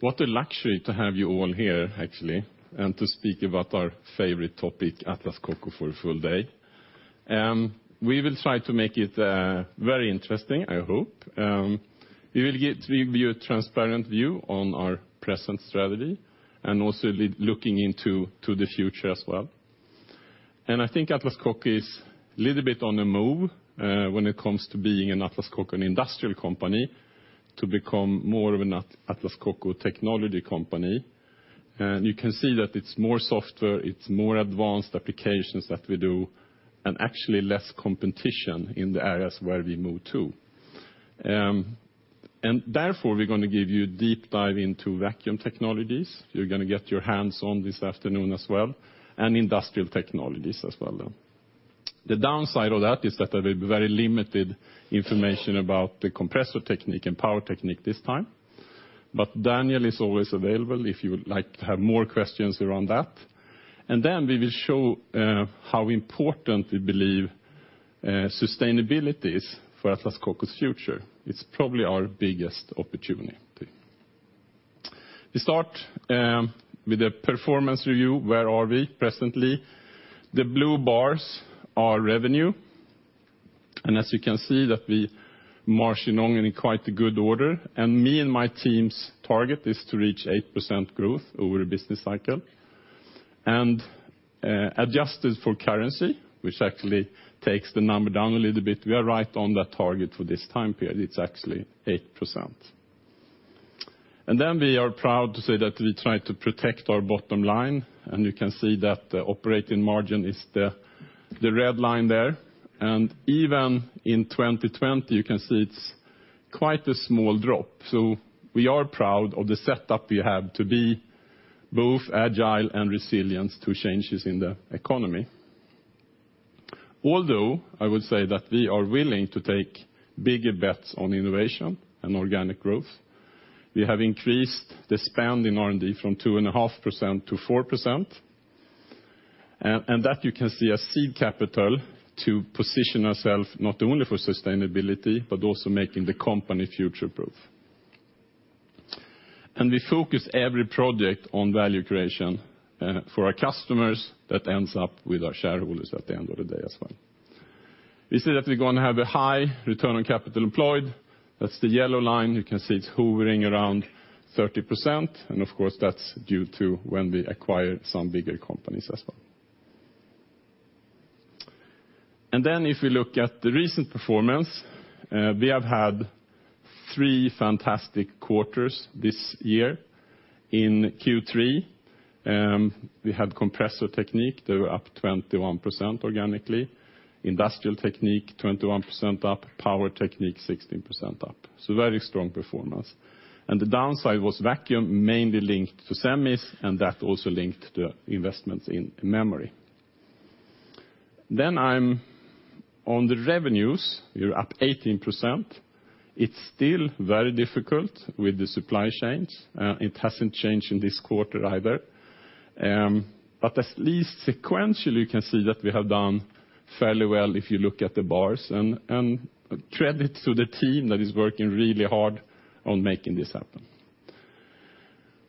What a luxury to have you all here, actually, and to speak about our favorite topic, Atlas Copco, for a full day. We will try to make it very interesting, I hope. We view a transparent view on our present strategy and also looking into the future as well. I think Atlas Copco is a little bit on the move, when it comes to being an Atlas Copco, an industrial company, to become more of an Atlas Copco technology company. You can see that it's more software, it's more advanced applications that we do, and actually less competition in the areas where we move to. Therefore, we're gonna give you deep dive into Vacuum Technique. You're gonna get your hands-on this afternoon as well, and Industrial Technique as well then. The downside of that is that there will be very limited information about the Compressor Technique and Power Technique this time. Daniel is always available if you would like to have more questions around that. Then we will show how important we believe sustainability is for Atlas Copco's future. It's probably our biggest opportunity. We start with a performance review, where are we presently. The blue bars are revenue, and as you can see that we marching on in quite a good order. Me and my team's target is to reach 8% growth over a business cycle. Adjusted for currency, which actually takes the number down a little bit, we are right on that target for this time period. It's actually 8%. We are proud to say that we try to protect our bottom line, and you can see that the operating margin is the red line there. Even in 2020, you can see it's quite a small drop. We are proud of the setup we have to be both agile and resilient to changes in the economy. Although, I would say that we are willing to take bigger bets on innovation and organic growth. We have increased the spend in R&D from 2.5% to 4%. That you can see as seed capital to position ourselves not only for sustainability, but also making the company future-proof. We focus every project on value creation for our customers that ends up with our shareholders at the end of the day as well. We see that we're gonna have a high return on capital employed. That's the yellow line. You can see it's hovering around 30%, and of course, that's due to when we acquire some bigger companies as well. If we look at the recent performance, we have had three fantastic quarters this year. In Q3, we had Compressor Technique. They were up 21% organically. Industrial Technique, 21% up. Power Technique, 16% up. Very strong performance. The downside was Vacuum Technique, mainly linked to semis, and that also linked to investments in memory. I'm on the revenues. We're up 18%. It's still very difficult with the supply chains. It hasn't changed in this quarter either. At least sequentially, you can see that we have done fairly well if you look at the bars and credit to the team that is working really hard on making this happen.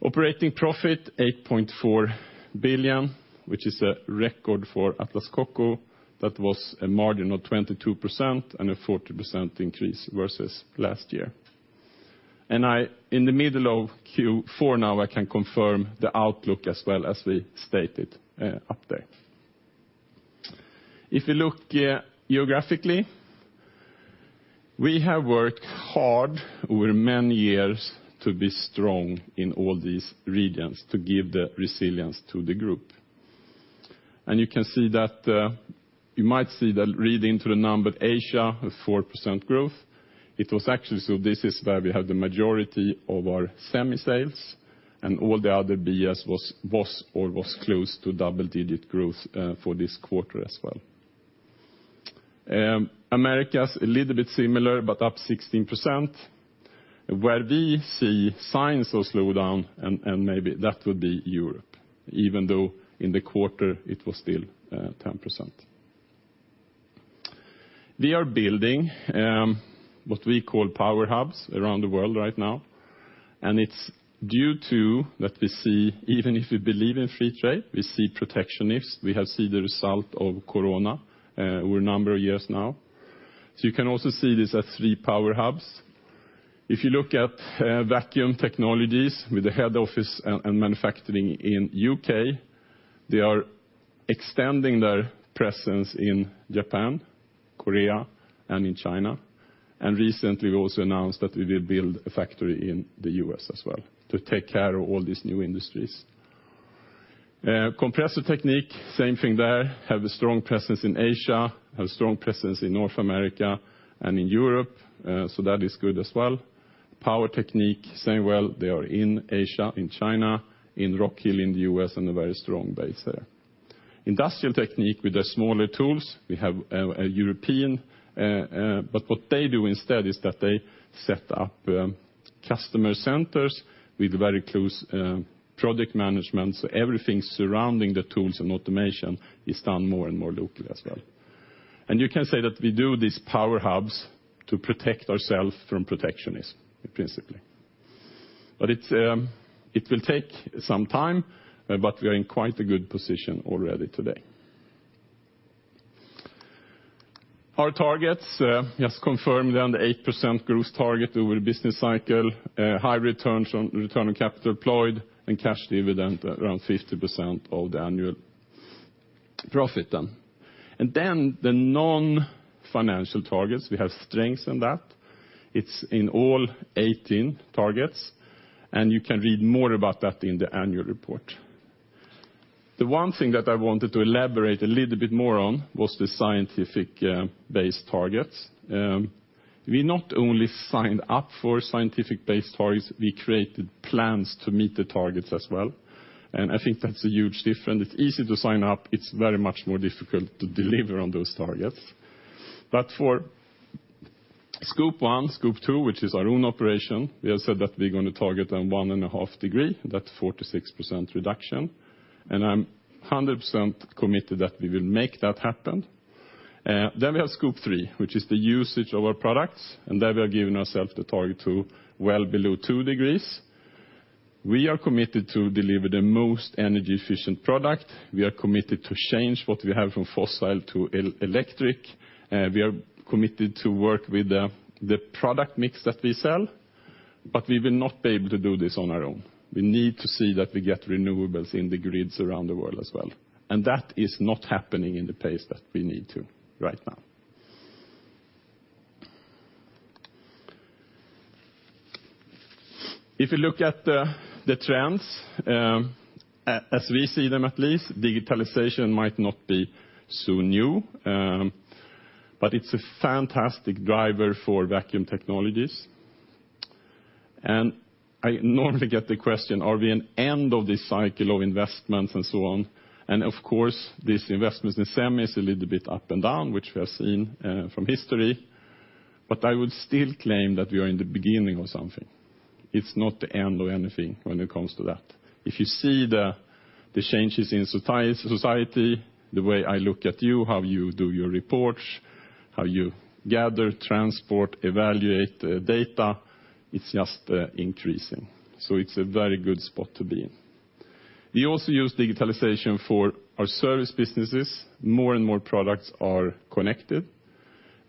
Operating profit 8.4 billion, which is a record for Atlas Copco. That was a margin of 22% and a 40% increase versus last year. In the middle of Q4 now, I can confirm the outlook as well as we stated up there. If you look geographically, we have worked hard over many years to be strong in all these regions to give the resilience to the group. You can see that you might see that right in the numbers: Asia, a 4% growth. It was actually, so this is where we have the majority of our semi sales and all the other BAs was or close to double-digit growth for this quarter as well. Americas, a little bit similar, but up 16%. Where we see signs of slowdown and maybe that would be Europe, even though in the quarter it was still 10%. We are building what we call power hubs around the world right now, and it's due to that we see, even if we believe in free trade, we see protectionism, we have seen the result of corona over a number of years now. You can also see this as three power hubs. If you look at Vacuum Technique with the head office and manufacturing in U.K., they are extending their presence in Japan, Korea, and in China. Recently, we also announced that we will build a factory in the U.S. as well to take care of all these new industries. Compressor Technique, same thing there. Have a strong presence in Asia, have strong presence in North America and in Europe, so that is good as well. Power Technique, same, well, they are in Asia, in China, in Rock Hill, in the US, and a very strong base there. Industrial Technique with the smaller tools, we have a European, but what they do instead is that they set up customer centers with very close project management. Everything surrounding the tools and automation is done more and more locally as well. You can say that we do these power hubs to protect ourselves from protectionism, principally. It will take some time, but we are in quite a good position already today. Our targets just confirm then the 8% growth target over the business cycle, high return on capital employed, and cash dividend around 50% of the annual profit then. The non-financial targets, we have strengths in that. It is in all 18 targets, and you can read more about that in the annual report. The one thing that I wanted to elaborate a little bit more on was the science-based targets. We not only signed up for science-based targets, we created plans to meet the targets as well. I think that's a huge difference. It is easy to sign up. It is very much more difficult to deliver on those targets. For Scope 1, Scope 2, which is our own operation, we have said that we're gonna target on 1.5 degree. That's 46% reduction. I'm 100% committed that we will make that happen. Then we have Scope 3, which is the usage of our products, and there we are giving ourselves the target to well below 2 degrees. We are committed to deliver the most energy-efficient product. We are committed to change what we have from fossil to electric. We are committed to work with the product mix that we sell, but we will not be able to do this on our own. We need to see that we get renewables in the grids around the world as well. That is not happening in the pace that we need to right now. If you look at the trends, as we see them at least, digitalization might not be so new, but it's a fantastic driver for vacuum technologies. I normally get the question, are we at the end of this cycle of investments and so on? Of course, these investments in SEMI is a little bit up and down, which we have seen from history. I would still claim that we are in the beginning of something. It's not the end of anything when it comes to that. If you see the changes in society, the way I look at you, how you do your reports, how you gather, transport, evaluate data, it's just increasing. It's a very good spot to be in. We also use digitalization for our service businesses. More and more products are connected.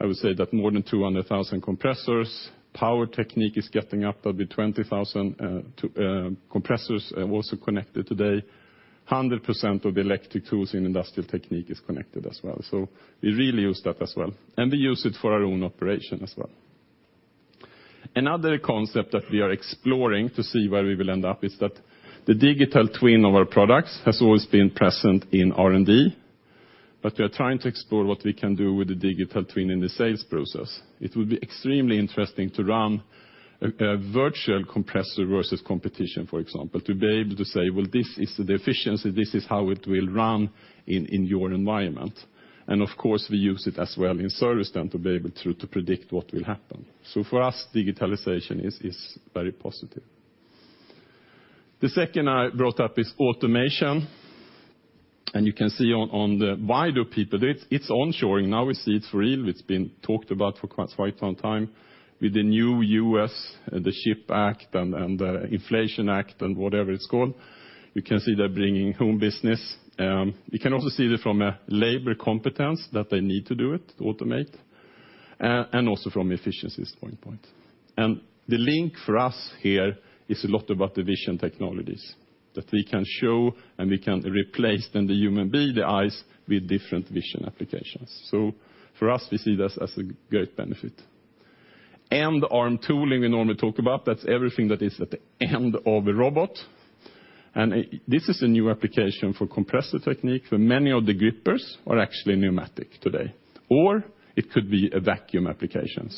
I would say that more than 200,000 compressors. Power Technique is getting up. That'll be 20,000 compressors also connected today. 100% of the electric tools in Industrial Technique is connected as well. We really use that as well, and we use it for our own operation as well. Another concept that we are exploring to see where we will end up is that the digital twin of our products has always been present in R&D, but we are trying to explore what we can do with the digital twin in the sales process. It would be extremely interesting to run a virtual compressor versus competition, for example, to be able to say, "Well, this is the efficiency. This is how it will run in your environment." Of course, we use it as well in service then to be able to predict what will happen. For us, digitalization is very positive. The second I brought up is automation, and you can see on the wider scale, it's onshoring. Now we see it's real. It's been talked about for quite some time. With the new U.S. CHIPS Act and the Inflation Reduction Act and whatever it's called, you can see they're bringing home business. You can also see that from a labor constraints that they need to do it, automate, and also from efficiency point of view. The link for us here is a lot about the vision technologies that we can show, and we can replace then the human being, the eyes, with different vision applications. For us, we see this as a great benefit. End-of-arm tooling, we normally talk about, that's everything that is at the end of a robot. This is a new application for Compressor Technique, for many of the grippers are actually pneumatic today. Or it could be a vacuum application.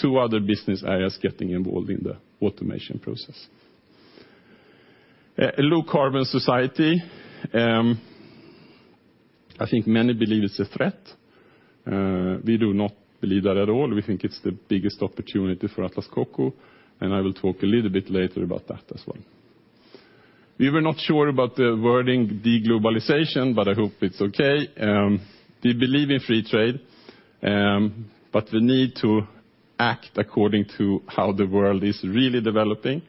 Two other business areas getting involved in the automation process. Low-carbon society, I think many believe it's a threat. We do not believe that at all. We think it's the biggest opportunity for Atlas Copco, and I will talk a little bit later about that as well. We were not sure about the wording, de-globalization, but I hope it's okay. We believe in free trade, but we need to act according to how the world is really developing,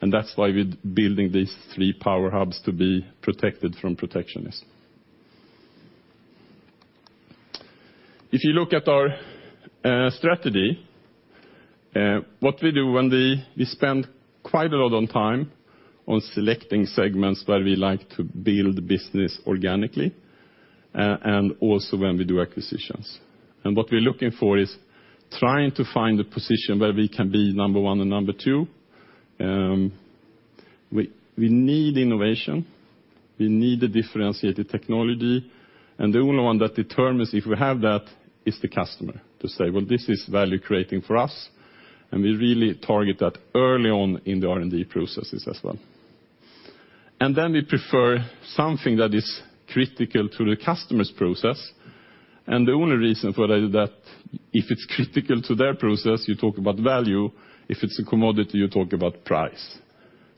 and that's why we're building these three power hubs to be protected from protectionism. If you look at our strategy, what we do when we spend quite a lot of time on selecting segments where we like to build business organically, and also when we do acquisitions. What we're looking for is trying to find a position where we can be number one and number two. We need innovation. We need a differentiated technology. The only one that determines if we have that is the customer to say, "Well, this is value-creating for us." We really target that early on in the R&D processes as well. Then we prefer something that is critical to the customer's process. The only reason for that is that if it's critical to their process, you talk about value. If it's a commodity, you talk about price.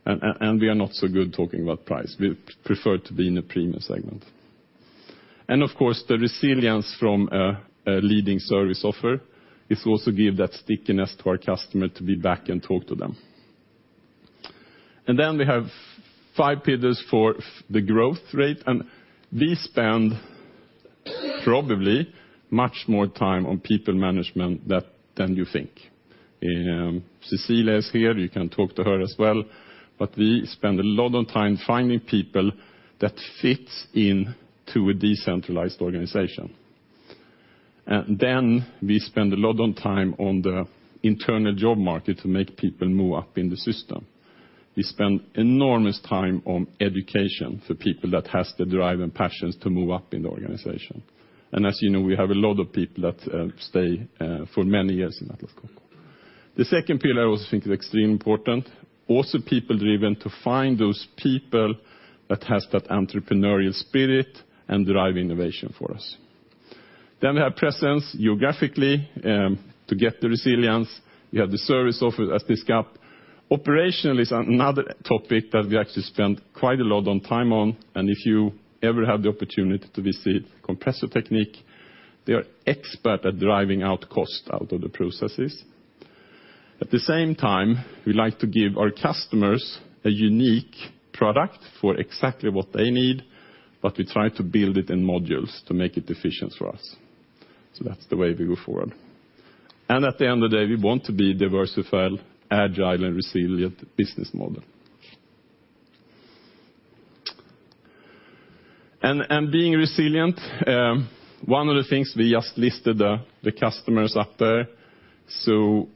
We are not so good talking about price. We prefer to be in a premium segment. Of course, the resilience from a leading service offer is also give that stickiness to our customer to be back and talk to them. We have five pillars for the growth rate, and we spend probably much more time on people management than you think. Cecilia is here, you can talk to her as well, but we spend a lot of time finding people that fits into a decentralized organization. We spend a lot of time on the internal job market to make people move up in the system. We spend enormous time on education for people that has the drive and passions to move up in the organization. As you know, we have a lot of people that stay for many years in Atlas Copco. The second pillar I also think is extremely important, also people driven to find those people that has that entrepreneurial spirit and drive innovation for us. We have presence geographically to get the resilience. We have the service offer as this gap. Operational is another topic that we actually spend quite a lot of time on, and if you ever have the opportunity to visit Compressor Technique, they are expert at driving costs out of the processes. At the same time, we like to give our customers a unique product for exactly what they need, but we try to build it in modules to make it efficient for us. That's the way we go forward. At the end of the day, we want to be diversified, agile, and resilient business model. Being resilient, one of the things we just listed the customers up there.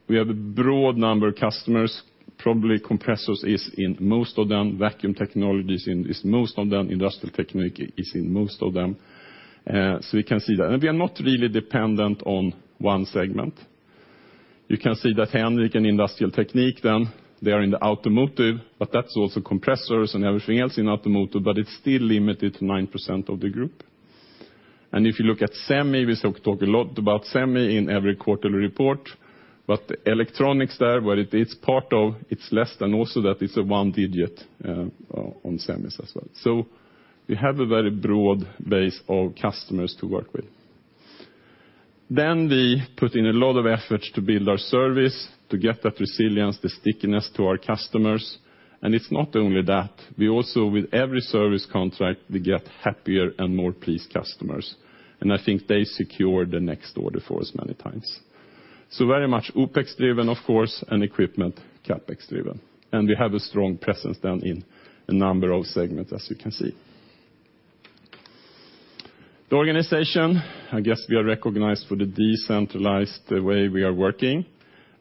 We have a broad number of customers, probably Compressor Technique is in most of them, Vacuum Technique in, is most of them, Industrial Technique is in most of them. We can see that. We are not really dependent on one segment. You can see that Henrik in Industrial Technique then, they are in the automotive, but that's also compressors and everything else in automotive, but it's still limited to 9% of the group. If you look at Semi, we still talk a lot about semi in every quarterly report, but the electronics there, where it is part of, it's less than also that it's a one digit on semis as well. We have a very broad base of customers to work with. We put in a lot of effort to build our service, to get that resilience, the stickiness to our customers. It's not only that, we also with every service contract, we get happier and more pleased customers. I think they secure the next order for us many times. Very much OpEx-driven, of course, and equipment CapEx-driven. We have a strong presence then in a number of segments as you can see. The organization, I guess we are recognized for the decentralized way we are working,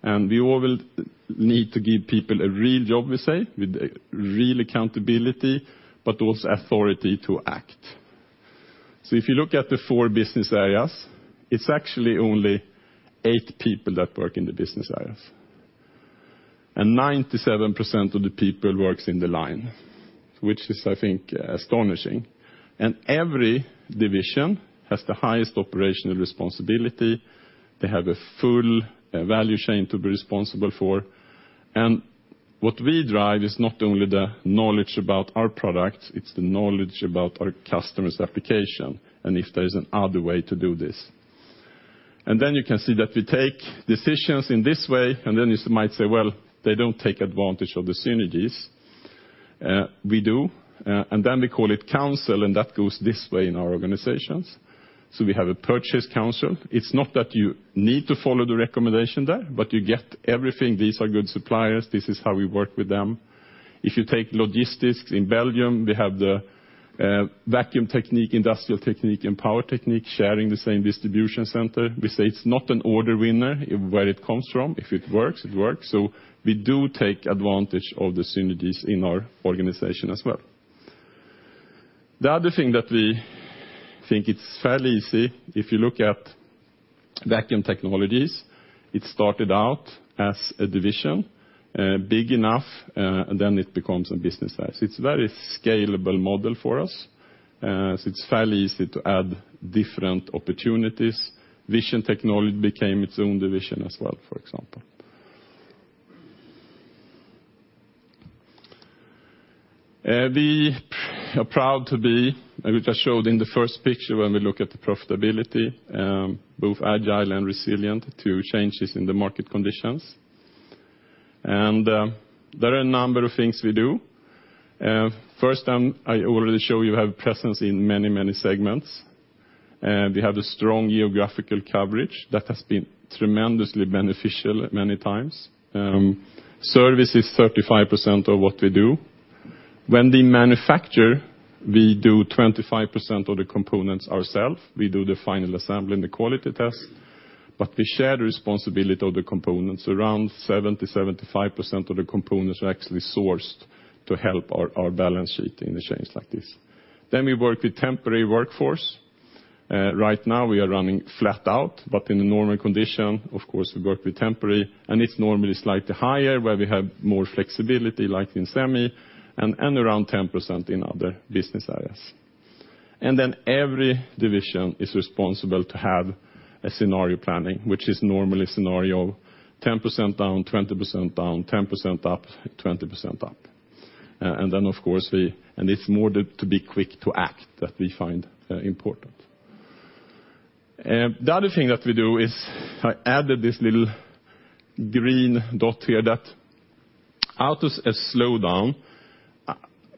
and we all will need to give people a real job, we say, with real accountability, but also authority to act. If you look at the four business areas, it's actually only eight people that work in the business areas. 97% of the people works in the line, which is, I think, astonishing. Every division has the highest operational responsibility. They have a full value chain to be responsible for. What we drive is not only the knowledge about our products, it's the knowledge about our customer's application, and if there is another way to do this. You can see that we take decisions in this way, and then you might say, "Well, they don't take advantage of the synergies." We do, and then we call it council, and that goes this way in our organizations. We have a purchase council. It's not that you need to follow the recommendation there, but you get everything. These are good suppliers. This is how we work with them. If you take logistics in Belgium, we have the Vacuum Technique, Industrial Technique, and Power Technique sharing the same distribution center. We say it's not an order winner where it comes from. If it works, it works. We do take advantage of the synergies in our organization as well. The other thing that we think it's fairly easy, if you look at Vacuum Technique, it started out as a division, big enough, and then it becomes a business size. It's very scalable model for us, so it's fairly easy to add different opportunities. Vision Technology became its own division as well, for example. We are proud to be, and we just showed in the first picture when we look at the profitability, both agile and resilient to changes in the market conditions. There are a number of things we do. First, I already showed you we have presence in many, many segments. We have a strong geographical coverage that has been tremendously beneficial many times. Service is 35% of what we do. When we manufacture, we do 25% of the components ourselves. We do the final assembly and the quality test, but we share the responsibility of the components. Around 70%-75% of the components are actually sourced to help our balance sheet in a change like this. We work with temporary workforce. Right now we are running flat out, but in a normal condition, of course, we work with temporary, and it's normally slightly higher where we have more flexibility, like in Semi, and around 10% in other business areas. Every division is responsible to have a scenario planning, which is normally scenario 10% down, 20% down, 10% up, 20% up. Of course, it's more to be quick to act that we find important. The other thing that we do is I added this little green dot here that out of a slowdown,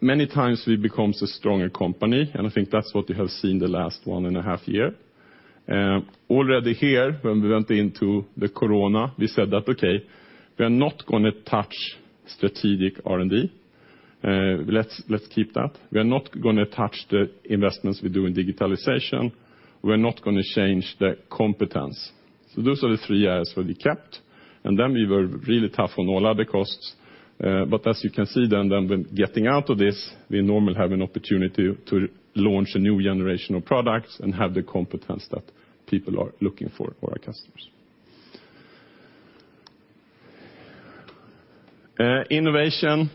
many times we become a stronger company, and I think that's what you have seen the last one and a half year. Already here, when we went into the Corona, we said that, okay, we are not gonna touch strategic R&D. Let's keep that. We are not gonna touch the investments we do in digitalization. We're not gonna change the competence. Those are the three areas where we kept, and then we were really tough on all other costs. As you can see then when getting out of this, we normally have an opportunity to launch a new generation of products and have the competence that people are looking for our customers. Innovation.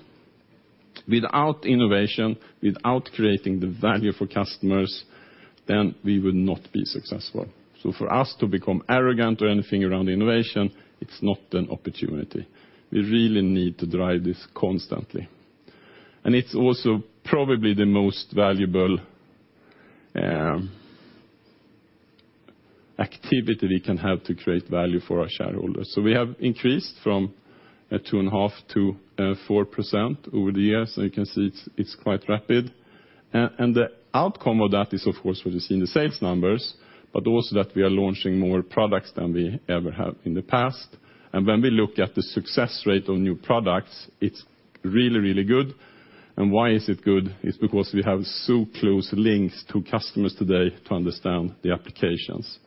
Without innovation, without creating the value for customers, then we would not be successful. For us to become arrogant or anything around innovation, it's not an opportunity. We really need to drive this constantly. It's also probably the most valuable activity we can have to create value for our shareholders. We have increased from 2.5% to 4% over the years, so you can see it's quite rapid. The outcome of that is of course what you see in the sales numbers, but also that we are launching more products than we ever have in the past. When we look at the success rate of new products, it's really, really good. Why is it good? It's because we have so close links to customers today to understand the applications.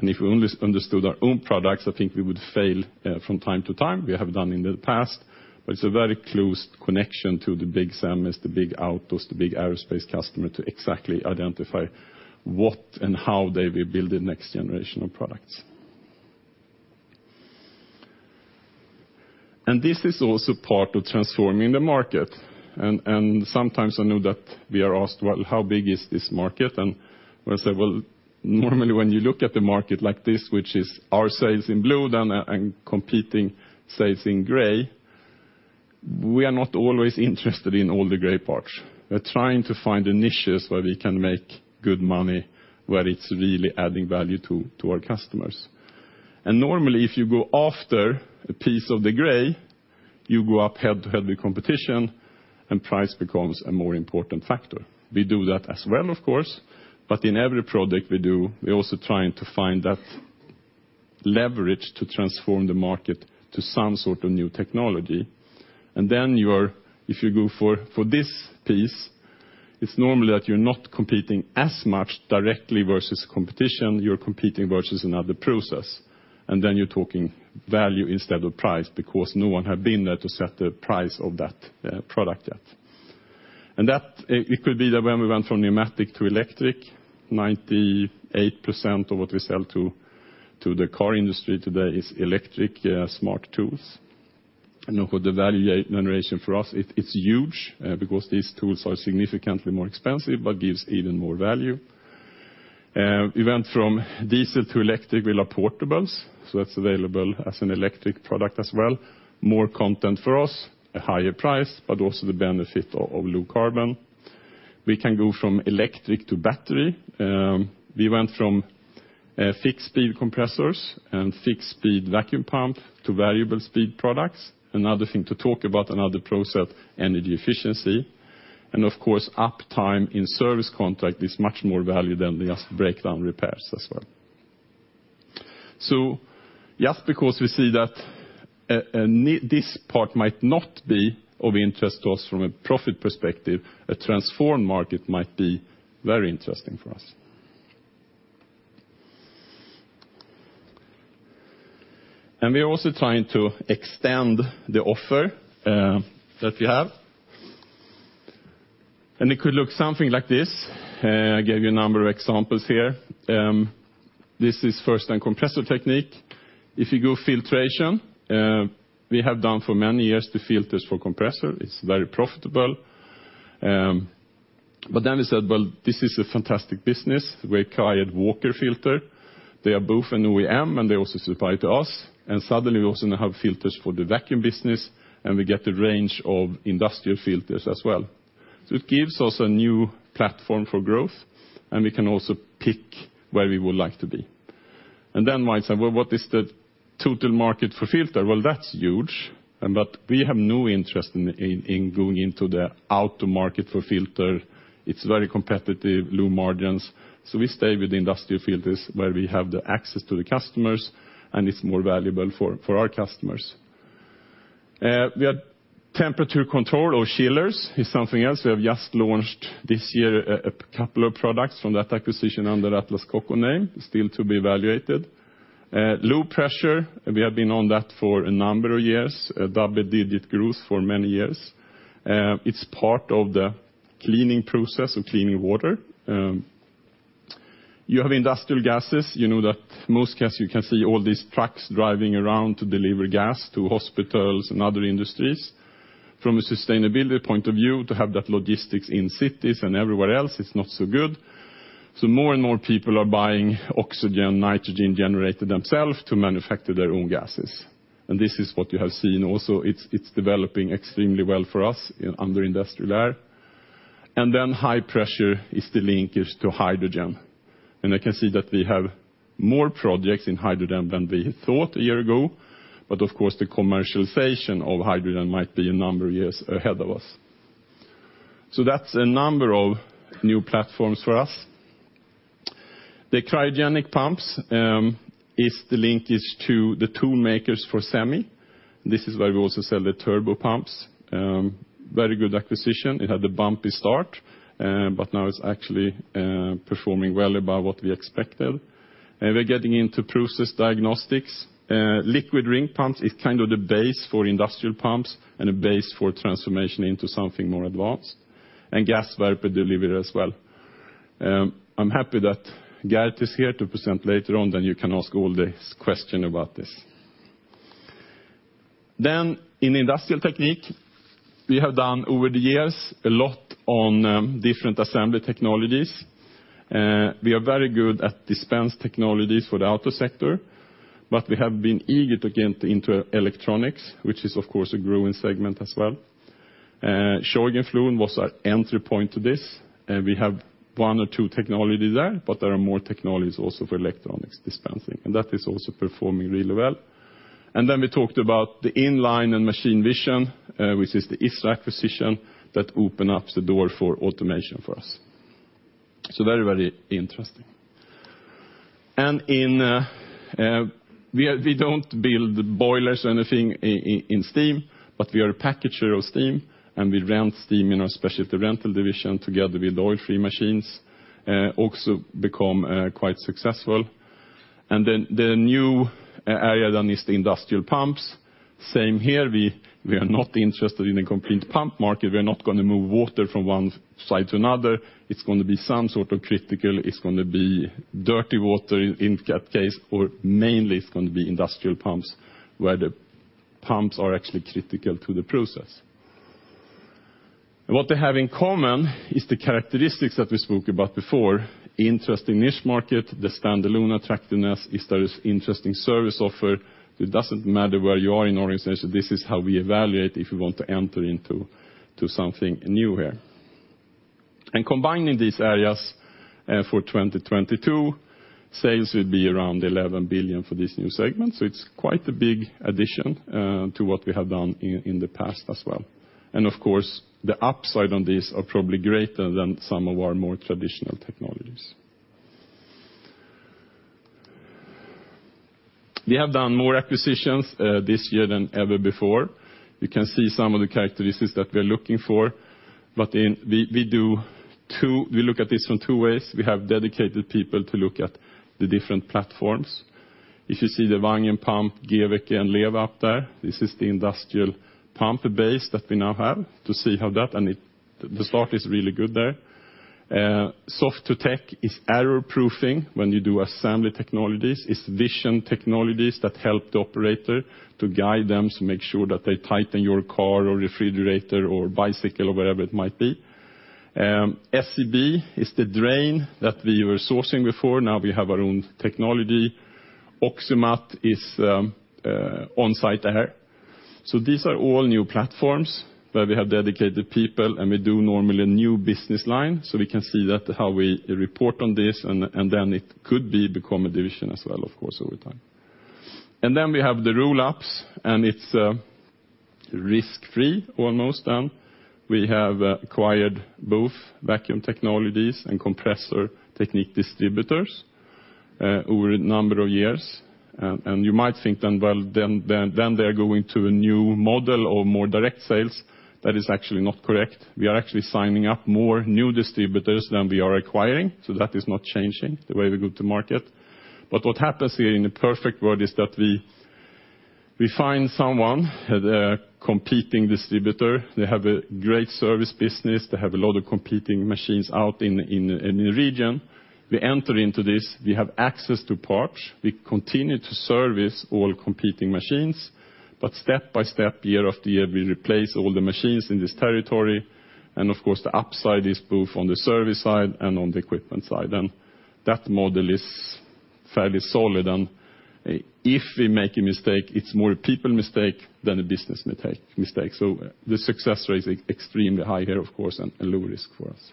If we only understood our own products, I think we would fail from time to time. We have done in the past. It's a very close connection to the big SEMIs, the big autos, the big aerospace customer to exactly identify what and how they will build the next generation of products. This is also part of transforming the market. Sometimes I know that we are asked, "Well, how big is this market?" We'll say, "Well, normally, when you look at the market like this, which is our sales in blue then, and competing sales in gray, we are not always interested in all the gray parts. We're trying to find the niches where we can make good money, where it's really adding value to our customers." Normally, if you go after a piece of the gray, you go up head-to-head with competition and price becomes a more important factor. We do that as well, of course, but in every product we do, we're also trying to find that leverage to transform the market to some sort of new technology. Then you're, if you go for this piece, it's normally that you're not competing as much directly versus competition, you're competing versus another process. Then you're talking value instead of price because no one had been there to set the price of that product yet. And that could be that when we went from pneumatic to electric, 98% of what we sell to the car industry today is electric smart tools. For the value generation for us, it's huge because these tools are significantly more expensive but gives even more value. We went from diesel to electric wheel portables, so that's available as an electric product as well. More content for us, a higher price, but also the benefit of low carbon. We can go from electric to battery. We went from fixed speed compressors and fixed speed vacuum pump to variable speed products. Another thing to talk about, another process, energy efficiency. Of course, uptime in service contract is much more value than just breakdown repairs as well. Just because we see that, this part might not be of interest to us from a profit perspective, a transformed market might be very interesting for us. We are also trying to extend the offer that we have. It could look something like this. I gave you a number of examples here. This is first time Compressor Technique. If you go filtration, we have done for many years the filters for compressor. It's very profitable. We said, well, this is a fantastic business. We acquired Walker Filtration. They are both an OEM, and they also supply to us. Suddenly, we also now have filters for the Vacuum Technique business, and we get a range of industrial filters as well. It gives us a new platform for growth, and we can also pick where we would like to be. Then might say, "Well, what is the total market for filter?" Well, that's huge. But we have no interest in going into the auto market for filter. It's very competitive, low margins. We stay with the industrial filters where we have the access to the customers, and it's more valuable for our customers. We have temperature control or chillers is something else. We have just launched this year a couple of products from that acquisition under Atlas Copco name, still to be evaluated. Low pressure, we have been on that for a number of years. Double digit growth for many years. It's part of the cleaning process of cleaning water. You have industrial gases, you know that most gas, you can see all these trucks driving around to deliver gas to hospitals and other industries. From a sustainability point of view, to have that logistics in cities and everywhere else is not so good. More and more people are buying oxygen, nitrogen generator themselves to manufacture their own gases. This is what you have seen also. It's developing extremely well for us in our Industrial Air. Then high pressure is the linkage to hydrogen. I can see that we have more projects in hydrogen than we thought a year ago, but of course, the commercialization of hydrogen might be a number of years ahead of us. That's a number of new platforms for us. The cryogenic pumps is the linkage to the tool makers for semi. This is why we also sell the turbo pumps. Very good acquisition. It had a bumpy start, but now it's actually performing well above what we expected. We're getting into process diagnostics. Liquid ring pumps is kind of the base for industrial pumps and a base for transformation into something more advanced, and gas vapor delivery as well. I'm happy that Geert is here to present later on, then you can ask all the question about this. In Industrial Technique, we have done over the years a lot on different assembly technologies. We are very good at dispense technologies for the auto sector, but we have been eager to get into electronics, which is of course a growing segment as well. Scheugenpflug was our entry point to this, and we have one or two technologies there, but there are more technologies also for electronics dispensing, and that is also performing really well. We talked about the in-line and machine vision, which is the ISRA VISION acquisition that opens up the door for automation for us. Very, very interesting. We don't build boilers or anything in steam, but we are a packager of steam, and we rent steam, you know, especially at the rental division together with oil-free machines, also become quite successful. The new area is the industrial pumps. Same here, we are not interested in a complete pump market. We are not gonna move water from one side to another. It's gonna be some sort of critical. It's gonna be dirty water in that case, or mainly it's gonna be industrial pumps where the pumps are actually critical to the process. What they have in common is the characteristics that we spoke about before, interest in niche market, the standalone attractiveness. Is there this interesting service offer? It doesn't matter where you are in organization. This is how we evaluate if we want to enter into something new here. Combining these areas, for 2022, sales will be around 11 billion for this new segment. It's quite a big addition to what we have done in the past as well. Of course, the upside on these are probably greater than some of our more traditional technologies. We have done more acquisitions this year than ever before. You can see some of the characteristics that we're looking for. We look at this from two ways. We have dedicated people to look at the different platforms. If you see the Wangen Pumpen, Geveke, and LEWA up there, this is the industrial pump base that we now have to see how that, the start is really good there. Soft2tec is error-proofing when you do assembly technologies. It's vision technologies that help the operator to guide them to make sure that they tighten your car or refrigerator or bicycle or whatever it might be. SCD is the drain that we were sourcing before. Now we have our own technology. OXYMAT is on-site air. These are all new platforms where we have dedicated people, and we do normally a new business line, so we can see that how we report on this, and then it could be become a division as well, of course, over time. Then we have the roll-ups, and it's risk-free almost done. We have acquired both Vacuum Technique and Compressor Technique distributors over a number of years. And you might think then, well, then they're going to a new model or more direct sales. That is actually not correct. We are actually signing up more new distributors than we are acquiring, so that is not changing the way we go to market. But what happens here in the perfect world is that we find someone competing distributor. They have a great service business. They have a lot of competing machines out in the region. We enter into this. We have access to parts. We continue to service all competing machines. Step by step, year after year, we replace all the machines in this territory. Of course, the upside is both on the service side and on the equipment side. That model is fairly solid. If we make a mistake, it's more a people mistake than a business mistake. The success rate is extremely high here, of course, and a low risk for us.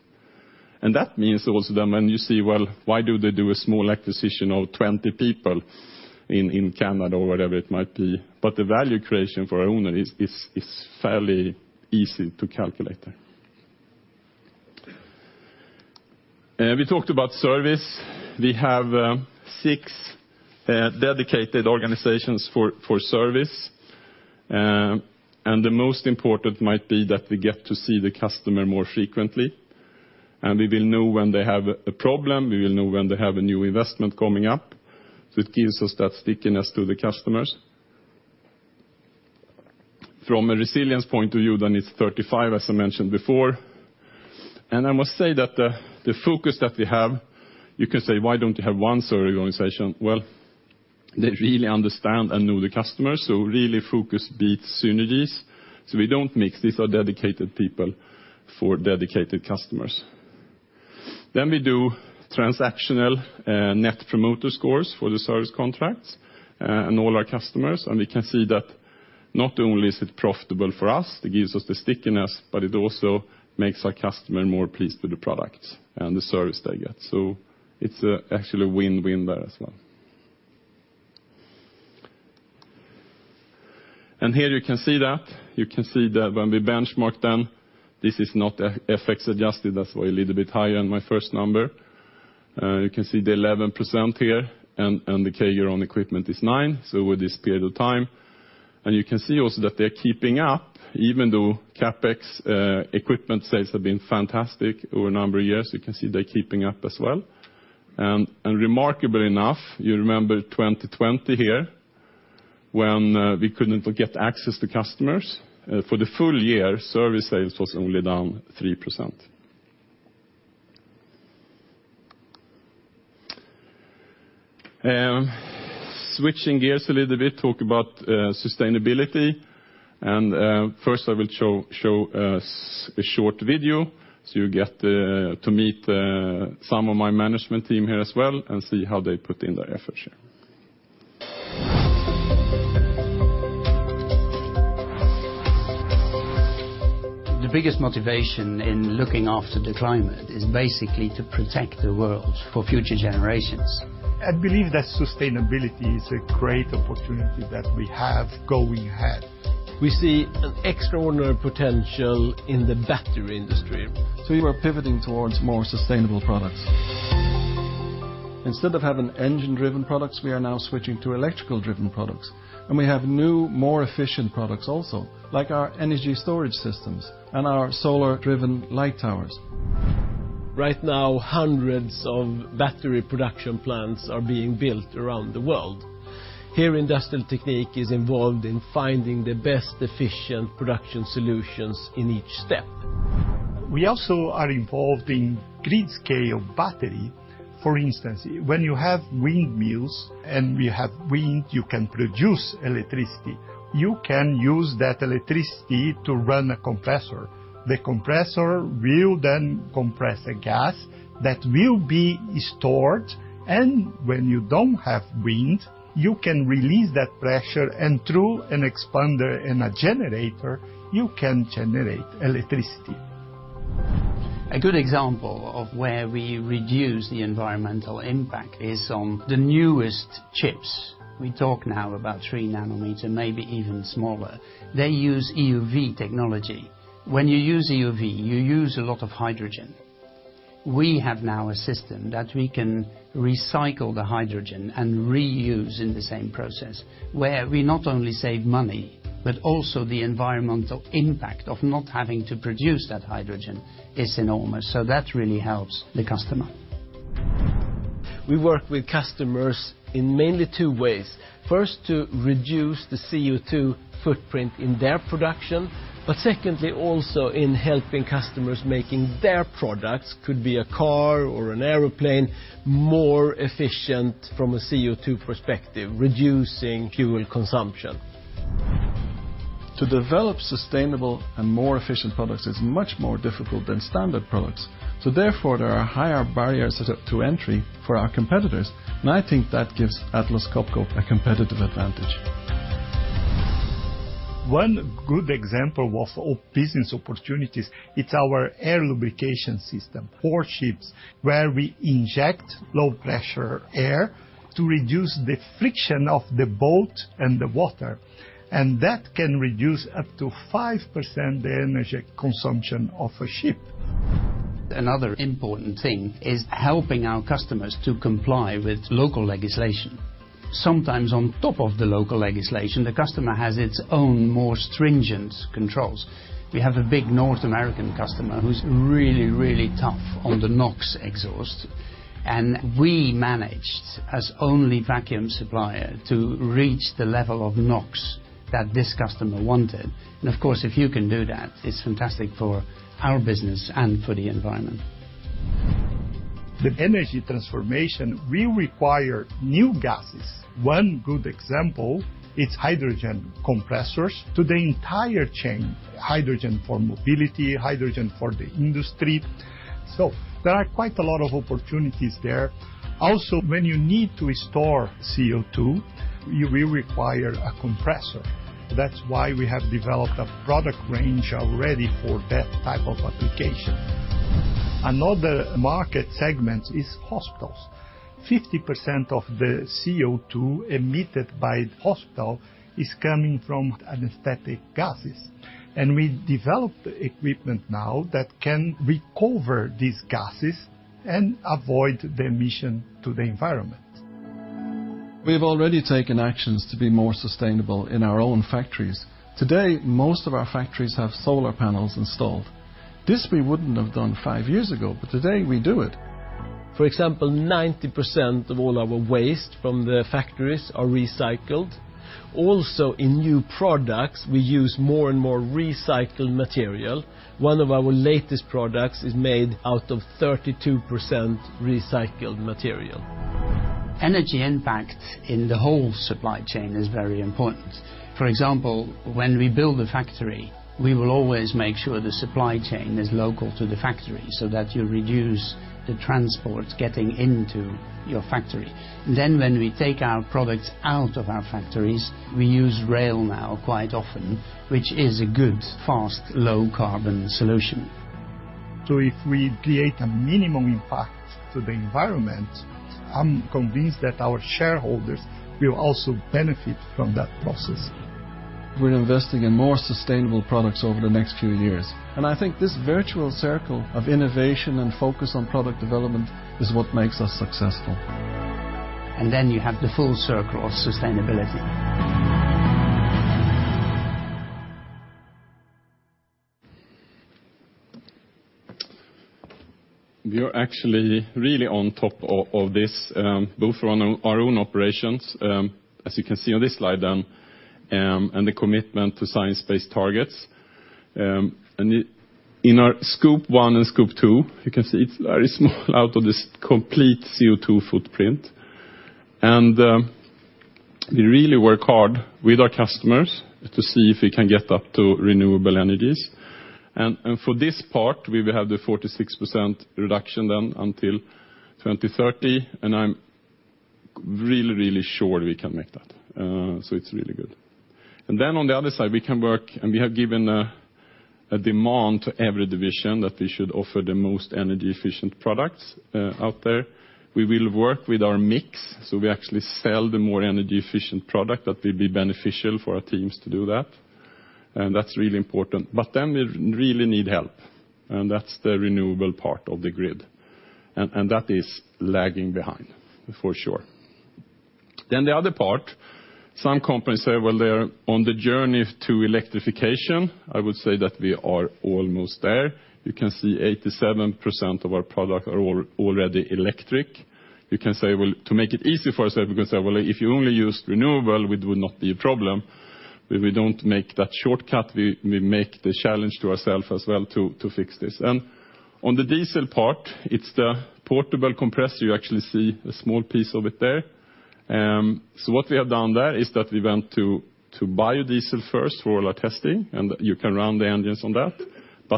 That means also then when you see, well, why do they do a small acquisition of 20 people in Canada or whatever it might be? The value creation for owner is fairly easy to calculate there. We talked about service. We have six dedicated organizations for service. The most important might be that we get to see the customer more frequently, and we will know when they have a problem, we will know when they have a new investment coming up, so it gives us that stickiness to the customers. From a resilience point of view, it's 35%, as I mentioned before. I must say that the focus that we have, you can say, "Why don't you have one service organization?" Well, they really understand and know the customers, so really focus beats synergies. We don't mix. These are dedicated people for dedicated customers. We do transactional Net Promoter Scores for the service contracts and all our customers, and we can see that not only is it profitable for us, it gives us the stickiness, but it also makes our customer more pleased with the product and the service they get. It's actually a win-win there as well. Here you can see that. You can see that when we benchmark them, this is not FX adjusted, that's why a little bit higher than my first number. You can see the 11% here and the KPI for own equipment is 9%, so with this period of time. You can see also that they're keeping up even though CapEx equipment sales have been fantastic over a number of years. You can see they're keeping up as well. Remarkably enough, you remember 2020 here, when we couldn't get access to customers. For the full year, service sales was only down 3%. Switching gears a little bit, talk about sustainability. First I will show a short video, so you get to meet some of my management team here as well and see how they put in their efforts here. The biggest motivation in looking after the climate is basically to protect the world for future generations. I believe that sustainability is a great opportunity that we have going ahead. We see an extraordinary potential in the battery industry. We are pivoting towards more sustainable products. Instead of having engine-driven products, we are now switching to electrical-driven products. We have new, more efficient products also, like our energy storage systems and our solar-driven light towers. Right now, hundreds of battery production plants are being built around the world. Here, Industrial Technique is involved in finding the best efficient production solutions in each step. We also are involved in grid-scale battery. For instance, when you have windmills and we have wind, you can produce electricity. You can use that electricity to run a compressor. The compressor will then compress a gas that will be stored, and when you don't have wind, you can release that pressure and through an expander and a generator, you can generate electricity. A good example of where we reduce the environmental impact is on the newest chips. We talk now about 3 nm, maybe even smaller. They use EUV technology. When you use EUV, you use a lot of hydrogen. We have now a system that we can recycle the hydrogen and reuse in the same process, where we not only save money, but also the environmental impact of not having to produce that hydrogen is enormous, so that really helps the customer. We work with customers in mainly two ways. First, to reduce the CO2 footprint in their production, but secondly, also in helping customers making their products, could be a car or an airplane, more efficient from a CO2 perspective, reducing fuel consumption. To develop sustainable and more efficient products is much more difficult than standard products, so therefore, there are higher barriers to entry for our competitors, and I think that gives Atlas Copco a competitive advantage. One good example of business opportunities, it's our air lubrication system for ships, where we inject low-pressure air to reduce the friction of the boat and the water, and that can reduce up to 5% the energy consumption of a ship. Another important thing is helping our customers to comply with local legislation. Sometimes on top of the local legislation, the customer has its own more stringent controls. We have a big North American customer who's really, really tough on the NOx exhaust, and we managed, as only vacuum supplier, to reach the level of NOx that this customer wanted. Of course, if you can do that, it's fantastic for our business and for the environment. The energy transformation will require new gases. One good example, it's hydrogen compressors to the entire chain, hydrogen for mobility, hydrogen for the industry. There are quite a lot of opportunities there. Also, when you need to store CO2, you will require a compressor. That's why we have developed a product range already for that type of application. Another market segment is hospitals. 50% of the CO2 emitted by hospital is coming from anesthetic gases, and we developed equipment now that can recover these gases and avoid the emission to the environment. We have already taken actions to be more sustainable in our own factories. Today, most of our factories have solar panels installed. This we wouldn't have done five years ago, but today we do it. For example, 90% of all our waste from the factories are recycled. Also, in new products, we use more and more recycled material. One of our latest products is made out of 32% recycled material. Energy impact in the whole supply chain is very important. For example, when we build a factory, we will always make sure the supply chain is local to the factory so that you reduce the transport getting into your factory. When we take our products out of our factories, we use rail now quite often, which is a good, fast, low carbon solution. If we create a minimum impact to the environment, I'm convinced that our shareholders will also benefit from that process. We're investing in more sustainable products over the next few years, and I think this virtuous circle of innovation and focus on product development is what makes us successful. You have the full circle of sustainability. We are actually really on top of this both on our own operations as you can see on this slide then and the commitment to science-based targets. In our Scope 1 and Scope 2 you can see it's very small out of this complete CO2 footprint. We really work hard with our customers to see if we can get up to renewable energies. For this part we will have the 46% reduction then until 2030 and I'm really really sure we can make that. It's really good. Then on the other side we can work and we have given a demand to every division that they should offer the most energy efficient products out there. We will work with our mix, so we actually sell the more energy efficient product that will be beneficial for our teams to do that, and that's really important. We really need help, and that's the renewable part of the grid, and that is lagging behind for sure. The other part, some companies say, well, they're on the journey to electrification. I would say that we are almost there. You can see 87% of our product are already electric. You can say, well, to make it easy for us, we can say, well, if you only use renewable, it would not be a problem. We don't make that shortcut. We make the challenge to ourselves as well to fix this. On the diesel part, it's the portable compressor. You actually see a small piece of it there. What we have done there is that we went to biodiesel first for all our testing, and you can run the engines on that.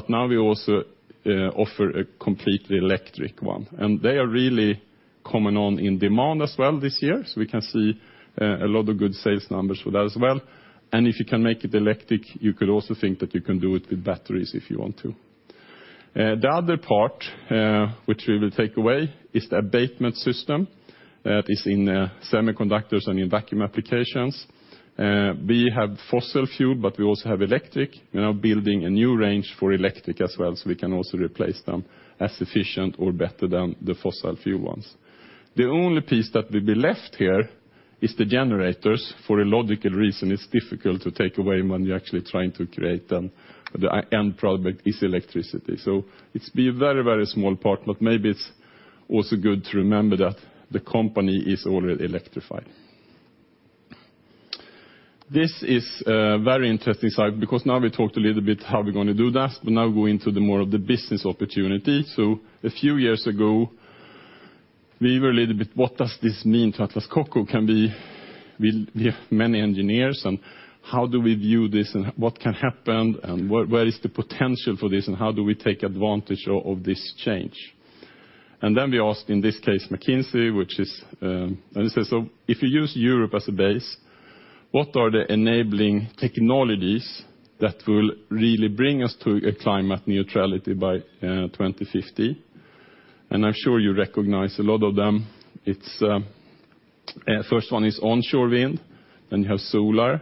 Now we also offer a completely electric one. They are really coming on in demand as well this year. We can see a lot of good sales numbers for that as well. If you can make it electric, you could also think that you can do it with batteries if you want to. The other part which we will take away is the abatement system that is in semiconductors and in vacuum applications. We have fossil fuel, but we also have electric. We're now building a new range for electric as well, so we can also replace them as efficient or better than the fossil fuel ones. The only piece that will be left here is the generators. For a logical reason, it's difficult to take away when you're actually trying to create them. The end product is electricity. It'll be a very, very small part, but maybe it's also good to remember that the company is already electrified. This is a very interesting slide because now we talked a little bit how we're gonna do that, but now go into the more of the business opportunity. A few years ago, we were a little bit what does this mean to Atlas Copco. We have many engineers, and how do we view this and what can happen and where is the potential for this and how do we take advantage of this change. Then we asked, in this case, McKinsey, which is, they say, so if you use Europe as a base, what are the enabling technologies that will really bring us to climate neutrality by 2050? I'm sure you recognize a lot of them. It's first one is onshore wind, then you have solar,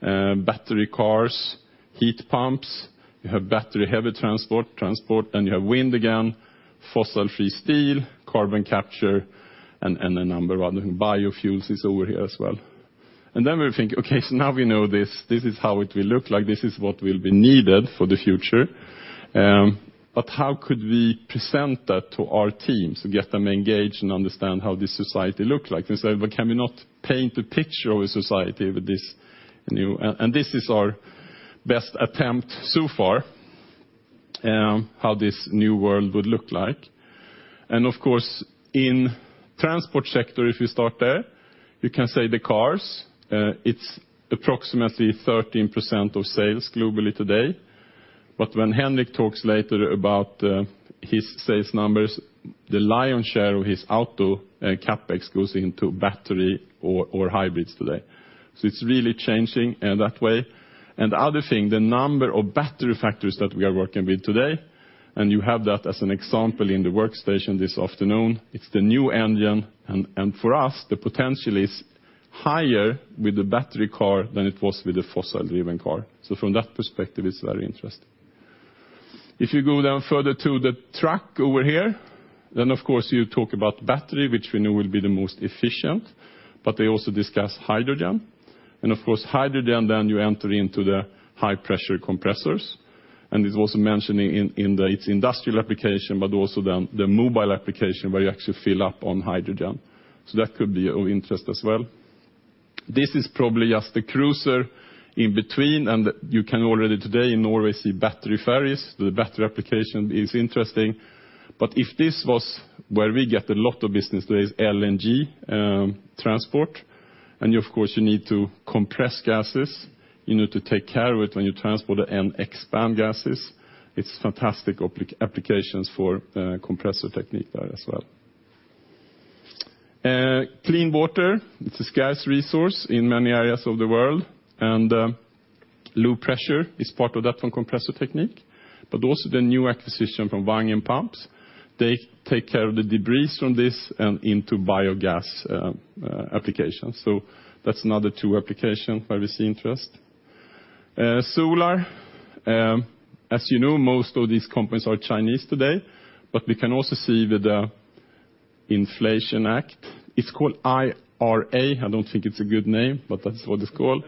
battery cars, heat pumps. You have battery heavy transport, and you have wind again, fossil-free steel, carbon capture, and a number of other. Biofuels is over here as well. Then we think, okay, so now we know this. This is how it will look like. This is what will be needed for the future. But how could we present that to our teams and get them engaged and understand how this society look like? They say, "But can we not paint a picture of a society with this new..." This is our best attempt so far, how this new world would look like. Of course, in transport sector, if you start there, you can say the cars, it's approximately 13% of sales globally today. When Henrik talks later about his sales numbers, the lion's share of his auto CapEx goes into battery or hybrids today. It's really changing in that way. The other thing, the number of battery factories that we are working with today, and you have that as an example in the workstation this afternoon, it's the new engine. For us, the potential is higher with the battery car than it was with the fossil-driven car. From that perspective, it's very interesting. If you go down further to the truck over here, then of course, you talk about battery, which we know will be the most efficient, but they also discuss hydrogen. Of course, hydrogen, then you enter into the high pressure compressors. It's also mentioning in its industrial application, but also the mobile application where you actually fill up on hydrogen. That could be of interest as well. This is probably just the precursor in between, and you can already today in Norway see battery ferries. The battery application is interesting. This is where we get a lot of business today is LNG transport, and of course, you need to compress gases, you need to take care of it when you transport it and expand gases. It's fantastic applications for Compressor Technique there as well. Clean water, it's a scarce resource in many areas of the world, and low pressure is part of that from Compressor Technique, but also the new acquisition from Wangen Pumpen. They take care of the debris from this and into biogas applications. That's another two applications where we see interest. Solar, as you know, most of these companies are Chinese today, but we can also see with the Inflation Reduction Act, it's called IRA. I don't think it's a good name, but that's what it's called.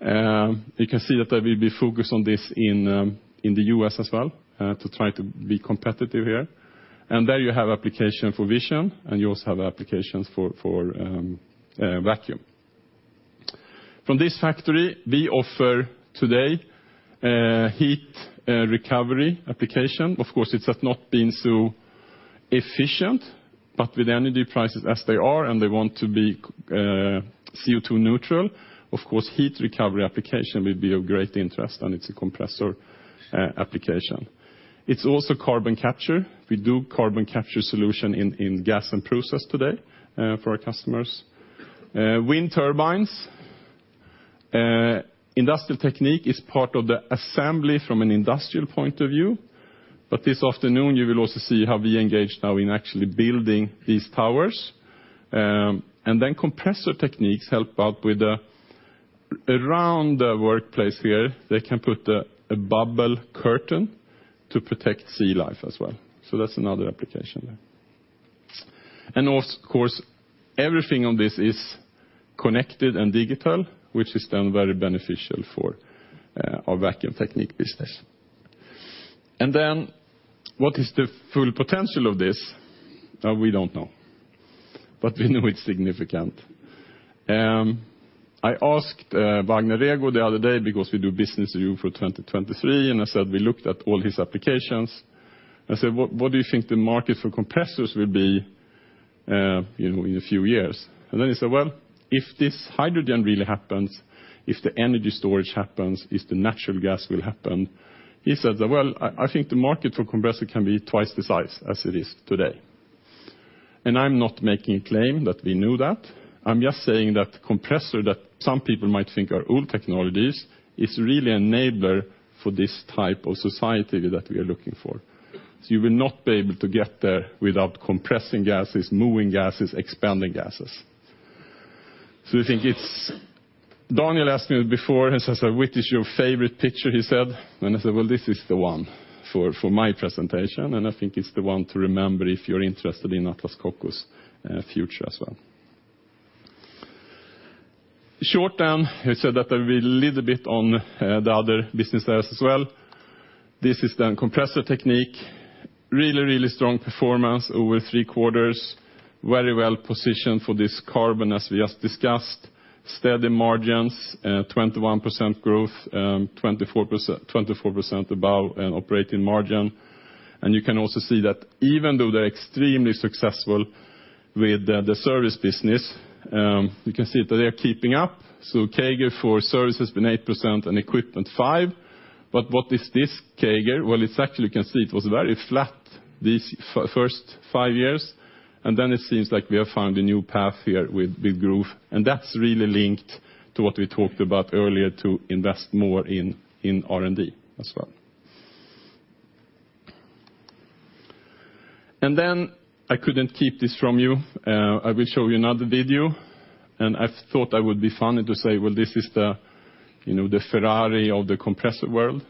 You can see that there will be focus on this in the U.S. as well, to try to be competitive here. There you have application for vision, and you also have applications for vacuum. From this factory, we offer today heat recovery application. Of course, it has not been so efficient, but with energy prices as they are, and they want to be CO2 neutral, of course, heat recovery application will be of great interest, and it's a compressor application. It's also carbon capture. We do carbon capture solution in gas and process today for our customers. Wind turbines. Industrial Technique is part of the assembly from an industrial point of view. This afternoon, you will also see how we engage now in actually building these towers. And then Compressor Technique helps out around the workplace here. They can put a bubble curtain to protect sea life as well. That's another application. Of course, everything on this is connected and digital, which is then very beneficial for our Vacuum Technique business. What is the full potential of this? We don't know, but we know it's significant. I asked Vagner Rego the other day because we do business review for 2023, and I said we looked at all his applications. I said, "What do you think the market for compressors will be, you know, in a few years?" Then he said, "Well, if this hydrogen really happens, if the energy storage happens, if the natural gas will happen," he said, "Well, I think the market for compressor can be twice the size as it is today." I'm not making a claim that we knew that. I'm just saying that the compressor that some people might think are old technologies is really an enabler for this type of society that we are looking for. You will not be able to get there without compressing gases, moving gases, expanding gases. I think it's Daniel asked me before, he says, "Which is your favorite picture?" he said. I said, "Well, this is the one for my presentation, and I think it's the one to remember if you're interested in Atlas Copco's future as well." Short term, he said that there will be a little bit on the other business areas as well. This is then Compressor Technique. Really strong performance over three quarters. Very well-positioned for this carbon, as we just discussed. Steady margins, 21% growth, 24% operating margin. You can also see that even though they're extremely successful with the service business, you can see that they are keeping up. So CAGR for service has been 8% and equipment 5%. But what is this CAGR? Well, it's actually, you can see it was very flat these first five years, and then it seems like we have found a new path here with growth. That's really linked to what we talked about earlier to invest more in R&D as well. I couldn't keep this from you. I will show you another video. I thought it would be funny to say, well, this is the, you know, the Ferrari of the compressor world.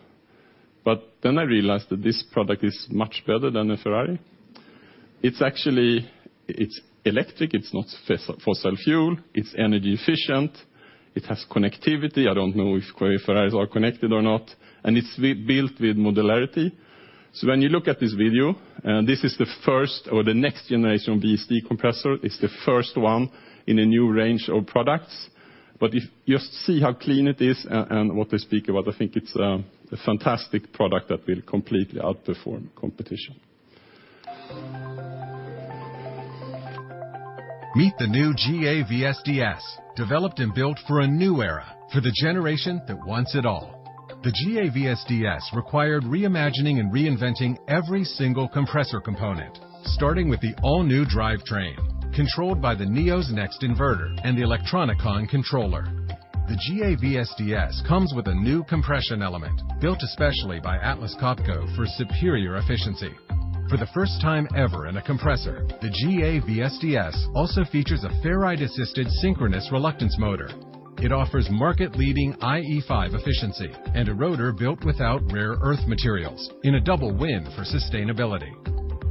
But then I realized that this product is much better than a Ferrari. It's actually, it's electric, it's not fossil fuel, it's energy efficient, it has connectivity. I don't know if Ferraris are connected or not. It's built with modularity. So when you look at this video, this is the first or the next generation VSD compressor. It's the first one in a new range of products. Just see how clean it is and what they speak about. I think it's a fantastic product that will completely outperform competition. Meet the new GA VSDS, developed and built for a new era, for the generation that wants it all. The GA VSDs required reimagining and reinventing every single compressor component, starting with the all-new drivetrain, controlled by the Neos Next Inverter and the Elektronikon controller. The GA VSDs comes with a new compression element, built especially by Atlas Copco for superior efficiency. For the first time ever in a compressor, the GA VSDs also features a ferrite-assisted synchronous reluctance motor. It offers market-leading IE5 efficiency and a rotor built without rare earth materials in a double win for sustainability.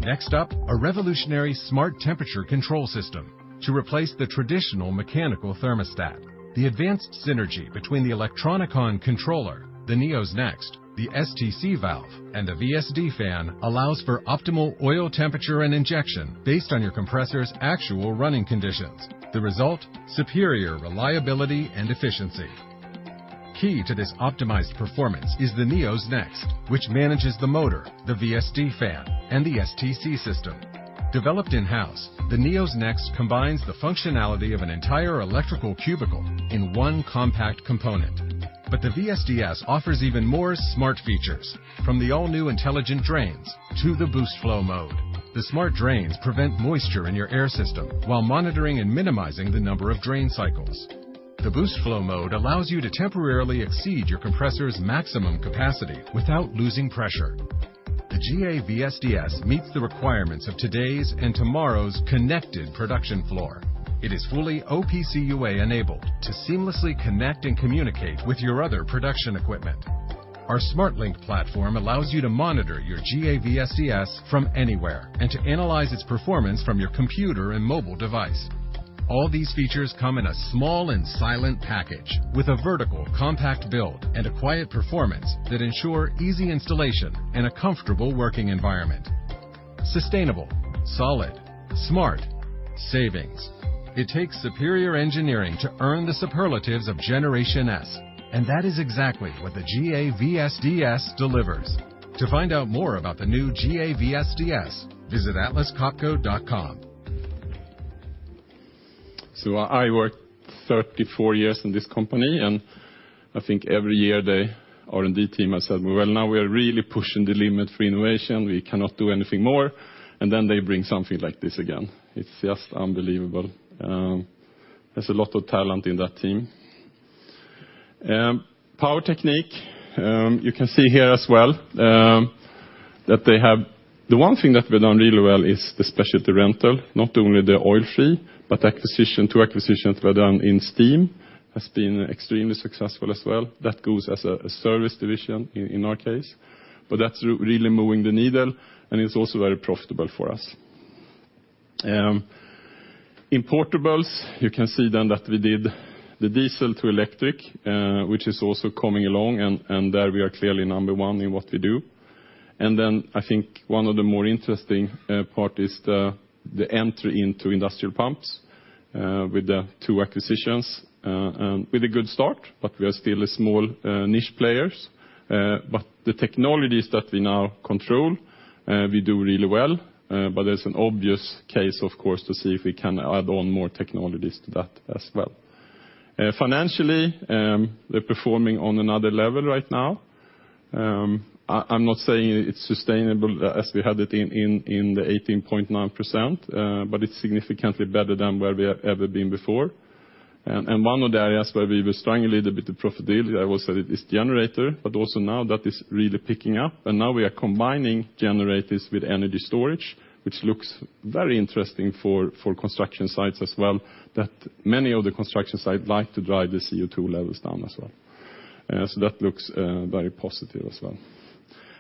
Next up, a revolutionary smart temperature control system to replace the traditional mechanical thermostat. The advanced synergy between the Elektronikon controller, the Neos Next, the STC valve, and the VSD fan allows for optimal oil temperature and injection based on your compressor's actual running conditions. The result, superior reliability and efficiency. Key to this optimized performance is the Neos Next, which manages the motor, the VSD fan, and the STC system. Developed in-house, the Neos Next combines the functionality of an entire electrical cubicle in one compact component. The VSDS offers even more smart features, from the all-new intelligent drains to the boost flow mode. The smart drains prevent moisture in your air system while monitoring and minimizing the number of drain cycles. The boost flow mode allows you to temporarily exceed your compressor's maximum capacity without losing pressure. The GA VSDs meets the requirements of today's and tomorrow's connected production floor. It is fully OPC UA-enabled to seamlessly connect and communicate with your other production equipment. Our SMARTLINK platform allows you to monitor your GA VSDS from anywhere and to analyze its performance from your computer and mobile device. All these features come in a small and silent package with a vertical, compact build and a quiet performance that ensure easy installation and a comfortable working environment. Sustainable, solid, smart, savings. It takes superior engineering to earn the superlatives of Generation S, and that is exactly what the GA VSDs delivers. To find out more about the new GA VSDS, visit atlascopco.com. I worked 34 years in this company, and I think every year, the R&D team has said, "Well, now we are really pushing the limit for innovation. We cannot do anything more." Then they bring something like this again. It's just unbelievable. There's a lot of talent in that team. Power Technique, you can see here as well, that they have. The one thing that we've done really well is the specialty rental, not only the oil-free, but acquisition—two acquisitions were done in steam, has been extremely successful as well. That goes as a service division in our case, but that's really moving the needle, and it's also very profitable for us. In Portables, you can see then that we did the diesel to electric, which is also coming along and there we are clearly number one in what we do. Then I think one of the more interesting part is the entry into industrial pumps with the two acquisitions and with a good start, but we are still a small niche players. But the technologies that we now control, we do really well, but there's an obvious case of course to see if we can add on more technologies to that as well. Financially, we're performing on another level right now. I'm not saying it's sustainable as we had it in the 18.9%, but it's significantly better than where we have ever been before. One of the areas where we were struggling a little bit with profitability, I would say it is generator, but also now that is really picking up. Now we are combining generators with energy storage, which looks very interesting for construction sites as well, that many of the construction sites like to drive the CO2 levels down as well. That looks very positive as well.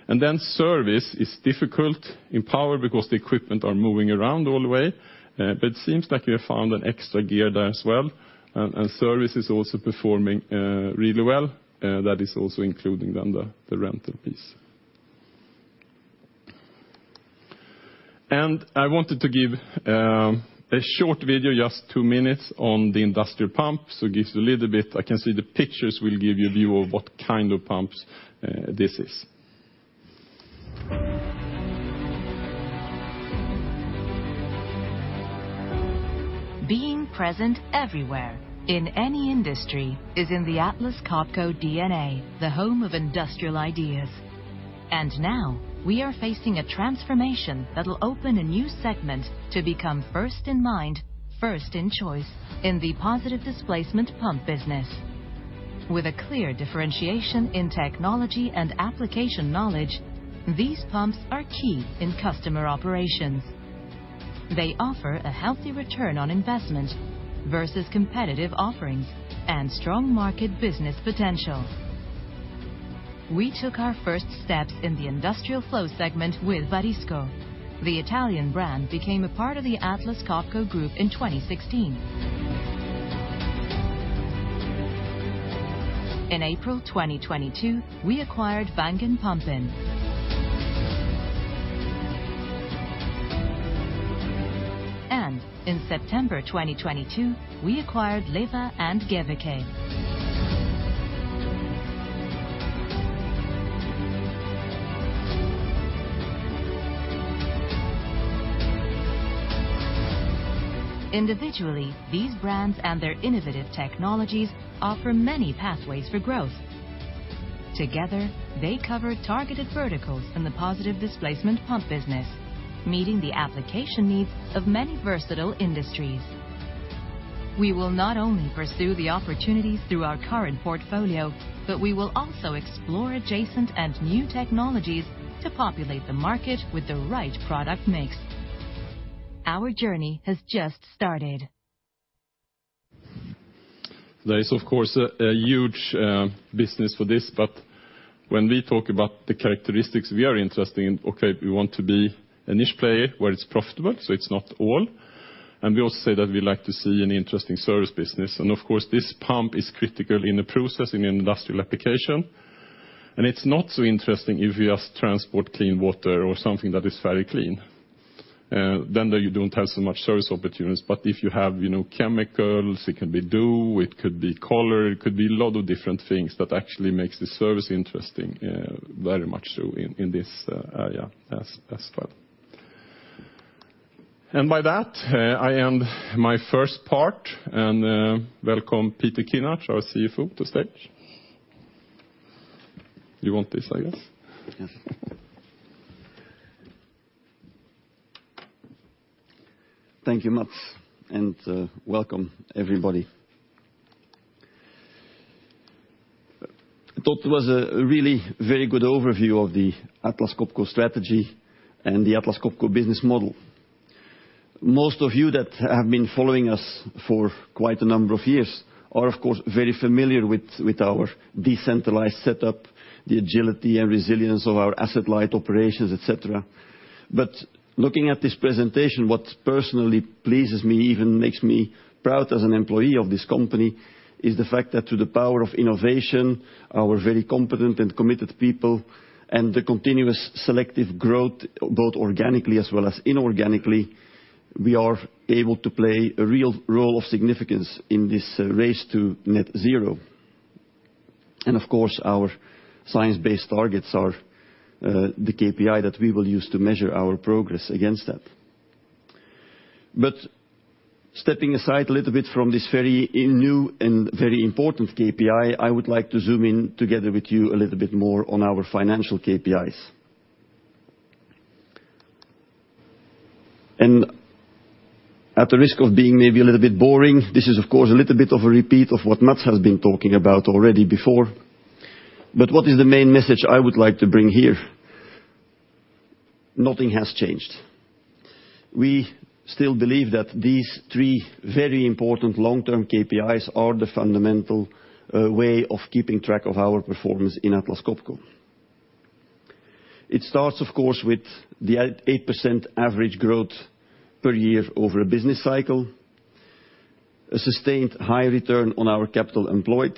Then service is difficult in power because the equipment are moving around all the way, but it seems like we have found an extra gear there as well, and service is also performing really well. That is also including then the rental piece. I wanted to give a short video, just two minutes, on the industrial pump, so it gives you a little bit. I can see the pictures will give you a view of what kind of pumps this is. Being present everywhere in any industry is in the Atlas Copco DNA, the home of industrial ideas. Now we are facing a transformation that'll open a new segment to become first in mind, first in choice in the positive displacement pump business. With a clear differentiation in technology and application knowledge, these pumps are key in customer operations. They offer a healthy return on investment versus competitive offerings and strong market business potential. We took our first steps in the industrial flow segment with Varisco. The Italian brand became a part of the Atlas Copco Group in 2016. In April 2022, we acquired Wangen Pumpen. In September 2022, we acquired LEWA and Geveke. Individually, these brands and their innovative technologies offer many pathways for growth. Together, they cover targeted verticals in the positive displacement pump business, meeting the application needs of many versatile industries. We will not only pursue the opportunities through our current portfolio, but we will also explore adjacent and new technologies to populate the market with the right product mix. Our journey has just started. There is of course a huge business for this, but when we talk about the characteristics we are interested in, okay, we want to be a niche player where it's profitable, so it's not all. We also said that we like to see an interesting service business, and of course this pump is critical in the process in an industrial application. It's not so interesting if you just transport clean water or something that is very clean, then there you don't have so much service opportunities. If you have, you know, chemicals, it can be dew, it could be color, it could be a lot of different things that actually makes the service interesting, very much so in this area as well. By that, I end my first part, and welcome Peter Kinnart, our CFO to stage. You want this, I guess? Yes. Thank you, Mats, and welcome everybody. Thought that was a really very good overview of the Atlas Copco strategy and the Atlas Copco business model. Most of you that have been following us for quite a number of years are, of course, very familiar with our decentralized setup, the agility and resilience of our asset light operations, et cetera. Looking at this presentation, what personally pleases me, even makes me proud as an employee of this company, is the fact that through the power of innovation, our very competent and committed people, and the continuous selective growth, both organically as well as inorganically, we are able to play a real role of significance in this race to net zero. Of course, our science-based targets are the KPI that we will use to measure our progress against that. But stepping aside a little bit from this very and new and very important KPI, I would like to zoom in together with you a little bit more on our financial KPIs. At the risk of being maybe a little bit boring, this is of course a little bit of a repeat of what Mats has been talking about already before. What is the main message I would like to bring here? Nothing has changed. We still believe that these three very important long-term KPIs are the fundamental way of keeping track of our performance in Atlas Copco. It starts, of course, with the 8% average growth per year over a business cycle, a sustained high return on our capital employed,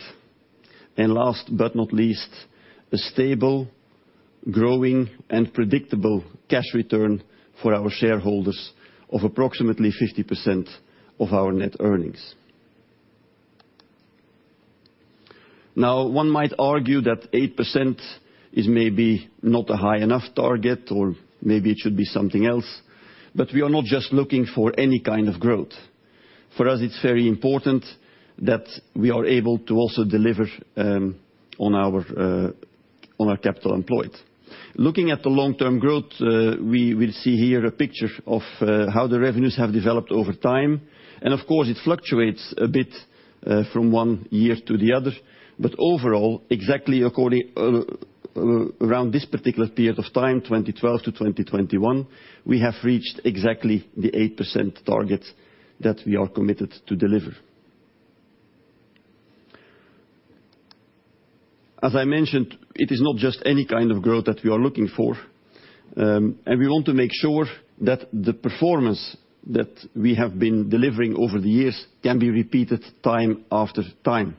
and last but not least, a stable, growing, and predictable cash return for our shareholders of approximately 50% of our net earnings. Now, one might argue that 8% is maybe not a high enough target, or maybe it should be something else, but we are not just looking for any kind of growth. For us, it's very important that we are able to also deliver on our capital employed. Looking at the long-term growth, we will see here a picture of how the revenues have developed over time. Of course, it fluctuates a bit from one year to the other. Overall, exactly around this particular period of time, 2012-2021, we have reached exactly the 8% target that we are committed to deliver. As I mentioned, it is not just any kind of growth that we are looking for, and we want to make sure that the performance that we have been delivering over the years can be repeated time after time.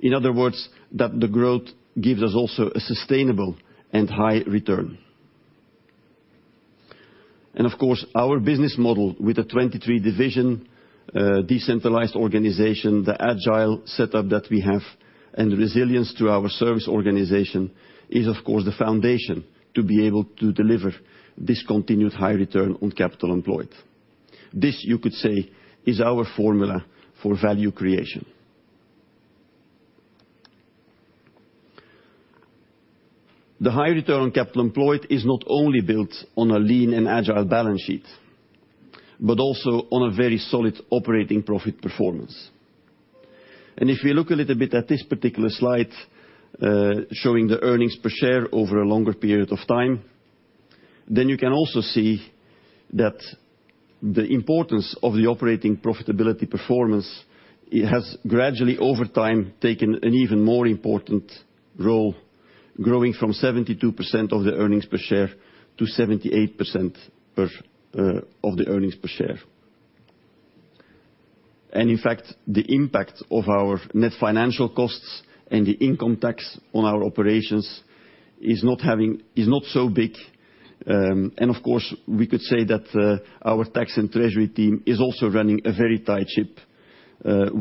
In other words, that the growth gives us also a sustainable and high return. Of course, our business model with a 23-division, decentralized organization, the agile setup that we have, and the resilience to our service organization is, of course, the foundation to be able to deliver this continued high return on capital employed. This, you could say, is our formula for value creation. The high return on capital employed is not only built on a lean and agile balance sheet, but also on a very solid operating profit performance. If we look a little bit at this particular slide, showing the earnings per share over a longer period of time, then you can also see that the importance of the operating profitability performance has gradually over time taken an even more important role, growing from 72% of the earnings per share to 78% of the earnings per share. In fact, the impact of our net financial costs and the income tax on our operations is not so big. Of course, we could say that our tax and treasury team is also running a very tight ship,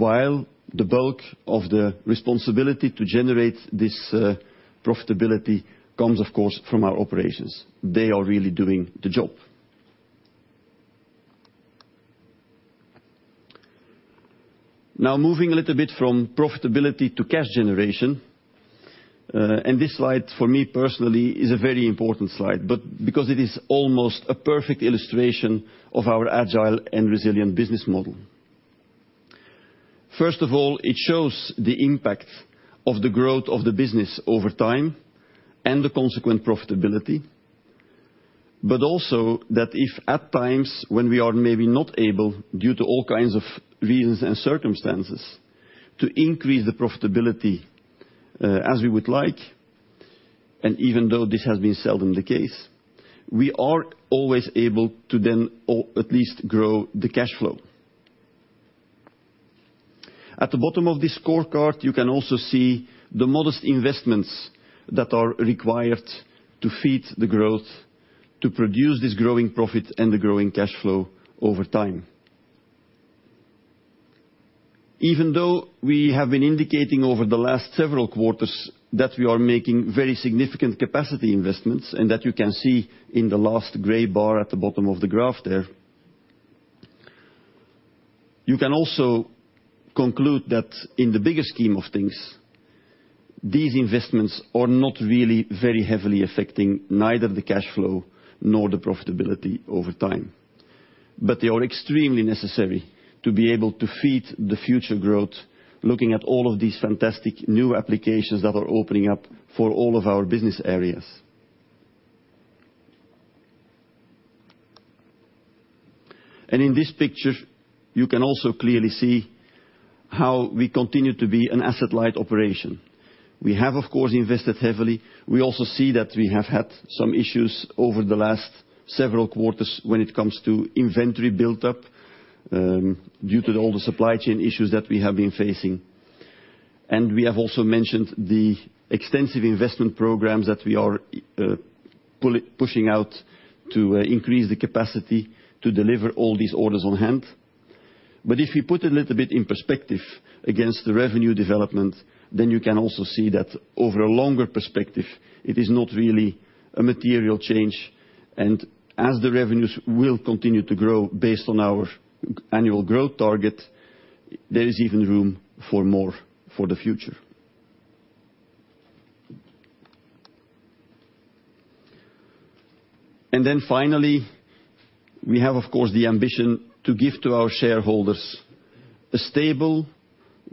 while the bulk of the responsibility to generate this profitability comes, of course, from our operations. They are really doing the job. Now, moving a little bit from profitability to cash generation. This slide, for me personally, is a very important slide, but because it is almost a perfect illustration of our agile and resilient business model. First of all, it shows the impact of the growth of the business over time and the consequent profitability. Also that if at times when we are maybe not able, due to all kinds of reasons and circumstances, to increase the profitability, as we would like, and even though this has been seldom the case, we are always able to then or at least grow the cash flow. At the bottom of this scorecard, you can also see the modest investments that are required to feed the growth to produce this growing profit and the growing cash flow over time. Even though we have been indicating over the last several quarters that we are making very significant capacity investments, and that you can see in the last gray bar at the bottom of the graph there. You can also conclude that in the bigger scheme of things, these investments are not really very heavily affecting neither the cash flow nor the profitability over time. They are extremely necessary to be able to feed the future growth, looking at all of these fantastic new applications that are opening up for all of our business areas. In this picture, you can also clearly see how we continue to be an asset-light operation. We have of course, invested heavily. We also see that we have had some issues over the last several quarters when it comes to inventory build-up, due to all the supply chain issues that we have been facing. We have also mentioned the extensive investment programs that we are pushing out to increase the capacity to deliver all these orders on hand. If you put a little bit in perspective against the revenue development, then you can also see that over a longer perspective, it is not really a material change. As the revenues will continue to grow based on our annual growth target, there is even room for more for the future. Finally, we have, of course, the ambition to give to our shareholders a stable,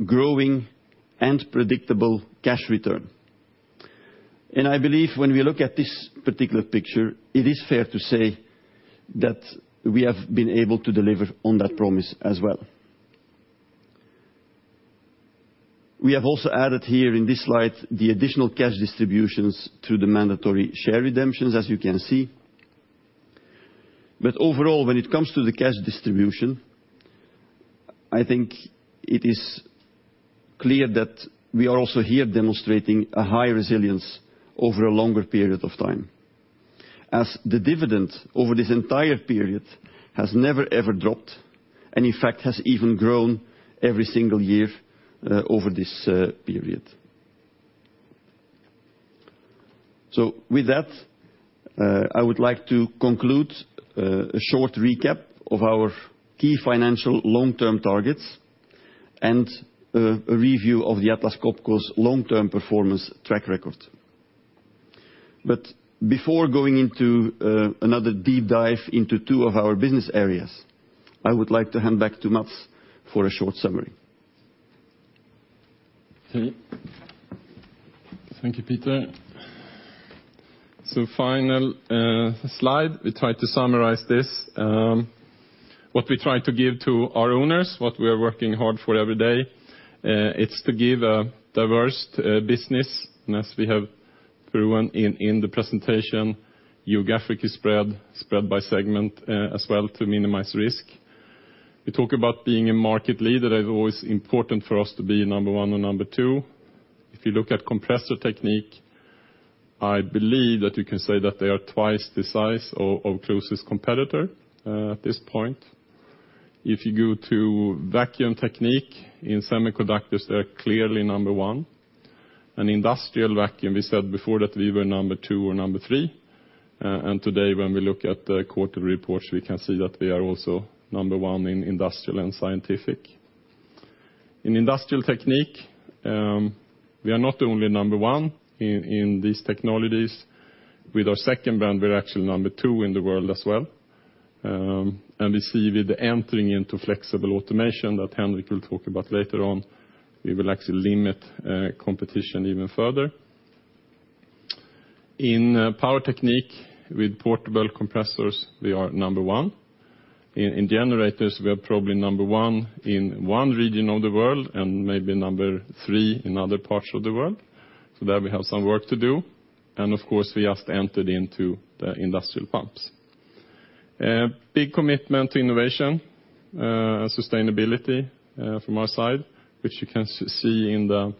growing, and predictable cash return. I believe when we look at this particular picture, it is fair to say that we have been able to deliver on that promise as well. We have also added here in this slide the additional cash distributions to the mandatory share redemptions, as you can see. Overall, when it comes to the cash distribution, I think it is clear that we are also here demonstrating a high resilience over a longer period of time. As the dividend over this entire period has never, ever dropped, and in fact, has even grown every single year, over this period. With that, I would like to conclude a short recap of our key financial long-term targets and a review of Atlas Copco's long-term performance track record. Before going into another deep dive into two of our business areas, I would like to hand back to Mats for a short summary. Okay. Thank you, Peter. Final slide, we try to summarize this, what we try to give to our owners, what we are working hard for every day. It's to give a diverse business, and as we have proven in the presentation, geographically spread by segment as well to minimize risk. We talk about being a market leader. That is always important for us to be number one or number two. If you look at Compressor Technique, I believe that you can say that they are twice the size of closest competitor at this point. If you go to Vacuum Technique in semiconductors, they are clearly number one. In industrial vacuum, we said before that we were two or three, and today, when we look at the quarter reports, we can see that we are also number one in industrial and scientific. In Industrial Technique, we are not only number one in these technologies. With our second brand, we're actually number two in the world as well. We see with the entering into flexible automation that Henrik will talk about later on, we will actually limit competition even further. In Power Technique with portable compressors, we are number one. In generators, we are probably number one in one region of the world and maybe number three in other parts of the world. There we have some work to do. Of course, we just entered into the industrial pumps. A big commitment to innovation and sustainability from our side, which you can see in the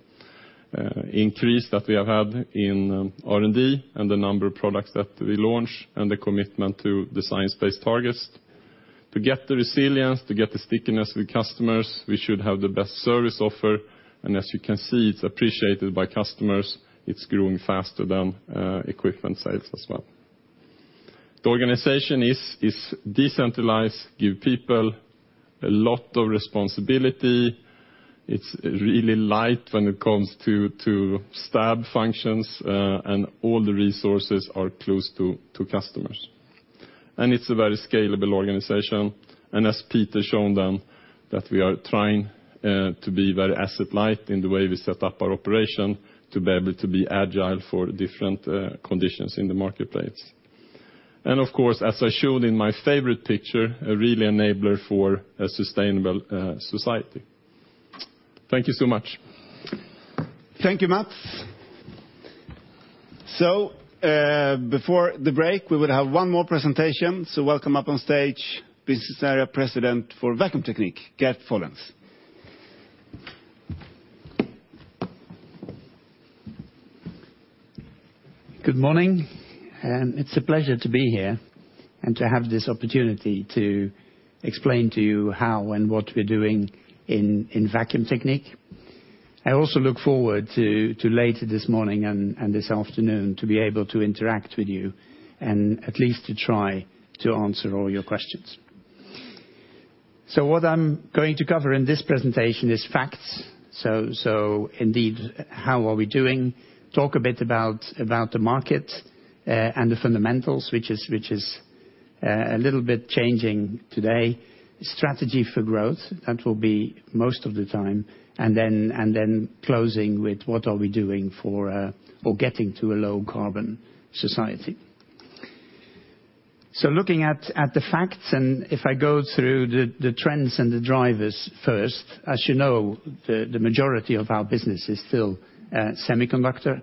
increase that we have had in R&D and the number of products that we launch and the commitment to science-based targets. To get the resilience, to get the stickiness with customers, we should have the best service offer. As you can see, it's appreciated by customers. It's growing faster than equipment sales as well. The organization is decentralized, give people a lot of responsibility. It's really light when it comes to staff functions, and all the resources are close to customers. It's a very scalable organization, and as Peter showed them, that we are trying to be very asset light in the way we set up our operation to be able to be agile for different conditions in the marketplace. Of course, as I showed in my favorite picture, a real enabler for a sustainable society. Thank you so much. Thank you, Mats. Before the break, we will have one more presentation. Welcome up on stage Business Area President for Vacuum Technique, Geert Follens. Good morning, it's a pleasure to be here and to have this opportunity to explain to you how and what we're doing in Vacuum Technique. I also look forward to later this morning and this afternoon to be able to interact with you and at least to try to answer all your questions. What I'm going to cover in this presentation is facts. Indeed, how are we doing? Talk a bit about the market and the fundamentals, which is a little bit changing today. Strategy for growth, that will be most of the time. Closing with what are we doing for or getting to a low carbon society. Looking at the facts, and if I go through the trends and the drivers first, as you know, the majority of our business is still semiconductor.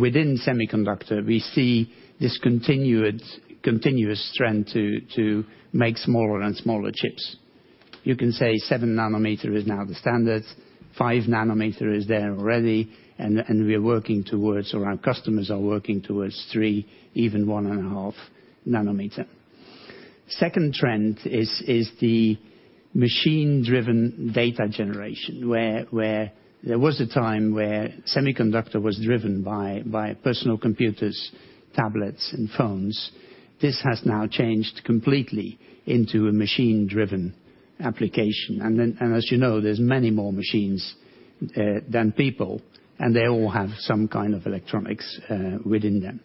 Within semiconductor, we see this continuous trend to make smaller and smaller chips. You can say 7 nm is now the standard, 5 nm is there already, and we're working towards, or our customers are working towards 3 nm even 1.5 nm. Second trend is the machine-driven data generation, where there was a time where semiconductor was driven by personal computers, tablets, and phones. This has now changed completely into a machine-driven application. As you know, there's many more machines than people, and they all have some kind of electronics within them.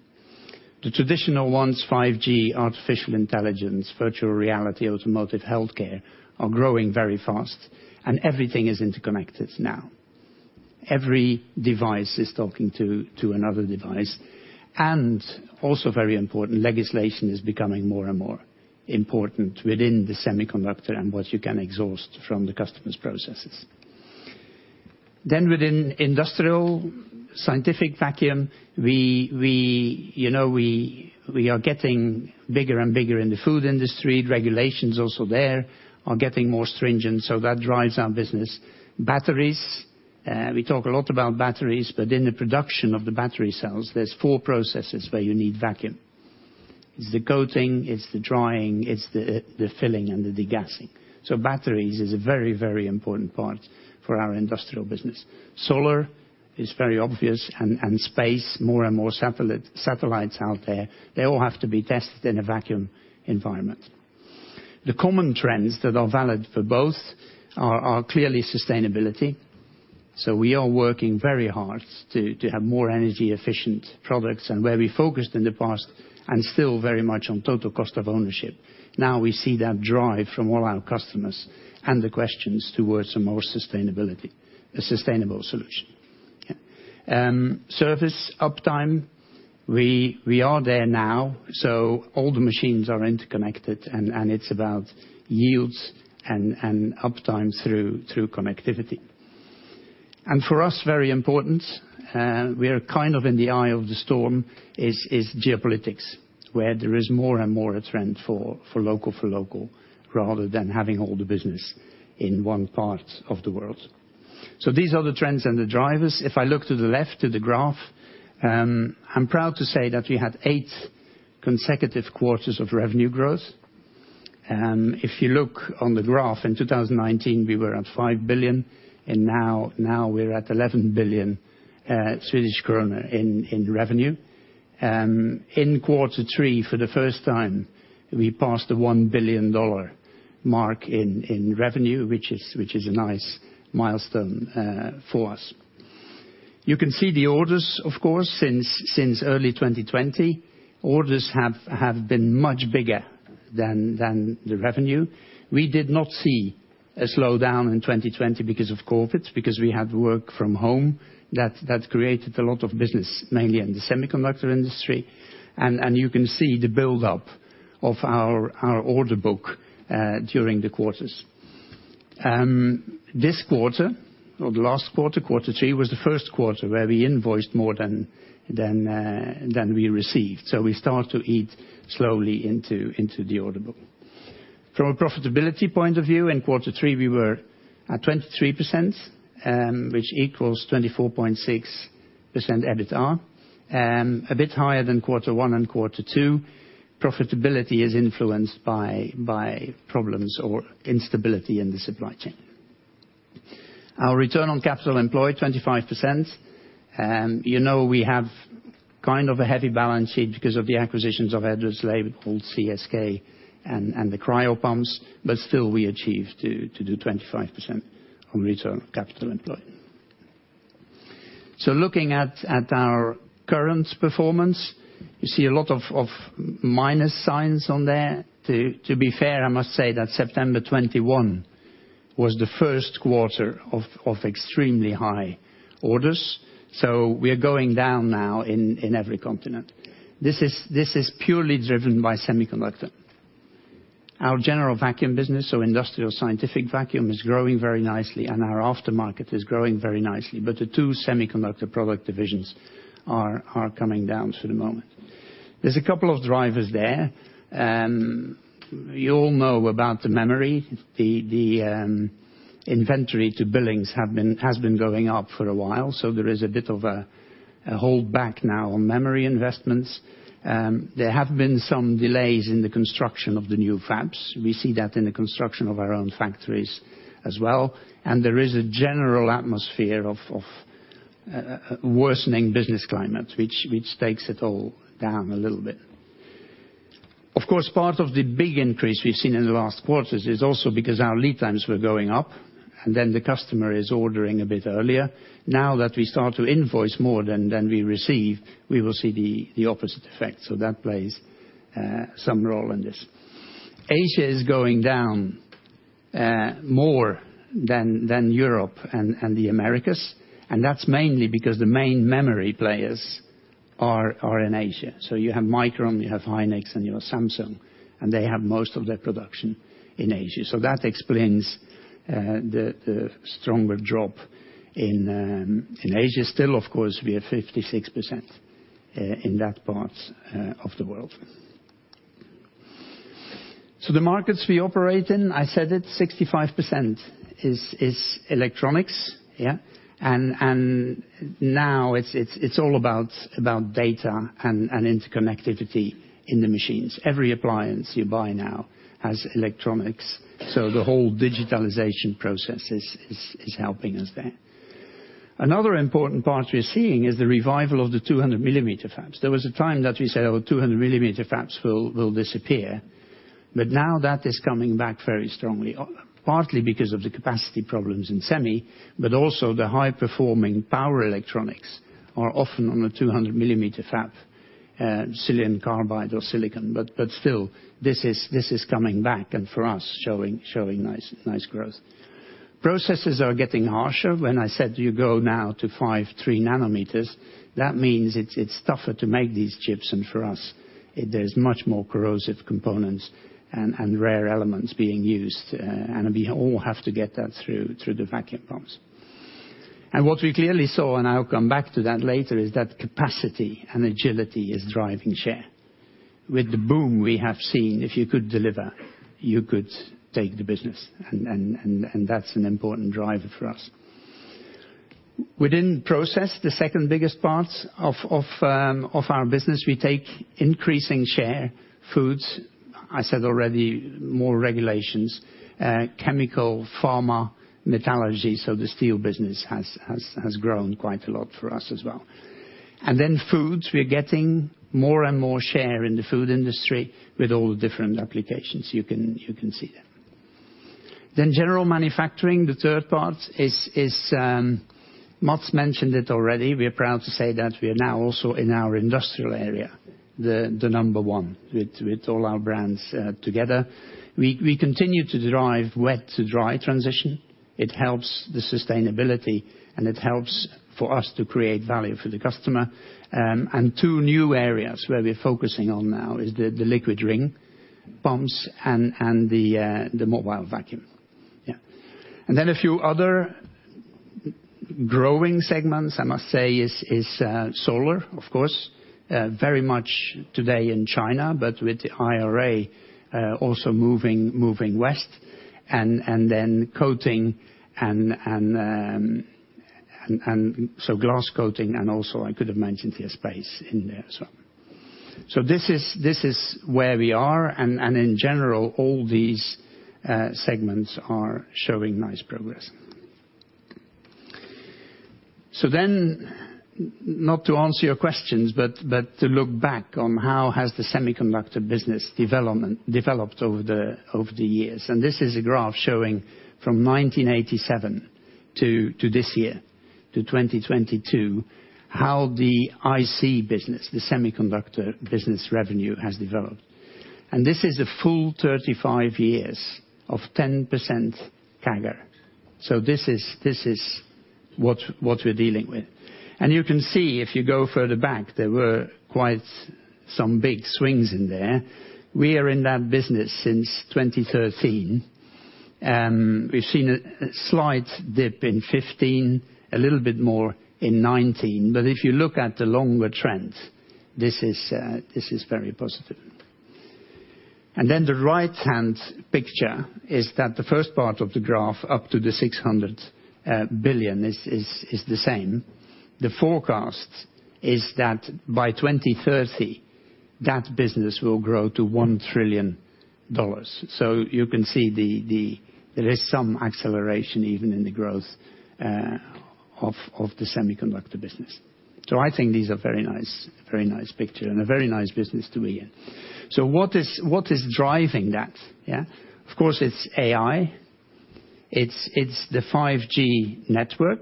The traditional ones, 5G, artificial intelligence, virtual reality, automotive, healthcare, are growing very fast, and everything is interconnected now. Every device is talking to another device. Also very important, legislation is becoming more and more important within the semiconductor and what you can exhaust from the customers' processes. Within industrial scientific vacuum, you know, we are getting bigger and bigger in the food industry. Regulations also there are getting more stringent, so that drives our business. Batteries, we talk a lot about batteries, but in the production of the battery cells, there's four processes where you need vacuum. It's the coating, it's the drying, it's the filling, and the degassing. Batteries is a very, very important part for our industrial business. Solar is very obvious, and space, more and more satellites out there, they all have to be tested in a vacuum environment. The common trends that are valid for both are clearly sustainability. We are working very hard to have more energy-efficient products, and where we focused in the past and still very much on total cost of ownership. Now we see that drive from all our customers and the questions towards a more sustainability, a sustainable solution. Service uptime, we are there now, so all the machines are interconnected, and it's about yields and uptime through connectivity. For us, very important, we are kind of in the eye of the storm, is geopolitics, where there is more and more a trend for local, rather than having all the business in one part of the world. These are the trends and the drivers. If I look to the left of the graph, I'm proud to say that we had eight consecutive quarters of revenue growth. If you look on the graph, in 2019, we were at 5 billion, and now we're at 11 billion Swedish kronor in revenue. In quarter three, for the first time, we passed the $1 billion mark in revenue, which is a nice milestone for us. You can see the orders, of course. Since early 2020, orders have been much bigger than the revenue. We did not see a slowdown in 2020 because of COVID, because we had work from home that created a lot of business, mainly in the semiconductor industry. You can see the build-up of our order book during the quarters. This quarter or the last quarter three, was the first quarter where we invoiced more than we received. We start to eat slowly into the order book. From a profitability point of view, in quarter three, we were at 23%, which equals 24.6% EBITA, a bit higher than quarter one and quarter two. Profitability is influenced by problems or instability in the supply chain. Our return on capital employed, 25%. You know we have kind of a heavy balance sheet because of the acquisitions of Edwards, Leybold, CSK, and the cryopumps, but still we achieved to do 25% on return on capital employed. Looking at our current performance, you see a lot of minus signs on there. To be fair, I must say that September 21 was the first quarter of extremely high orders. We are going down now in every continent. This is purely driven by semiconductor. Our general vacuum business or industrial scientific vacuum is growing very nicely, and our aftermarket is growing very nicely. But the two semiconductor product divisions are coming down for the moment. There is a couple of drivers there. You all know about the memory. The inventory to billings has been going up for a while, so there is a bit of a holdback now on memory investments. There have been some delays in the construction of the new fabs. We see that in the construction of our own factories as well, and there is a general atmosphere of worsening business climate, which takes it all down a little bit. Of course, part of the big increase we've seen in the last quarters is also because our lead times were going up, and then the customer is ordering a bit earlier. Now that we start to invoice more than we receive, we will see the opposite effect. That plays some role in this. Asia is going down more than Europe and the Americas, and that's mainly because the main memory players are in Asia. You have Micron, you have SK Hynix, and you have Samsung, and they have most of their production in Asia. That explains the stronger drop in Asia. Still, of course, we have 56% in that part of the world. The markets we operate in, I said it, 65% is electronics, yeah? Now it's all about data and interconnectivity in the machines. Every appliance you buy now has electronics. The whole digitalization process is helping us there. Another important part we're seeing is the revival of the 200 mm fabs. There was a time that we said, "Oh, 200 mm fabs will disappear." Now that is coming back very strongly, partly because of the capacity problems in semi, but also the high-performing power electronics are often on a 200 mm fab, silicon carbide or silicon. Still, this is coming back, and for us, showing nice growth. Processes are getting harsher. When I said you go now to 5 nm-3 nm, that means it's tougher to make these chips. For us, there's much more corrosive components and rare elements being used. We all have to get that through the vacuum pumps. What we clearly saw, and I'll come back to that later, is that capacity and agility is driving share. With the boom we have seen, if you could deliver, you could take the business, and that's an important driver for us. Within process, the second-biggest part of our business, we take increasing share. Foods, I said already, more regulations. Chemical, pharma, metallurgy, so the steel business has grown quite a lot for us as well. Foods, we're getting more and more share in the food industry with all the different applications you can see there. General manufacturing, the third part, Mats mentioned it already. We're proud to say that we are now also in our industrial area, the number one with all our brands together. We continue to drive wet-to-dry transition. It helps the sustainability, and it helps for us to create value for the customer. Two new areas where we're focusing on now is the liquid ring pumps and the mobile vacuum. Then a few other growing segments, I must say, is solar, of course. Very much today in China, but with the IRA, also moving west. Then coating and glass coating, and also I could have mentioned the space in there as well. This is where we are, and in general, all these segments are showing nice progress. Then not to answer your questions, but to look back on how has the semiconductor business development developed over the years. This is a graph showing from 1987 to this year, to 2022, how the IC business, the semiconductor business revenue, has developed. This is a full 35 years of 10% CAGR. This is what we're dealing with. You can see if you go further back, there were quite some big swings in there. We are in that business since 2013. We've seen a slight dip in 2015, a little bit more in 2019. But if you look at the longer trends, this is very positive. Then the right-hand picture is that the first part of the graph, up to the $600 billion is the same. The forecast is that by 2030, that business will grow to $1 trillion. You can see there is some acceleration even in the growth of the semiconductor business. I think these are very nice, very nice picture and a very nice business to be in. What is driving that, yeah? Of course, it's AI. It's the 5G network.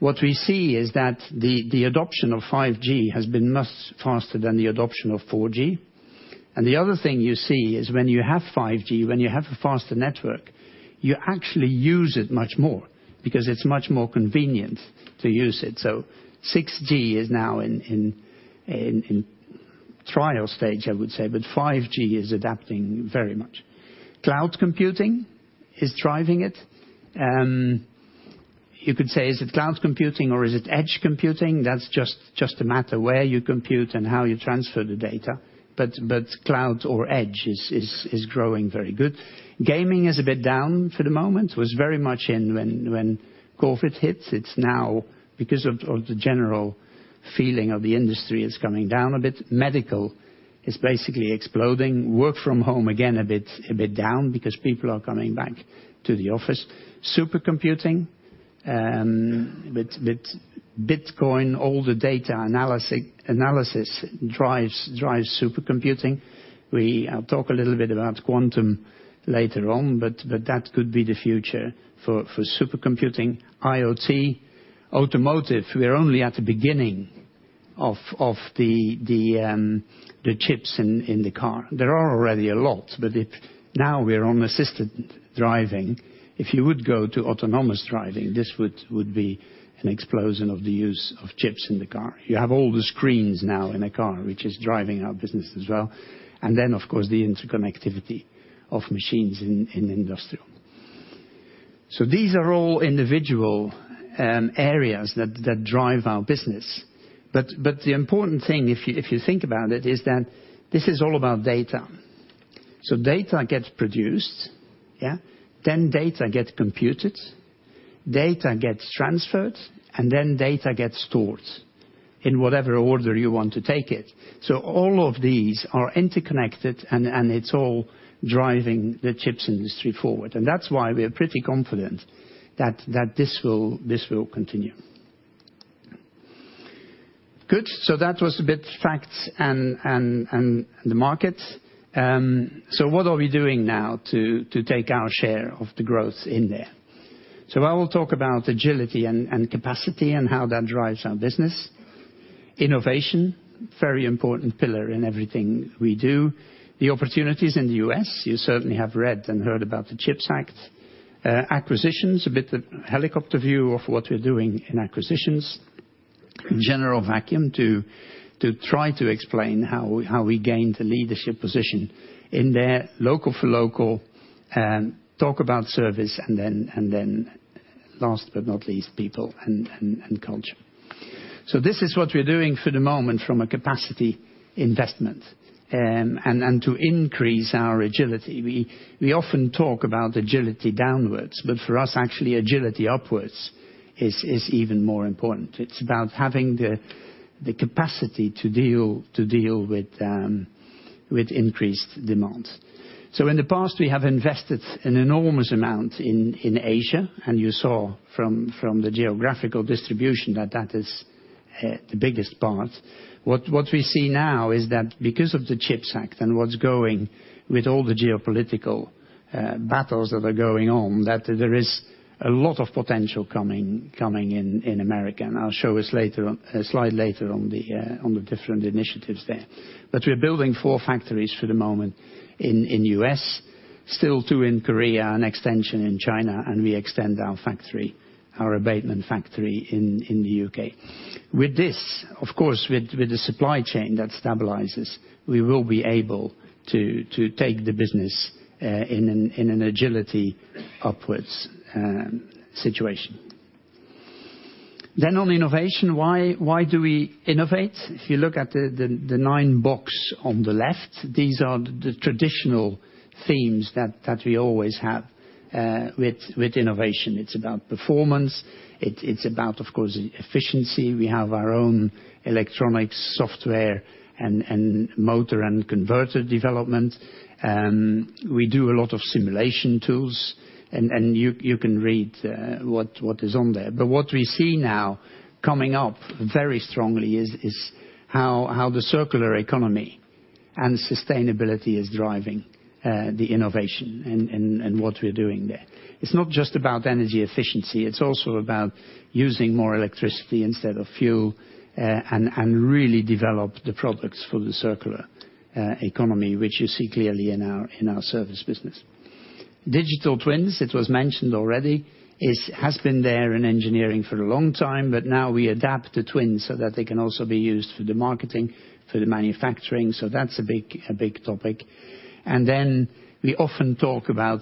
What we see is that the adoption of 5G has been much faster than the adoption of 4G. The other thing you see is when you have 5G, when you have a faster network, you actually use it much more because it's much more convenient to use it. 6G is now in trial stage I would say, but 5G is adopting very much. Cloud computing is driving it. You could say, is it cloud computing or is it edge computing? That's just a matter where you compute and how you transfer the data. Cloud or edge is growing very good. Gaming is a bit down for the moment. It was very much in when COVID hit. It's now because of the general feeling of the industry it's coming down a bit. Medical is basically exploding. Work from home, again, a bit down because people are coming back to the office. Supercomputing, with Bitcoin, all the data analysis drives supercomputing. I'll talk a little bit about quantum later on, but that could be the future for supercomputing. IoT. Automotive, we're only at the beginning of the chips in the car. There are already a lot. Now we're on assisted driving. If you would go to autonomous driving, this would be an explosion of the use of chips in the car. You have all the screens now in a car, which is driving our business as well. Then, of course, the interconnectivity of machines in industrial. These are all individual areas that drive our business. But the important thing if you think about it, is that this is all about data. Data gets produced, yeah. Data gets computed, data gets transferred, and then data gets stored in whatever order you want to take it. All of these are interconnected and it's all driving the chips industry forward. That's why we're pretty confident that this will continue. Good. That was a bit facts and the market. What are we doing now to take our share of the growth in there? I will talk about agility and capacity and how that drives our business. Innovation, very important pillar in everything we do. The opportunities in the U.S., you certainly have read and heard about the CHIPS Act. Acquisitions, a bit of helicopter view of what we're doing in acquisitions. General vacuum, to try to explain how we gained a leadership position in there. Local for local, talk about service. Last but not least, people and culture. This is what we're doing for the moment from a capacity investment and to increase our agility. We often talk about agility downwards, but for us, actually agility upwards is even more important. It's about having the capacity to deal with increased demands. In the past we have invested an enormous amount in Asia, and you saw from the geographical distribution that that is the biggest part. What we see now is that because of the CHIPS Act and what's going with all the geopolitical battles that are going on, that there is a lot of potential coming in America. I'll show us later on a slide later on the on the different initiatives there. We're building four factories for the moment in the U.S., still two in Korea, an extension in China, and we extend our factory, our abatement factory in the U.K. With this, of course with the supply chain that stabilizes, we will be able to take the business in an agility upwards situation. On innovation, why do we innovate? If you look at the nine box on the left, these are the traditional themes that we always have with innovation. It's about performance. It's about, of course, efficiency. We have our own electronics software and motor and converter development. We do a lot of simulation tools and you can read what is on there. What we see now coming up very strongly is how the circular economy and sustainability is driving the innovation and what we're doing there. It's not just about energy efficiency, it's also about using more electricity instead of fuel and really develop the products for the circular economy, which you see clearly in our service business. Digital twins, it was mentioned already, it has been there in engineering for a long time, but now we adapt the twins so that they can also be used for the marketing, for the manufacturing. That's a big topic. We often talk about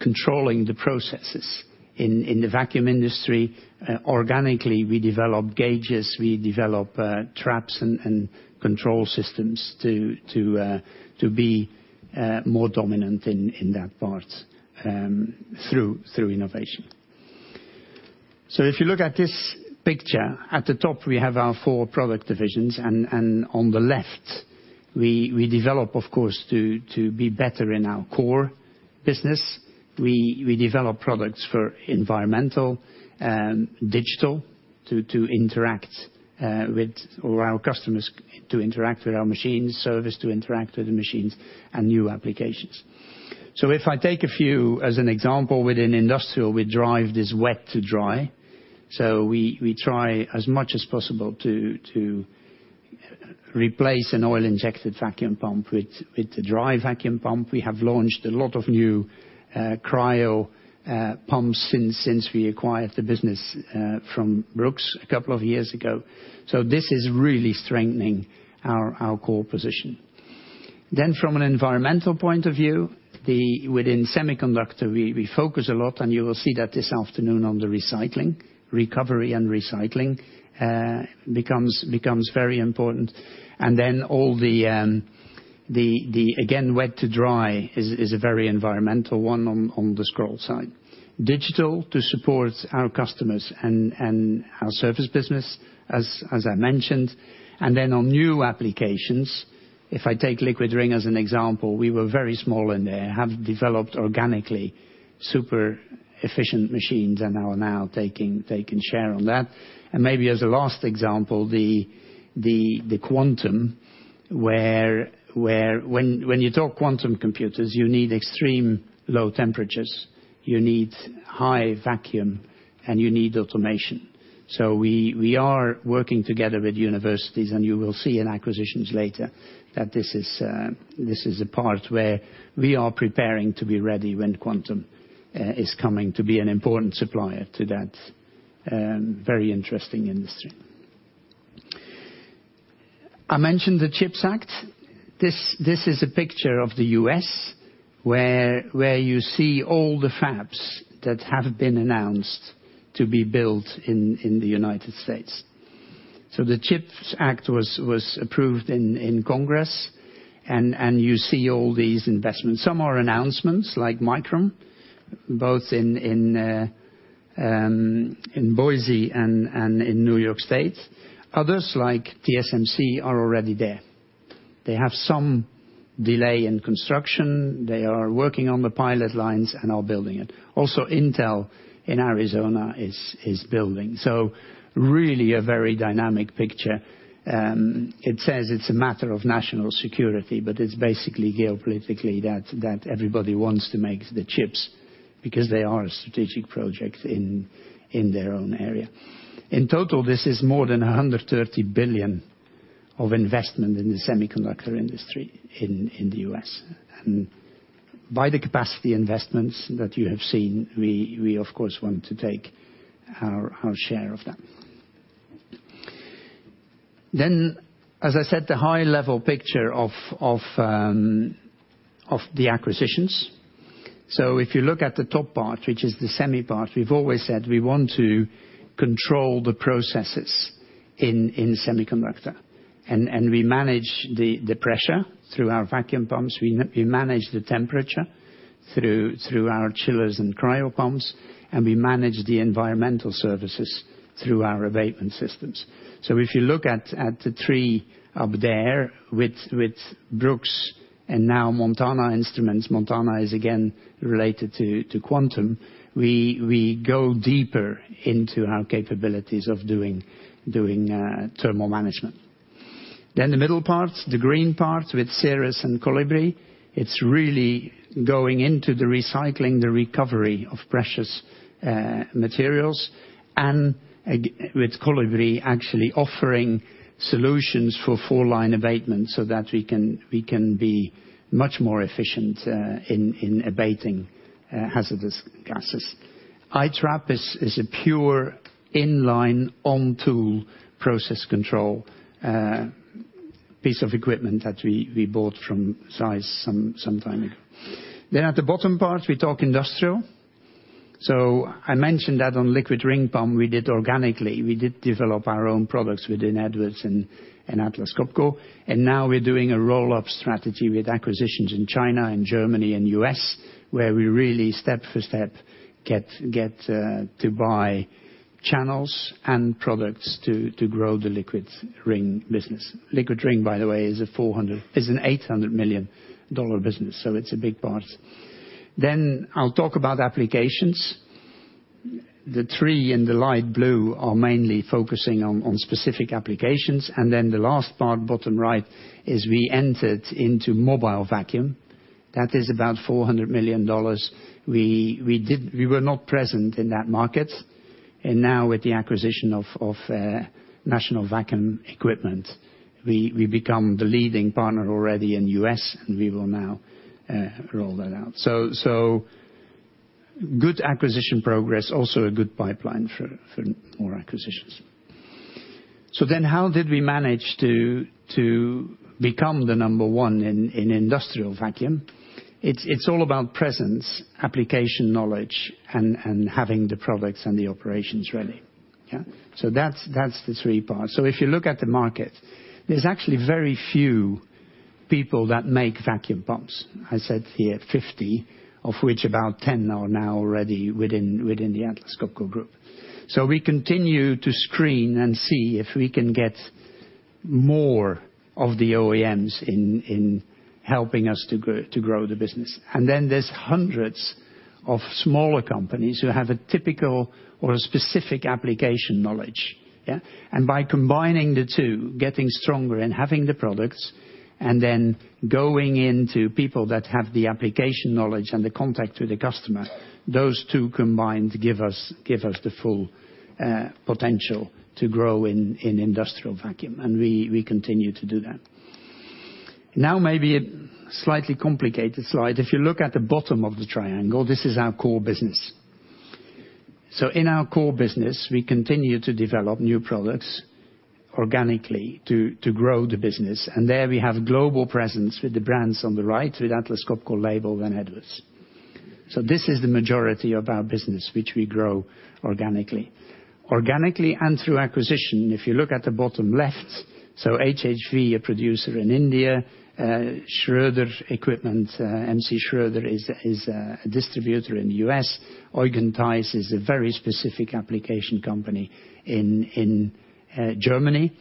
controlling the processes. In the vacuum industry, organically, we develop gauges, we develop traps and control systems to be more dominant in that part through innovation. If you look at this picture, at the top we have our four product divisions and on the left we develop of course to be better in our core business. We develop products for environmental, digital to interact with. Our customers interact with our machines, service interacts with the machines and new applications. If I take a few as an example, within industrial we drive this wet-to-dry. We try as much as possible to replace an oil-injected vacuum pump with a dry vacuum pump. We have launched a lot of new cryo pumps since we acquired the business from Brooks a couple of years ago. This is really strengthening our core position. Then from an environmental point of view, within semiconductor we focus a lot, and you will see that this afternoon on the recycling. Recovery and recycling becomes very important. All the again wet-to-dry is a very environmental one on the scroll side. Digital to support our customers and our service business, as I mentioned. On new applications, if I take liquid ring as an example, we were very small in there. Have developed organically super efficient machines and are now taking share on that. As a last example, the quantum where when you talk quantum computers you need extreme low temperatures, you need high vacuum, and you need automation. We are working together with universities, and you will see in acquisitions later that this is a part where we are preparing to be ready when quantum is coming, to be an important supplier to that very interesting industry. I mentioned the CHIPS Act. This is a picture of the U.S. where you see all the fabs that have been announced to be built in the United States. The CHIPS Act was approved in Congress, and you see all these investments. Some are announcements like Micron, both in Boise and in New York State. Others, like TSMC, are already there. They have some delay in construction. They are working on the pilot lines and are building it. Also, Intel in Arizona is building. Really a very dynamic picture. It says it's a matter of national security, but it's basically geopolitically that everybody wants to make the chips, because they are a strategic project in their own area. In total, this is more than $130 billion of investment in the semiconductor industry in the U.S. By the capacity investments that you have seen, we of course want to take our share of that. As I said, the high level picture of the acquisitions. If you look at the top part, which is the semi part, we've always said we want to control the processes in semiconductor. We manage the pressure through our vacuum pumps, we manage the temperature through our chillers and cryo pumps, and we manage the environmental services through our abatement systems. If you look at the tree up there with Brooks and now Montana Instruments, Montana is again related to quantum, we go deeper into our capabilities of doing thermal management. The middle part, the green part with Ceres and Colibri, it's really going into the recycling, the recovery of precious materials, and with Colibri actually offering solutions for foreline abatement so that we can be much more efficient in abating hazardous gases. iTrap is a pure inline on tool process control piece of equipment that we bought from ZEISS some time ago. At the bottom part we talk industrial. I mentioned that on liquid ring pump we did organically. We did develop our own products within Edwards and Atlas Copco, and now we're doing a roll-up strategy with acquisitions in China and Germany and U.S., where we really step by step get to buy channels and products to grow the liquid ring business. Liquid ring, by the way, is an $800 million business, so it's a big part. I'll talk about applications. The three in the light blue are mainly focusing on specific applications. The last part, bottom right, is we entered into mobile vacuum. That is about $400 million. We were not present in that market, and now with the acquisition of National Vacuum Equipment, we become the leading partner already in U.S., and we will now roll that out. Good acquisition progress, also a good pipeline for more acquisitions. How did we manage to become the number one in industrial vacuum? It's all about presence, application knowledge, and having the products and the operations ready. Yeah. That's the three parts. If you look at the market, there's actually very few people that make vacuum pumps. I said here 50, of which about 10 are now already within the Atlas Copco Group. We continue to screen and see if we can get more of the OEMs in, helping us to grow the business. Then there's hundreds of smaller companies who have a typical or a specific application knowledge, yeah? By combining the two, getting stronger and having the products, and then going into people that have the application knowledge and the contact with the customer, those two combined give us the full potential to grow in industrial vacuum, and we continue to do that. Now, maybe a slightly complicated slide. If you look at the bottom of the triangle, this is our core business. In our core business, we continue to develop new products organically to grow the business. There we have global presence with the brands on the right, with Atlas Copco, Leybold and Edwards. This is the majority of our business which we grow organically. Organically and through acquisition, if you look at the bottom left, HHV, a producer in India, M.C. Schroeder Equipment is a distributor in the U.S. Eugen Theis is a very specific application company in Germany.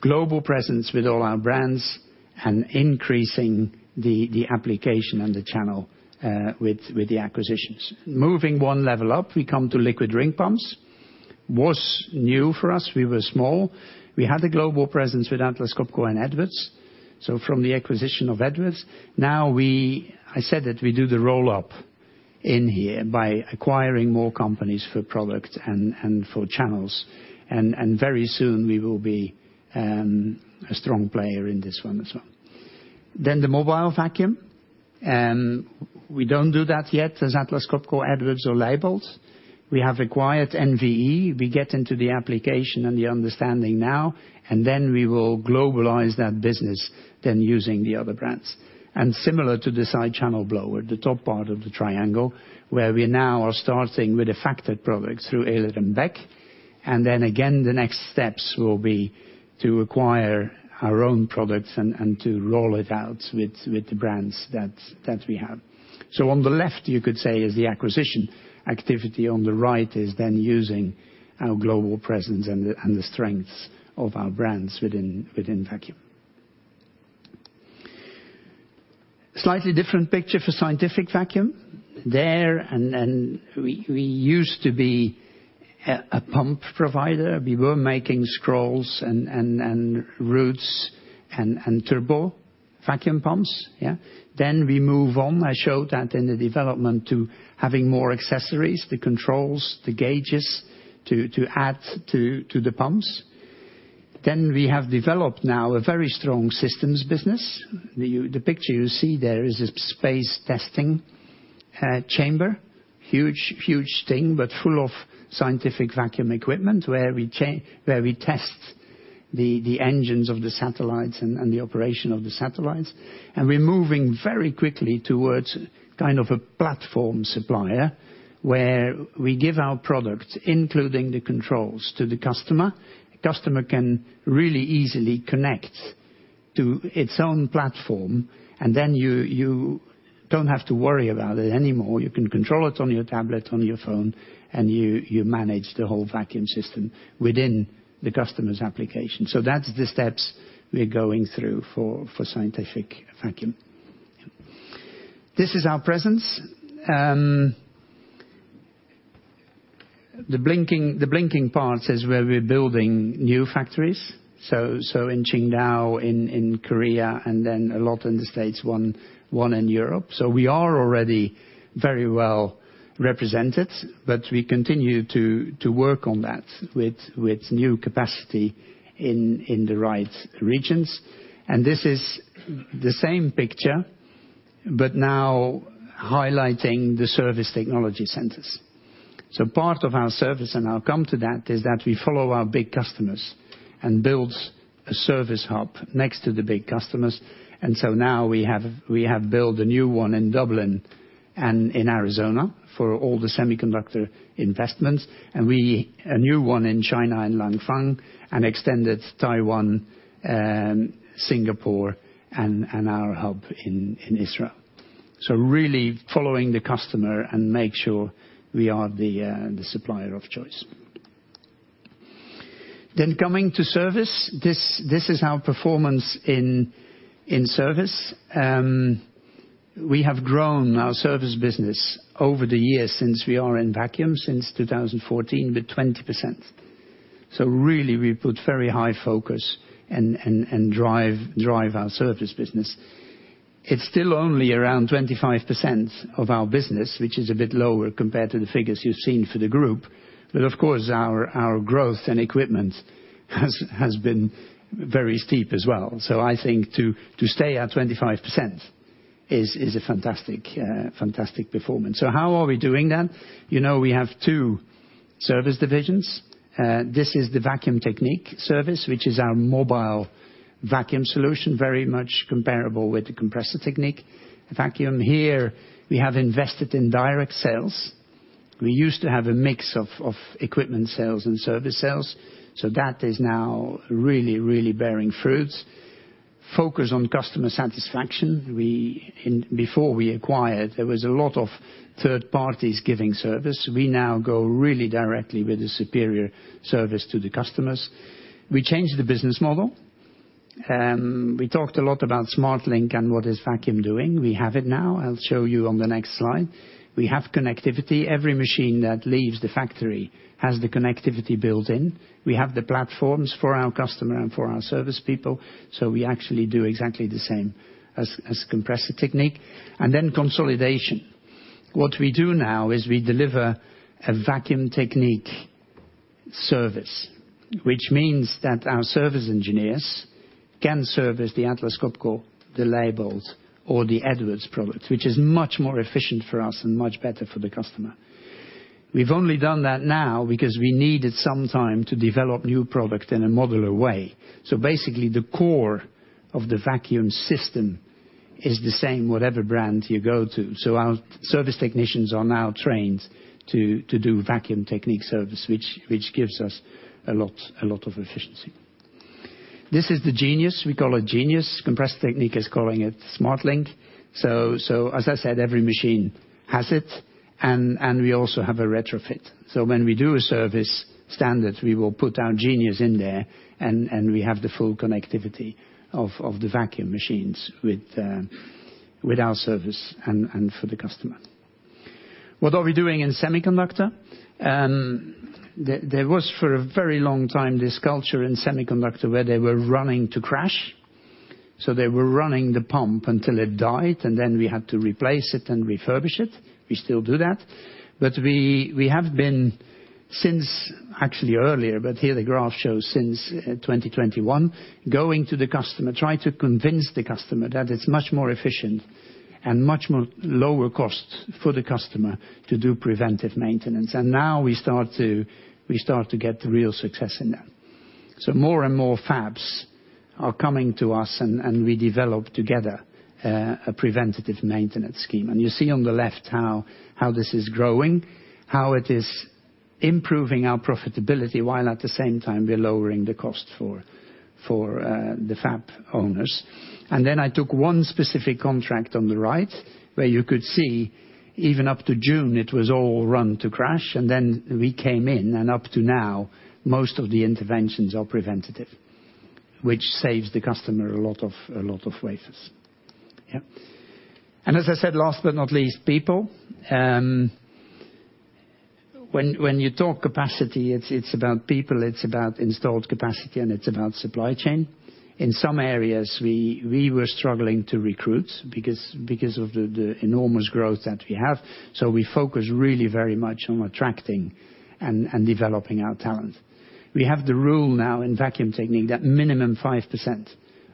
Global presence with all our brands and increasing the application and the channel with the acquisitions. Moving one level up, we come to liquid ring pumps. Was new for us. We were small. We had the global presence with Atlas Copco and Edwards. From the acquisition of Edwards, I said that we do the roll-up in here by acquiring more companies for product and for channels. Very soon we will be a strong player in this one as well. The mobile vacuum. We don't do that yet as Atlas Copco, Edwards, or Leybold. We have acquired NVE. We get into the application and the understanding now, and then we will globalize that business by using the other brands. Similar to the side channel blower, the top part of the triangle, where we now are starting with a factored product through Edwards and Leybold. Then again, the next steps will be to acquire our own products and to roll it out with the brands that we have. On the left, you could say is the acquisition activity. On the right is then using our global presence and the strengths of our brands within vacuum. Slightly different picture for scientific vacuum. There and then we used to be a pump provider. We were making scrolls and Roots and turbo vacuum pumps, yeah. Then we move on. I showed that in the development to having more accessories, the controls, the gauges to add to the pumps. Then we have developed now a very strong systems business. The picture you see there is a space testing chamber. Huge thing, but full of scientific vacuum equipment, where we test the engines of the satellites and the operation of the satellites. We're moving very quickly towards kind of a platform supplier, where we give our products, including the controls, to the customer. The customer can really easily connect to its own platform, and then you don't have to worry about it anymore. You can control it on your tablet, on your phone, and you manage the whole vacuum system within the customer's application. That's the steps we're going through for scientific vacuum. This is our presence. The blinking parts is where we're building new factories. So in Qingdao, in Korea, and then a lot in the States, one in Europe. We are already very well represented, but we continue to work on that with new capacity in the right regions. This is the same picture, but now highlighting the service technology centers. Part of our service, and I'll come to that, is that we follow our big customers and build a service hub next to the big customers. Now we have built a new one in Dublin and in Arizona for all the semiconductor investments. We built a new one in China, in Langfang, and extended Taiwan and Singapore and our hub in Israel. Really following the customer and make sure we are the supplier of choice. Coming to service, this is our performance in service. We have grown our service business over the years since we are in vacuum, since 2014, with 20%. Really we put very high focus and drive our service business. It's still only around 25% of our business, which is a bit lower compared to the figures you've seen for the group. Of course, our growth in equipment has been very steep as well. I think to stay at 25% is a fantastic performance. How are we doing that? You know, we have two service divisions. This is the Vacuum Technique Service, which is our mobile vacuum solution, very much comparable with the Compressor Technique. Vacuum here, we have invested in direct sales. We used to have a mix of equipment sales and service sales. That is now really bearing fruits. Focus on customer satisfaction. Before we acquired, there was a lot of third parties giving service. We now go really directly with the superior service to the customers. We changed the business model. We talked a lot about SMARTLINK and what is Vacuum doing. We have it now. I'll show you on the next slide. We have connectivity. Every machine that leaves the factory has the connectivity built in. We have the platforms for our customer and for our service people, so we actually do exactly the same as Compressor Technique. Consolidation. What we do now is we deliver a Vacuum Technique service, which means that our service engineers can service the Atlas Copco, the Leybold, or the Edwards products, which is much more efficient for us and much better for the customer. We've only done that now because we needed some time to develop new product in a modular way. Basically, the core of the vacuum system is the same, whatever brand you go to. Our service technicians are now trained to do Vacuum Technique service, which gives us a lot of efficiency. This is the GENIUS. We call it GENIUS. Compressor Technique is calling it SMARTLINK. As I said, every machine has it, and we also have a retrofit. When we do a service standard, we will put our GENIUS in there, and we have the full connectivity of the vacuum machines with our service and for the customer. What are we doing in semiconductor? There was for a very long time this culture in semiconductor where they were running to crash. They were running the pump until it died, and then we had to replace it and refurbish it. We still do that. We have been since actually earlier, but here the graph shows since 2021, going to the customer, try to convince the customer that it's much more efficient and much more lower cost for the customer to do preventive maintenance. Now we start to get the real success in that. More and more fabs are coming to us, and we develop together a preventative maintenance scheme. You see on the left how this is growing, how it is improving our profitability, while at the same time we're lowering the cost for the fab owners. Then I took one specific contract on the right where you could see even up to June it was all run to crash, and then we came in, and up to now, most of the interventions are preventative, which saves the customer a lot of wafers. As I said, last but not least, people. When you talk capacity, it's about people, it's about installed capacity, and it's about supply chain. In some areas, we were struggling to recruit because of the enormous growth that we have. We focus really very much on attracting and developing our talent. We have the rule now in Vacuum Technique that minimum 5%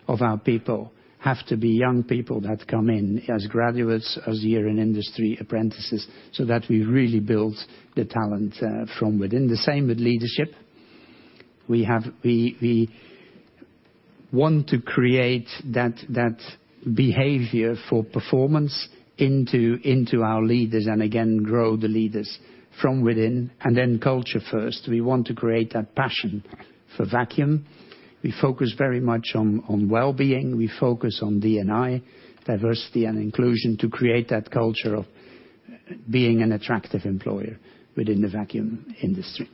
of our people have to be young people that come in as graduates, as year in industry apprentices, so that we really build the talent from within. The same with leadership. We want to create that behavior for performance into our leaders, and again, grow the leaders from within. Culture first, we want to create that passion for vacuum. We focus very much on wellbeing. We focus on D&I, diversity and inclusion, to create that culture of being an attractive employer within the vacuum industry.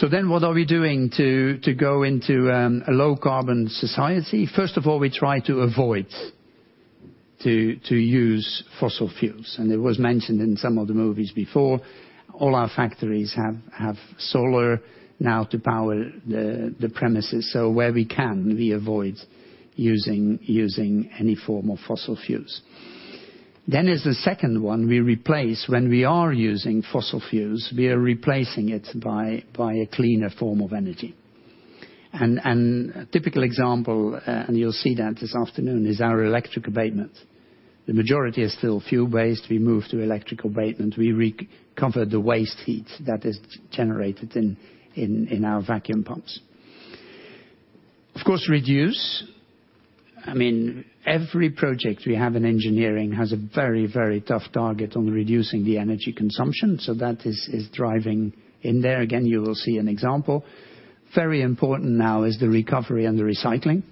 What are we doing to go into a low-carbon society? First of all, we try to avoid to use fossil fuels. It was mentioned in some of the materials before, all our factories have solar now to power the premises. Where we can, we avoid using any form of fossil fuels. The second one, we replace. When we are using fossil fuels, we are replacing it by a cleaner form of energy. A typical example, and you'll see that this afternoon, is our electric abatement. The majority is still fuel-based. We move to electric abatement. We recover the waste heat that is generated in our vacuum pumps. Of course, reduce. I mean, every project we have in engineering has a very tough target on reducing the energy consumption, so that is driving in there. Again, you will see an example. Very important now is the recovery and the recycling.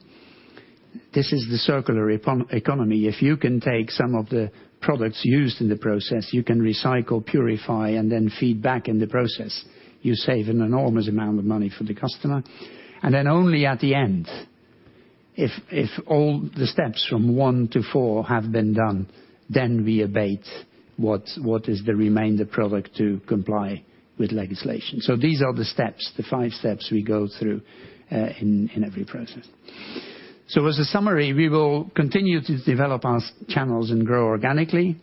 This is the circular economy. If you can take some of the products used in the process, you can recycle, purify, and then feed back in the process. You save an enormous amount of money for the customer. Only at the end, if all the steps from one to four have been done, then we abate what is the remainder product to comply with legislation. These are the steps, the five steps we go through, in every process. As a summary, we will continue to develop our channels and grow organically.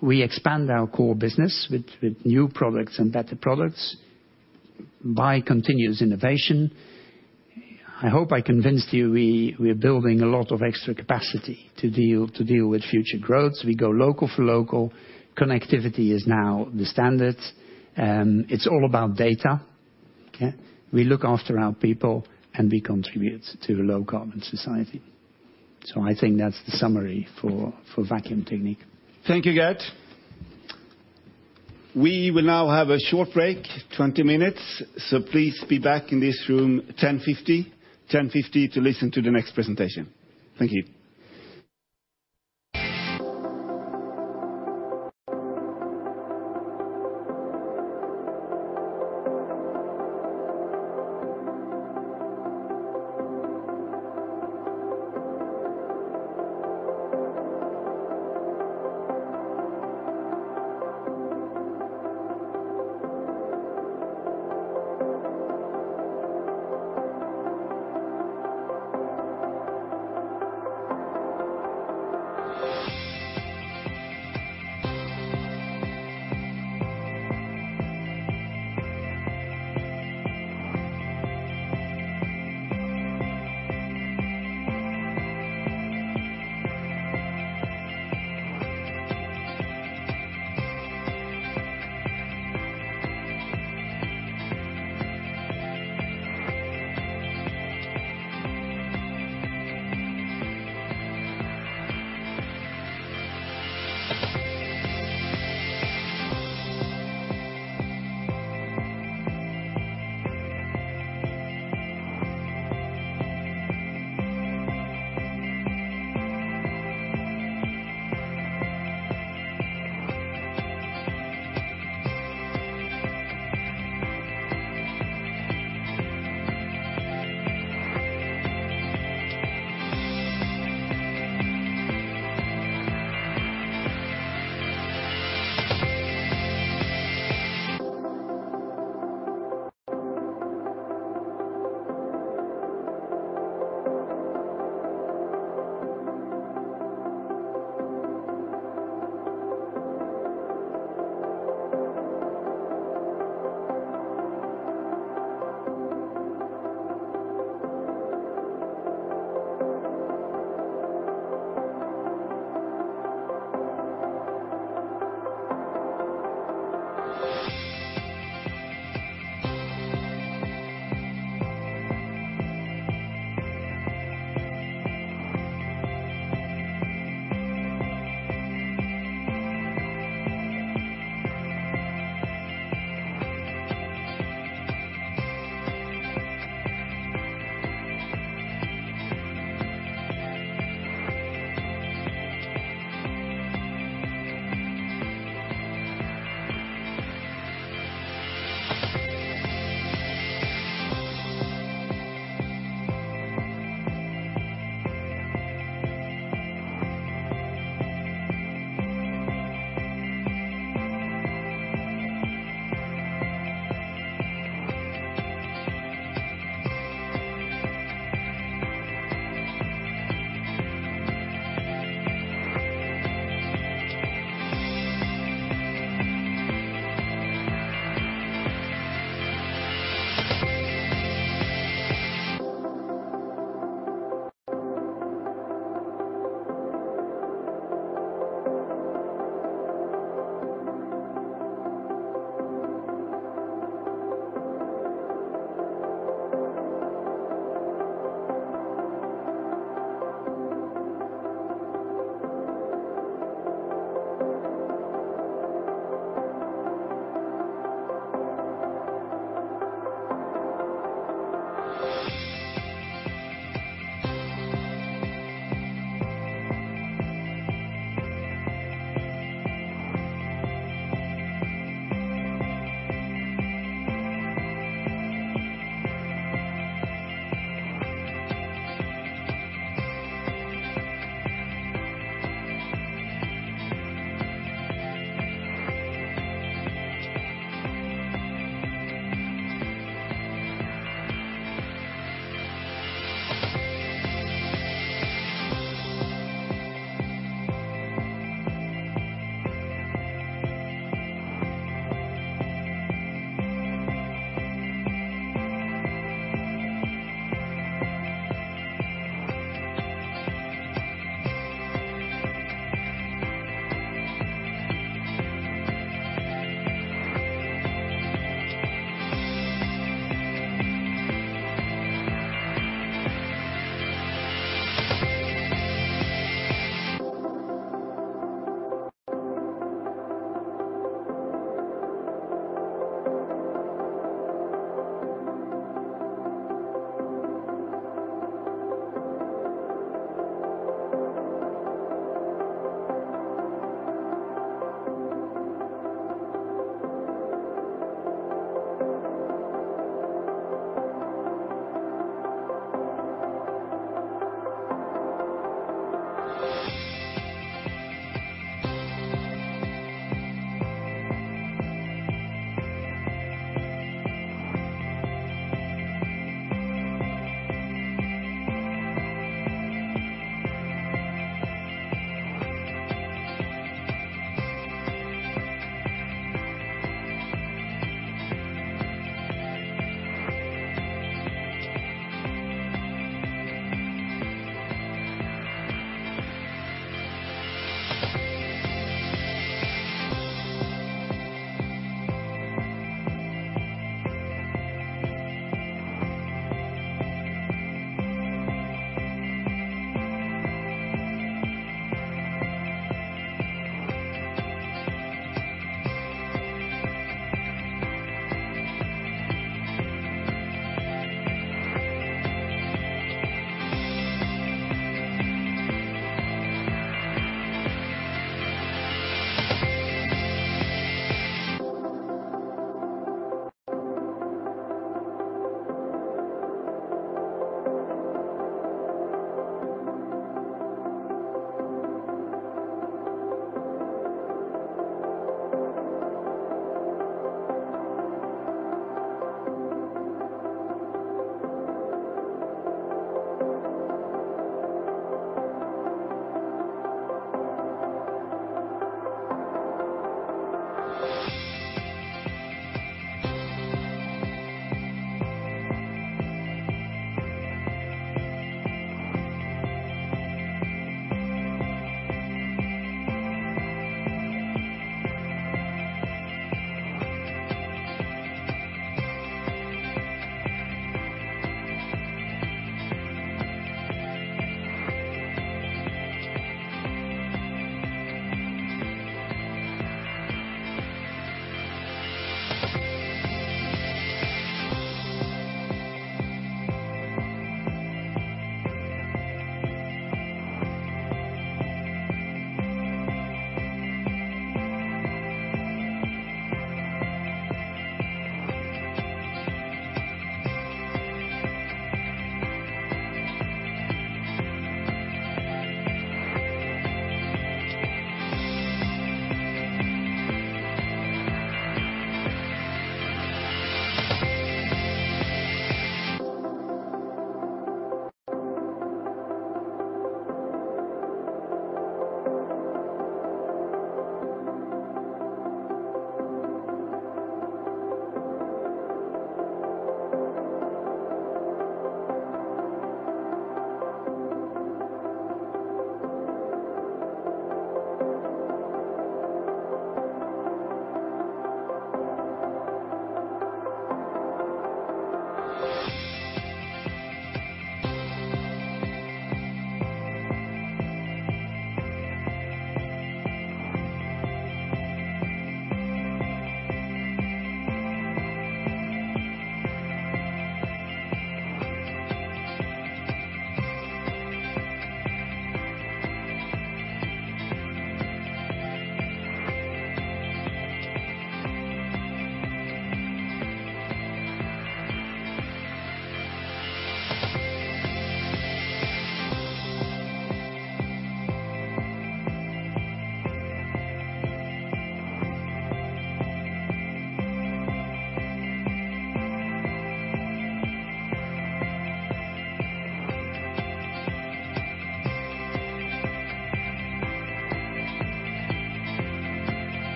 We expand our core business with new products and better products by continuous innovation. I hope I convinced you we're building a lot of extra capacity to deal with future growth. We go local for local. Connectivity is now the standard. It's all about data. Okay. We look after our people, and we contribute to a low-carbon society. I think that's the summary for Vacuum Technique. Thank you, Geert. We will now have a short break, 20 minutes. Please be back in this room 10:50 AM. 10:50 AM to listen to the next presentation. Thank you.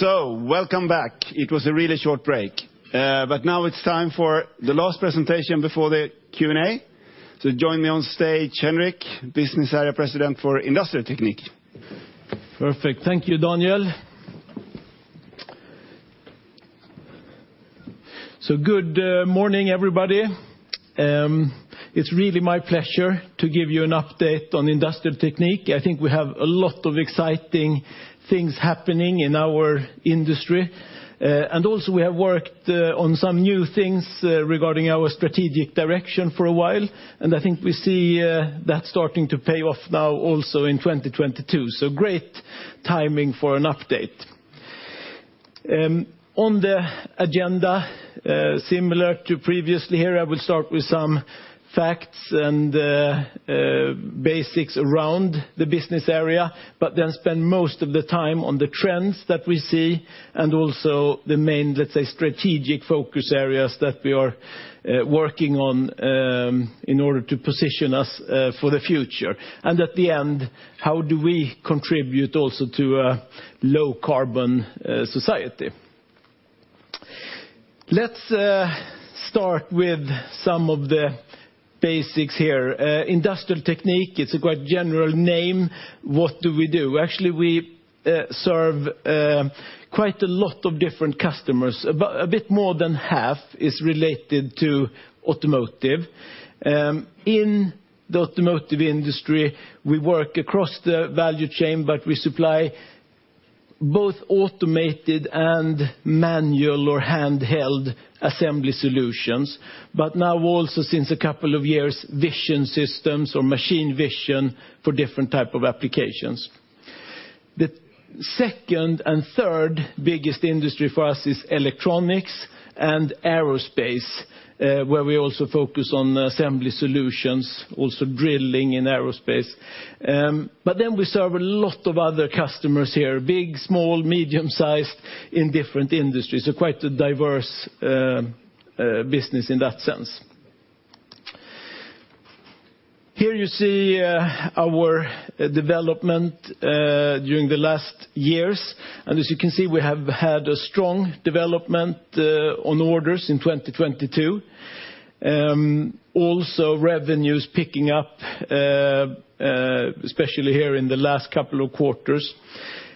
Welcome back. It was a really short break, but now it's time for the last presentation before the Q&A. Join me on stage, Henrik, Business Area President for Industrial Technique. Perfect. Thank you, Daniel. Good morning, everybody. It's really my pleasure to give you an update on Industrial Technique. I think we have a lot of exciting things happening in our industry. We have worked on some new things regarding our strategic direction for a while, and I think we see that starting to pay off now also in 2022, great timing for an update. On the agenda, similar to previously here, I will start with some facts and basics around the business area, but then spend most of the time on the trends that we see and also the main, let's say, strategic focus areas that we are working on in order to position us for the future. At the end, how do we contribute also to a low carbon society? Let's start with some of the basics here. Industrial Technique, it's a quite general name. What do we do? Actually, we serve quite a lot of different customers. A bit more than half is related to automotive. In the automotive industry, we work across the value chain, but we supply both automated and manual or handheld assembly solutions. But now also since a couple of years, vision systems or machine vision for different type of applications. The second and third-biggest industry for us is electronics and aerospace, where we also focus on assembly solutions, also drilling in aerospace. We serve a lot of other customers here, big, small, medium-sized in different industries, so quite a diverse business in that sense. Here you see our development during the last years. As you can see, we have had a strong development on orders in 2022. Also revenues picking up, especially here in the last couple of quarters.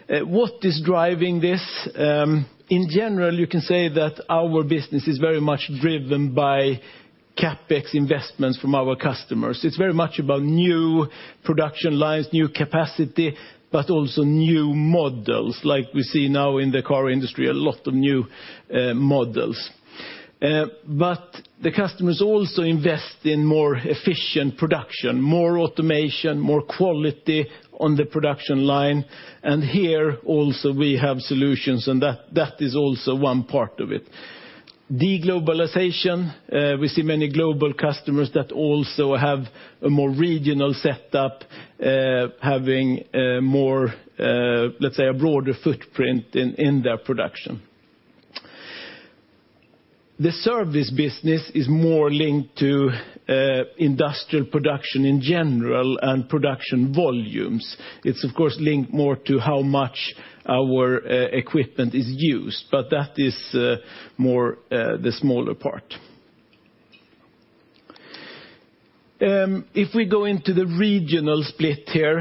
What is driving this? In general, you can say that our business is very much driven by CapEx investments from our customers. It's very much about new production lines, new capacity, but also new models like we see now in the car industry, a lot of new models. But the customers also invest in more efficient production, more automation, more quality on the production line. Here also we have solutions, and that is also one part of it. Deglobalization, we see many global customers that also have a more regional setup, having more, let's say, a broader footprint in their production. The service business is more linked to industrial production in general and production volumes. It's of course linked more to how much our equipment is used, but that is more the smaller part. If we go into the regional split here,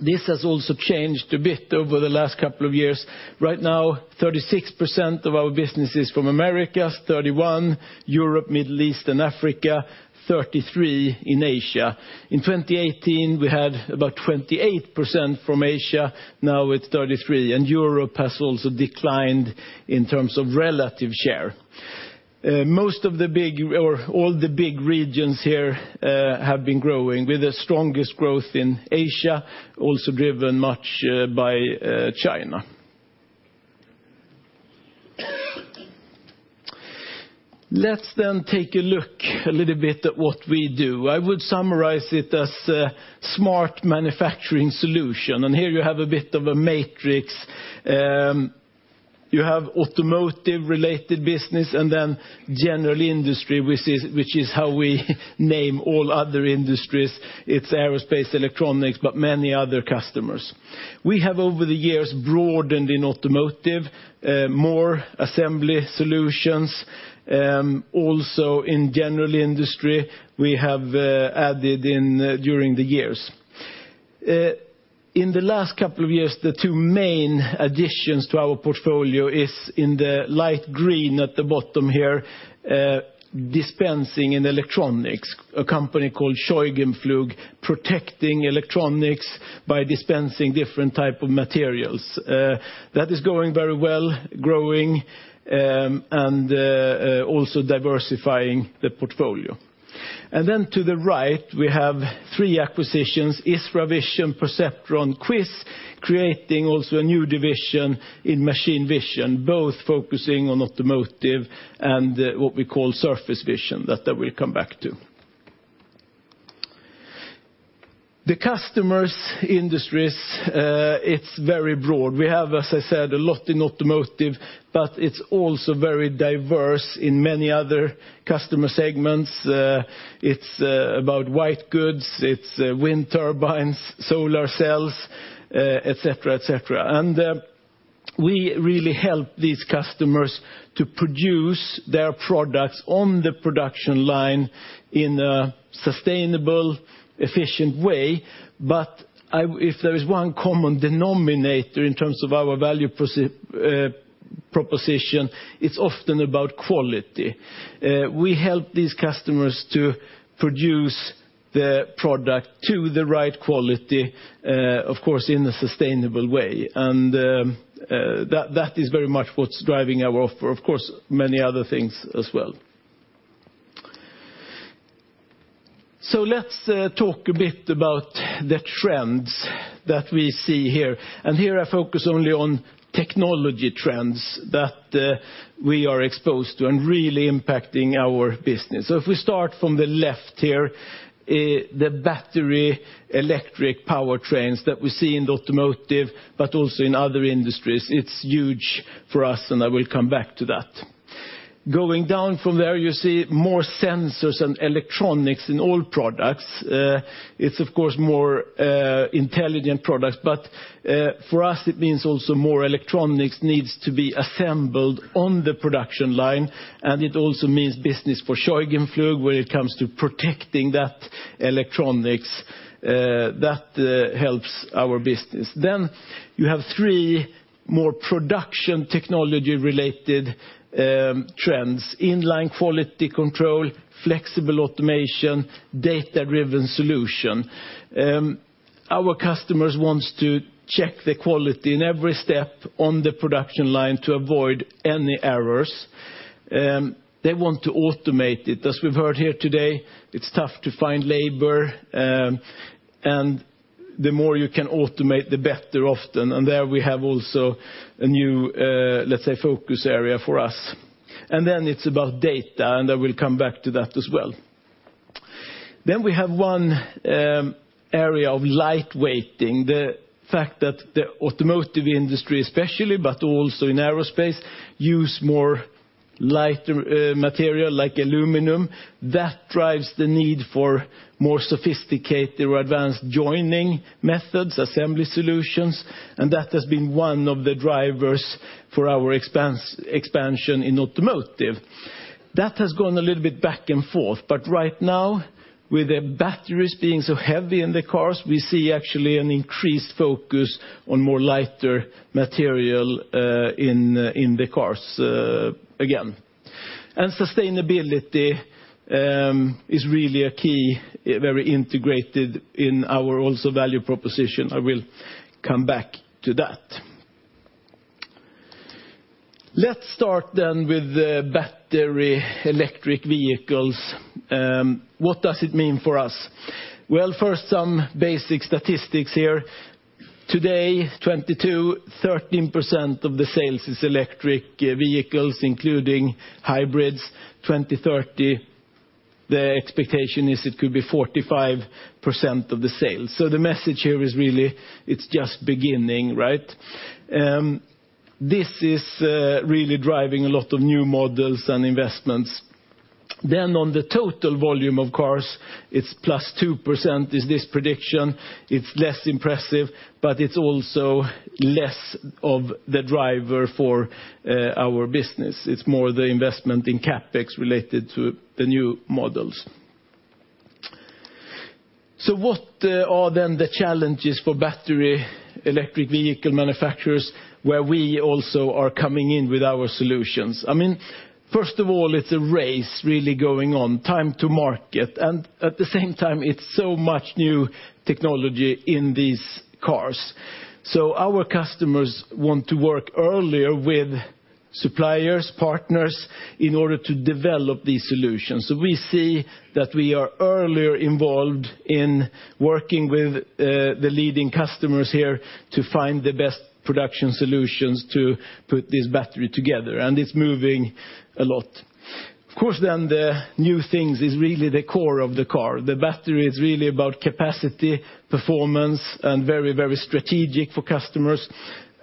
this has also changed a bit over the last couple of years. Right now, 36% of our business is from Americas, 31% Europe, Middle East, and Africa, 33% in Asia. In 2018, we had about 28% from Asia, now it's 33%, and Europe has also declined in terms of relative share. Most of the big or all the big regions here have been growing with the strongest growth in Asia, also driven much by China. Let's take a look a little bit at what we do. I would summarize it as a Smart manufacturing solution. Here you have a bit of a matrix. You have automotive-related business and then general industry, which is how we name all other industries. It's aerospace, electronics, but many other customers. We have over the years broadened in automotive more assembly solutions. Also in general industry, we have added in during the years. In the last couple of years, the two main additions to our portfolio is in the light green at the bottom here, dispensing in electronics, a company called Scheugenpflug, protecting electronics by dispensing different type of materials. That is going very well, growing, and also diversifying the portfolio. To the right, we have three acquisitions, ISRA VISION, Perceptron, QuISS, creating also a new division in machine vision, both focusing on automotive and what we call Surface Vision that I will come back to. The customers' industries, it's very broad. We have, as I said, a lot in automotive, but it's also very diverse in many other customer segments. It's about white goods, it's wind turbines, solar cells, etc., etc. We really help these customers to produce their products on the production line in a sustainable, efficient way. If there is one common denominator in terms of our value proposition, it's often about quality. We help these customers to produce the product to the right quality, of course, in a sustainable way. That is very much what's driving our offer. Of course, many other things as well. Let's talk a bit about the trends that we see here. Here I focus only on technology trends that we are exposed to and really impacting our business. If we start from the left here, the battery electric powertrains that we see in the automotive, but also in other industries, it's huge for us, and I will come back to that. Going down from there, you see more sensors and electronics in all products. It's of course more intelligent products, but for us, it means also more electronics needs to be assembled on the production line, and it also means business for Scheugenpflug when it comes to protecting that electronics that helps our business. You have three more production technology-related trends, inline quality control, flexible automation, data-driven solution. Our customers wants to check the quality in every step on the production line to avoid any errors. They want to automate it. As we've heard here today, it's tough to find labor, and the more you can automate, the better often. There we have also a new, let's say, focus area for us. Then it's about data, and I will come back to that as well. We have one area of lightweighting, the fact that the automotive industry especially, but also in aerospace, use more lighter material like aluminum. That drives the need for more sophisticated or advanced joining methods, assembly solutions, and that has been one of the drivers for our expansion in automotive. That has gone a little bit back and forth, but right now, with the batteries being so heavy in the cars, we see actually an increased focus on more lighter material in the cars again. Sustainability is really a key, very integrated in our also value proposition. I will come back to that. Let's start then with the battery electric vehicles. What does it mean for us? Well, first some basic statistics here. Today, 2022, 13% of the sales is electric vehicles, including hybrids. 2030, the expectation is it could be 45% of the sales. The message here is really it's just beginning, right? This is really driving a lot of new models and investments. On the total volume of cars, it's +2% is this prediction. It's less impressive, but it's also less of the driver for our business. It's more the investment in CapEx related to the new models. What are then the challenges for battery electric vehicle manufacturers where we also are coming in with our solutions? I mean, first of all, it's a race really going on, time to market, and at the same time, it's so much new technology in these cars. So our customers want to work earlier with suppliers, partners in order to develop these solutions. We see that we are already involved in working with the leading customers here to find the best production solutions to put this battery together, and it's moving a lot. Of course, the new thing is really the core of the car. The battery is really about capacity, performance, and very, very strategic for customers.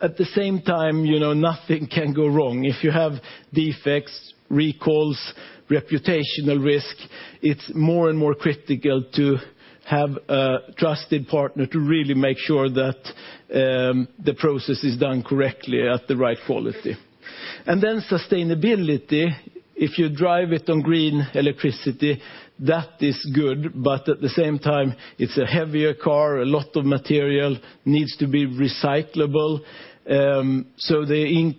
At the same time, you know, nothing can go wrong. If you have defects, recalls, reputational risk, it's more and more critical to have a trusted partner to really make sure that the process is done correctly at the right quality. And then sustainability, if you drive it on green electricity, that is good, but at the same time, it's a heavier car, a lot of material needs to be recyclable. The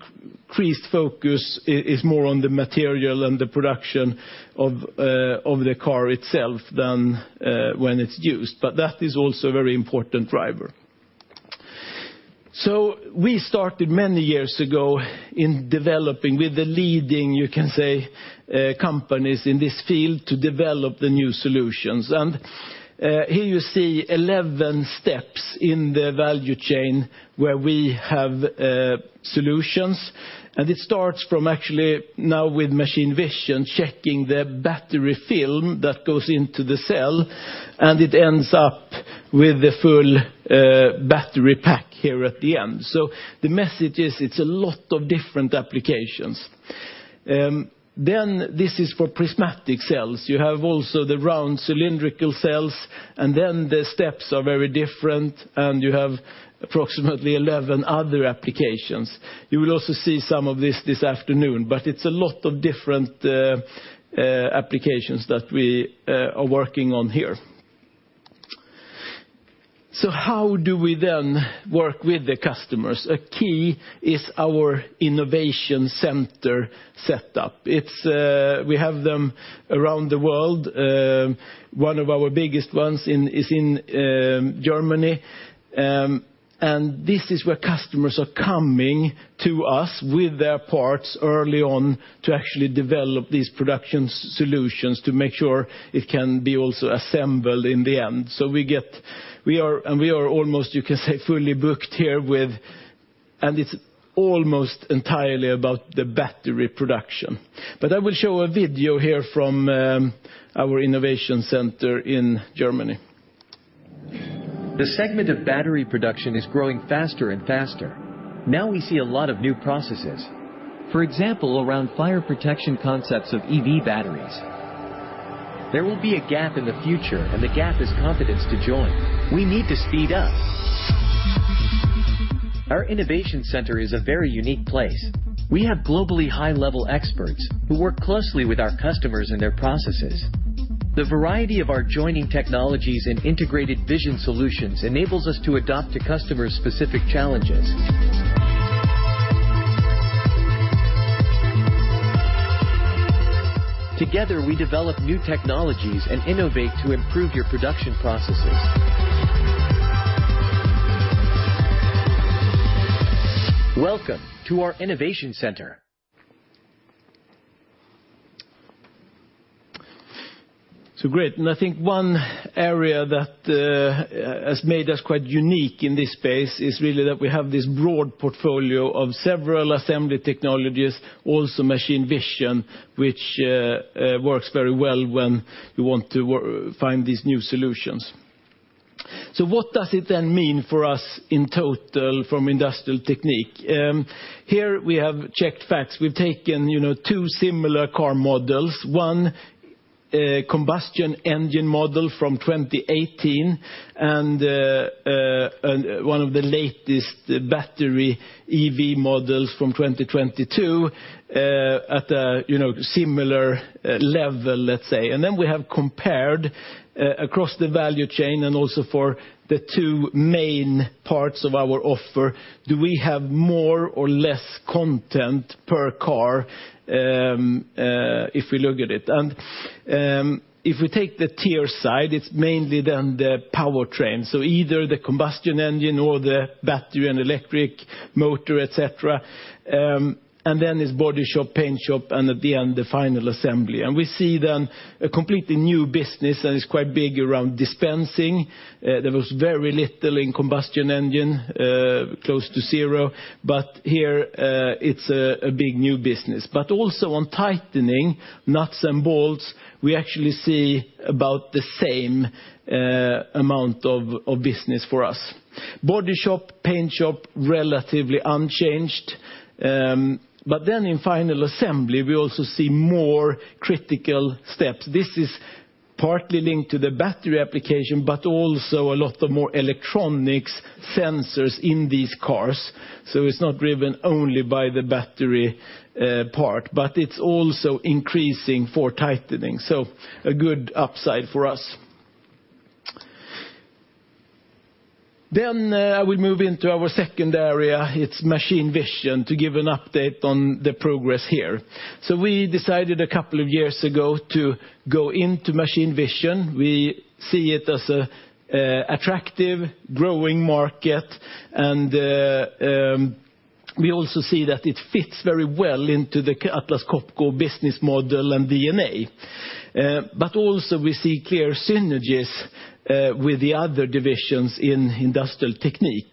increased focus is more on the material and the production of the car itself than when it's used. That is also a very important driver. So we started many years ago in developing with the leading, you can say, companies in this field to develop the new solutions. Here you see 11 steps in the value chain where we have solutions, and it starts from actually now with machine vision, checking the battery film that goes into the cell, and it ends up with the full battery pack here at the end. The message is it's a lot of different applications. This is for prismatic cells. You have also the round cylindrical cells, and then the steps are very different, and you have approximately 11 other applications. You will also see some of this afternoon, but it's a lot of different applications that we are working on here. How do we then work with the customers? A key is our innovation center setup. It's we have them around the world. One of our biggest ones is in Germany. This is where customers are coming to us with their parts early on to actually develop these production solutions to make sure it can be also assembled in the end. We are almost, you can say, fully booked here with, and it's almost entirely about the battery production. I will show a video here from our innovation center in Germany. The segment of battery production is growing faster and faster. Now we see a lot of new processes, for example, around fire protection concepts of EV batteries. There will be a gap in the future, and the gap is confidence to join. We need to speed up. Our innovation center is a very unique place. We have globally high-level experts who work closely with our customers and their processes. The variety of our joining technologies and Integrated Vision solutions enables us to adapt to customers' specific challenges. Together, we develop new technologies and innovate to improve your production processes. Welcome to our innovation center. Great. I think one area that has made us quite unique in this space is really that we have this broad portfolio of several assembly technologies, also machine vision, which works very well when we want to find these new solutions. What does it then mean for us in total from Industrial Technique? Here we have checked facts. We've taken, you know, two similar car models, one combustion engine model from 2018 and one of the latest battery EV models from 2022, at a, you know, similar level, let's say. Then we have compared across the value chain and also for the two main parts of our offer, do we have more or less content per car, if we look at it? If we take the tier side, it's mainly then the powertrain, so either the combustion engine or the battery and electric motor, et cetera, and then it's body shop, paint shop, and at the end, the final assembly. We see then a completely new business, and it's quite big around dispensing. There was very little in combustion engine, close to zero, but here, it's a big new business. But also on tightening nuts and bolts, we actually see about the same amount of business for us. Body shop, paint shop, relatively unchanged. In final assembly, we also see more critical steps. This is partly linked to the battery application, but also a lot of more electronics sensors in these cars. It's not driven only by the battery part, but it's also increasing for tightening. A good upside for us. Then I will move into our second area. It's machine vision to give an update on the progress here. We decided a couple of years ago to go into machine vision. We see it as an attractive growing market and we also see that it fits very well into the Atlas Copco business model and DNA. Also we see clear synergies with the other divisions in Industrial Technique.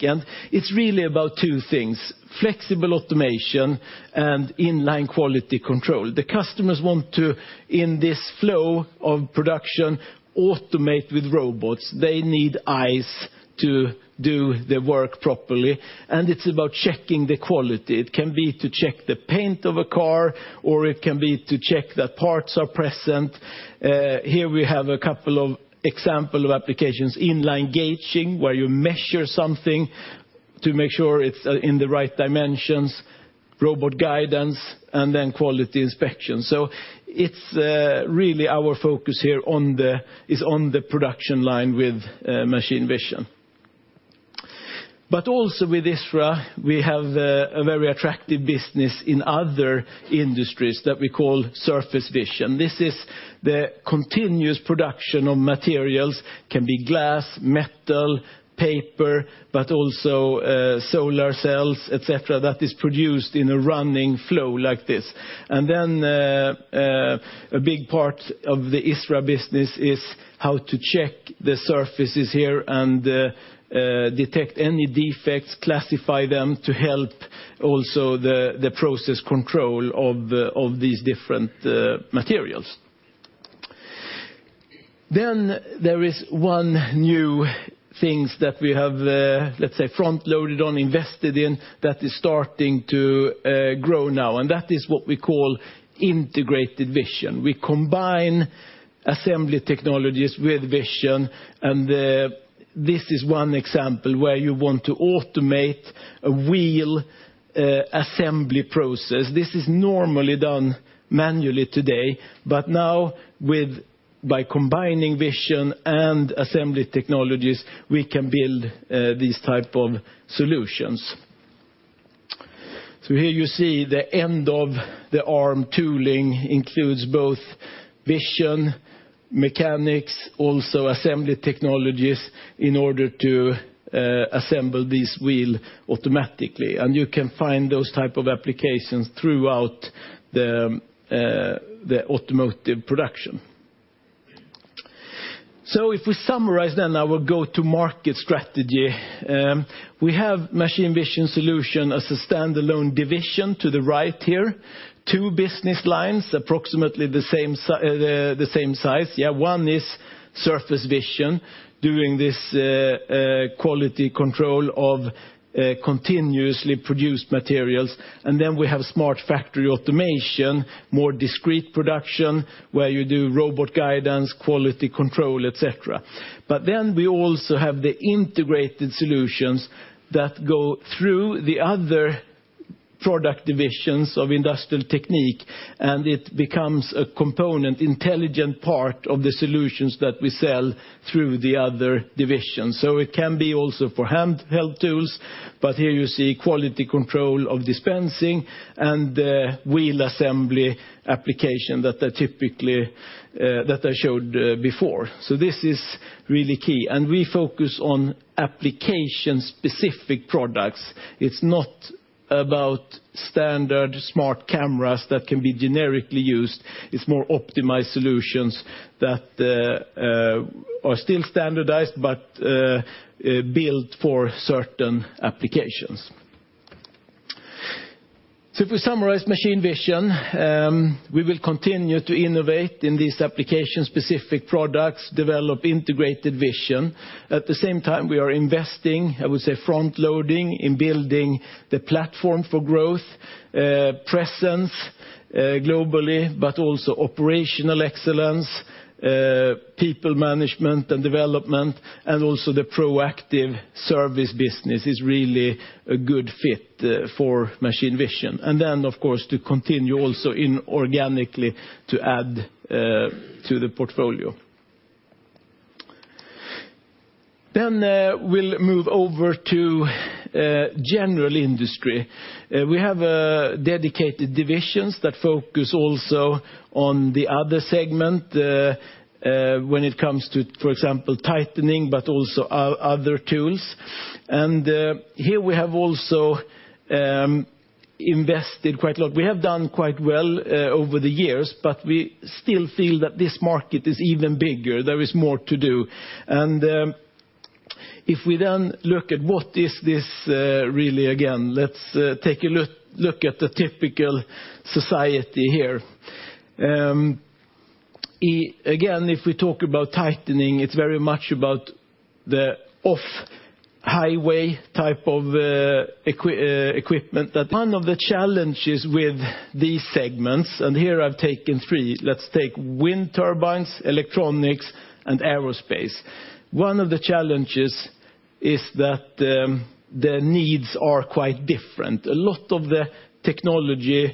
It's really about two things, flexible automation and in-line quality control. The customers want to, in this flow of production, automate with robots. They need eyes to do the work properly, and it's about checking the quality. It can be to check the paint of a car, or it can be to check that parts are present. Here we have a couple of example of applications, in-line gauging, where you measure something to make sure it's in the right dimensions, robot guidance, and then quality inspection. It's really our focus here on the production line with machine vision. But also with ISRA, we have a very attractive business in other industries that we call Surface Vision. This is the continuous production of materials, can be glass, metal, paper, but also solar cells, et cetera, that is produced in a running flow like this. A big part of the ISRA business is how to check the surfaces here and detect any defects, classify them to help also the process control of these different materials. There is one new thing that we have, let's say, front-loaded on, invested in that is starting to grow now, and that is what we call Integrated Vision. We combine assembly technologies with vision, and this is one example where you want to automate a wheel assembly process. This is normally done manually today, but now by combining vision and assembly technologies, we can build these type of solutions. Here you see the end-of-arm tooling includes both vision, mechanics, also assembly technologies in order to assemble this wheel automatically. You can find those type of applications throughout the automotive production. If we summarize then our go-to-market strategy, we have machine vision solution as a standalone division to the right here. Two business lines, approximately the same size. Yeah, one is Surface Vision, doing this, quality control of continuously produced materials. We have Smart Factory Automation, more discrete production, where you do robot guidance, quality control, et cetera. We also have the integrated solutions that go through the other product divisions of Industrial Technique, and it becomes a component, intelligent part of the solutions that we sell through the other divisions. It can be also for handheld tools, but here you see quality control of dispensing and wheel assembly application that are typically that I showed before. This is really key, and we focus on application-specific products. It's not about standard smart cameras that can be generically used. It's more optimized solutions that are still standardized but built for certain applications. If we summarize machine vision, we will continue to innovate in these application-specific products, develop Integrated Vision. At the same time, we are investing, I would say front-loading in building the platform for growth, presence globally, but also operational excellence, people management and development, and also the proactive service business is really a good fit for machine vision. Of course, to continue also inorganically to add to the portfolio. We'll move over to General Industry. We have dedicated divisions that focus also on the other segment, when it comes to, for example, tightening, but also other tools. Here we have also invested quite a lot. We have done quite well over the years, but we still feel that this market is even bigger. There is more to do. If we then look at what is this really again, let's take a look at the typical society here. Again, if we talk about tightening, it's very much about the off-highway type of equipment that one of the challenges with these segments, and here I've taken three. Let's take wind turbines, electronics, and aerospace. One of the challenges is that the needs are quite different. A lot of the technology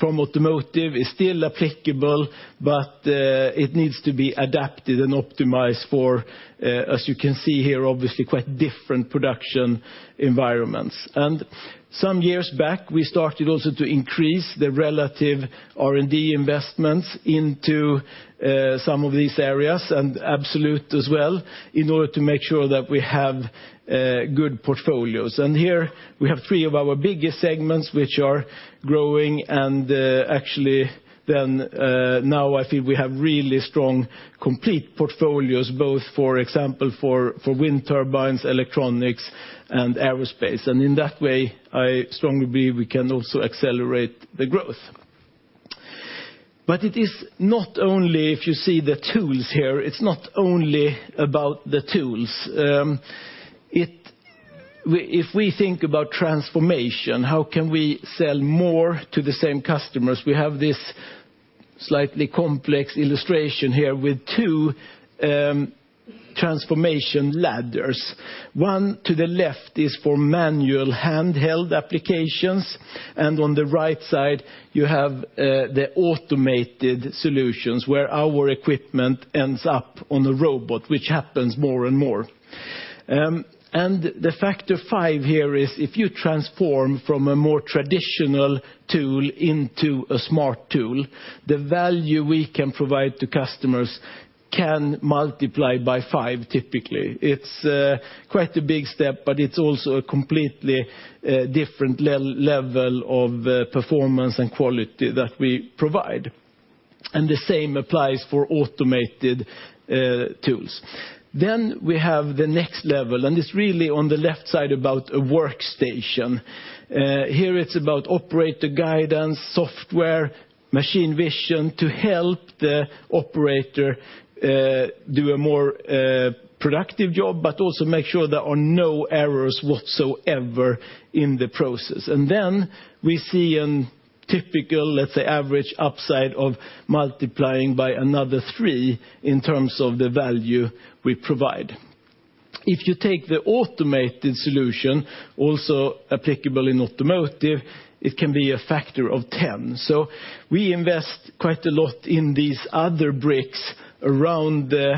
from automotive is still applicable, but it needs to be adapted and optimized for, as you can see here, obviously quite different production environments. Some years back, we started also to increase the relative R&D investments into some of these areas, and absolute as well, in order to make sure that we have good portfolios. Here we have three of our biggest segments which are growing and, actually then, now I feel we have really strong complete portfolios, both, for example, for wind turbines, electronics, and aerospace. In that way, I strongly believe we can also accelerate the growth. It is not only if you see the tools here, it's not only about the tools. If we think about transformation, how can we sell more to the same customers? We have this slightly complex illustration here with two transformation ladders. One to the left is for manual handheld applications, and on the right side, you have the automated solutions where our equipment ends up on the robot, which happens more and more. And the factor five here is if you transform from a more traditional tool into a smart tool, the value we can provide to customers can multiply by five typically. It's quite a big step, but it's also a completely different level of performance and quality that we provide, and the same applies for automated tools. We have the next level, and it's really on the left side about a workstation. Here it's about operator guidance, software, machine vision to help the operator do a more productive job but also make sure there are no errors whatsoever in the process. We see a typical, let's say, average upside of multiplying by another three in terms of the value we provide. If you take the automated solution, also applicable in automotive, it can be a factor of 10. We invest quite a lot in these other bricks around the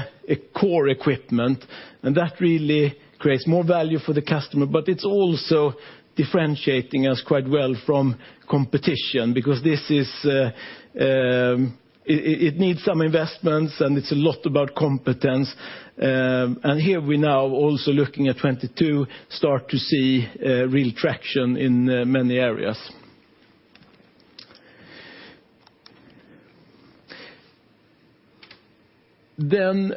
core equipment, and that really creates more value for the customer. It's also differentiating us quite well from competition because this needs some investments, and it's a lot about competence. Here we're now also looking at 2022, start to see real traction in many areas. Then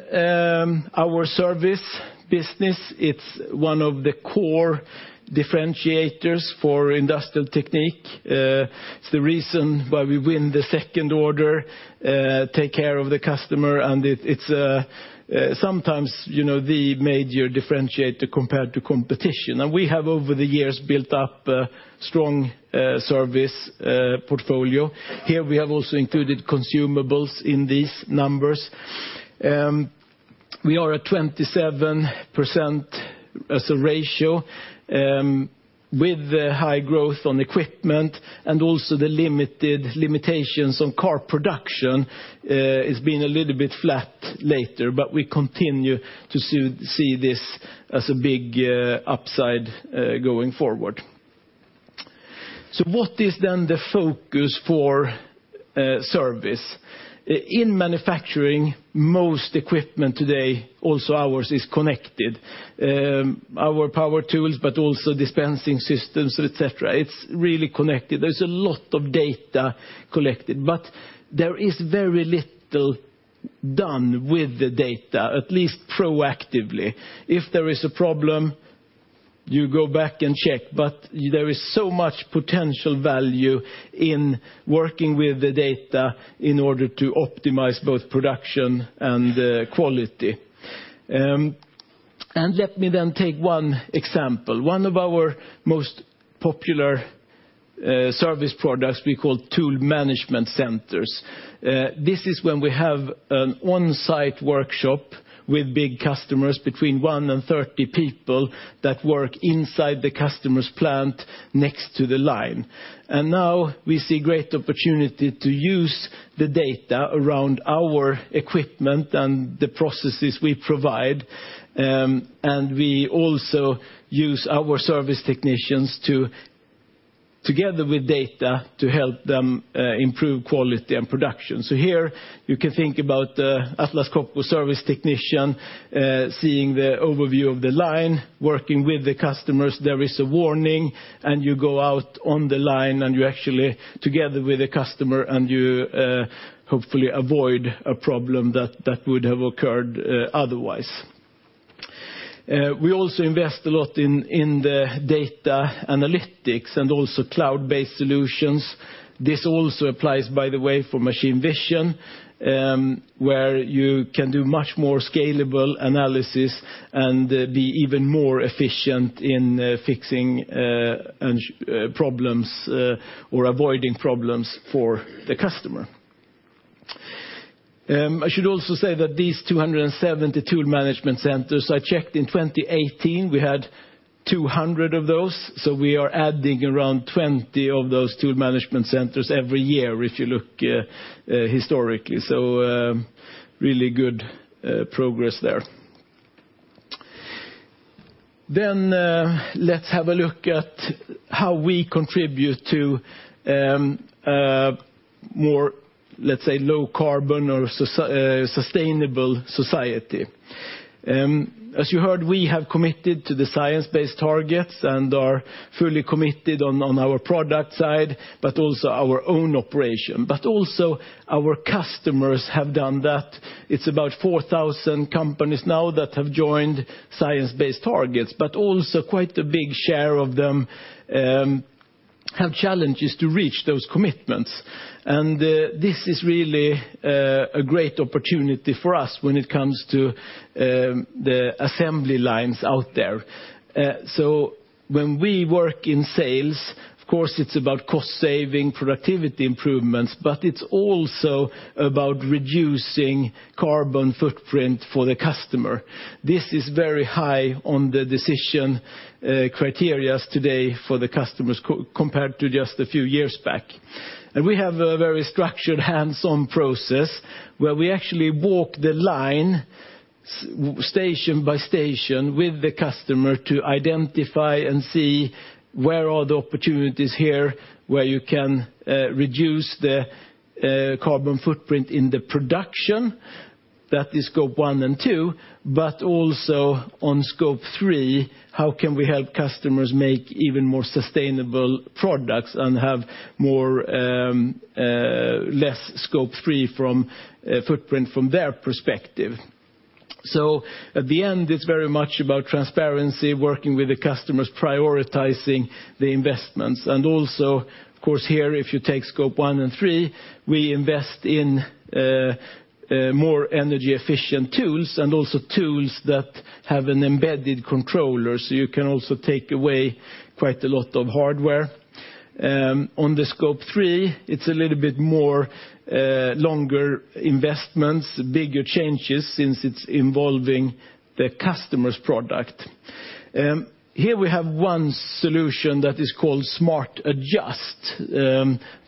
our service business, it's one of the core differentiators for Industrial Technique. It's the reason why we win the second order, take care of the customer, and it's sometimes, you know, the major differentiator compared to competition. We have over the years built up a strong service portfolio. Here we have also included consumables in these numbers. We are at 27% as a ratio, with a high growth on equipment and also the limited limitations on car production. It's been a little bit flat later, but we continue to see this as a big upside going forward. What is then the focus for service? In manufacturing, most equipment today, also ours, is connected. Our power tools, but also dispensing systems, et cetera. It's really connected. There's a lot of data collected, but there is very little done with the data, at least proactively. If there is a problem, you go back and check, but there is so much potential value in working with the data in order to optimize both production and quality. Let me then take one example. One of our most popular service products we call Tool Management Center. This is when we have an on-site workshop with big customers, between one and 30 people, that work inside the customer's plant next to the line. Now we see great opportunity to use the data around our equipment and the processes we provide, and we also use our service technicians to, together with data, to help them improve quality and production. Here you can think about Atlas Copco service technician seeing the overview of the line, working with the customers. There is a warning, and you go out on the line, and you actually together with the customer, and you hopefully avoid a problem that would have occurred otherwise. We also invest a lot in the data analytics and also cloud-based solutions. This also applies, by the way, for machine vision, where you can do much more scalable analysis and be even more efficient in fixing problems or avoiding problems for the customer. I should also say that these 270 Tool Management Center, I checked in 2018, we had 200 of those, so we are adding around 20 of those Tool Management Center every year if you look historically. Really good progress there. Let's have a look at how we contribute to more, let's say, low carbon or sustainable society. As you heard, we have committed to the science-based targets and are fully committed on our product side, but also our own operation. Our customers have done that. It's about 4,000 companies now that have joined science-based targets, but also quite a big share of them have challenges to reach those commitments. This is really a great opportunity for us when it comes to the assembly lines out there. Of course, it's about cost saving, productivity improvements, but it's also about reducing carbon footprint for the customer. This is very high on the decision criteria today for the customers compared to just a few years back. We have a very structured hands-on process where we actually walk the line, station by station with the customer to identify and see where are the opportunities here where you can reduce the carbon footprint in the production. That is Scope 1 and 2, but also on Scope 3, how can we help customers make even more sustainable products and have less Scope 3 footprint from their perspective? At the end, it's very much about transparency, working with the customers, prioritizing the investments, and also of course here, if you take Scope 1 and 3, we invest in more energy-efficient tools and also tools that have an embedded controller. You can also take away quite a lot of hardware. On the Scope 3, it's a little bit more longer investments, bigger changes since it's involving the customer's product. Here we have one solution that is called Smart Adjust,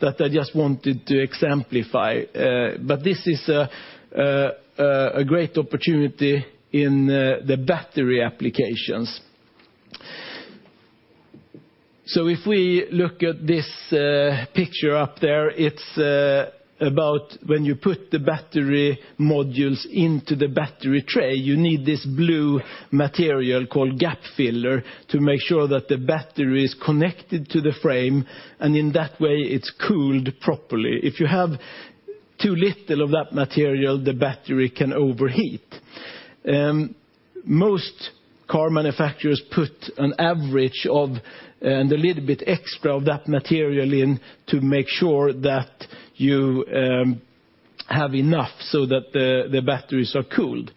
that I just wanted to exemplify, but this is a great opportunity in the battery applications. So if we look at this picture up there, it's about when you put the battery modules into the battery tray, you need this blue material called gap filler to make sure that the battery is connected to the frame, and in that way, it's cooled properly. If you have too little of that material, the battery can overheat. Most car manufacturers put an average of and a little bit extra of that material in to make sure that you have enough so that the batteries are cooled.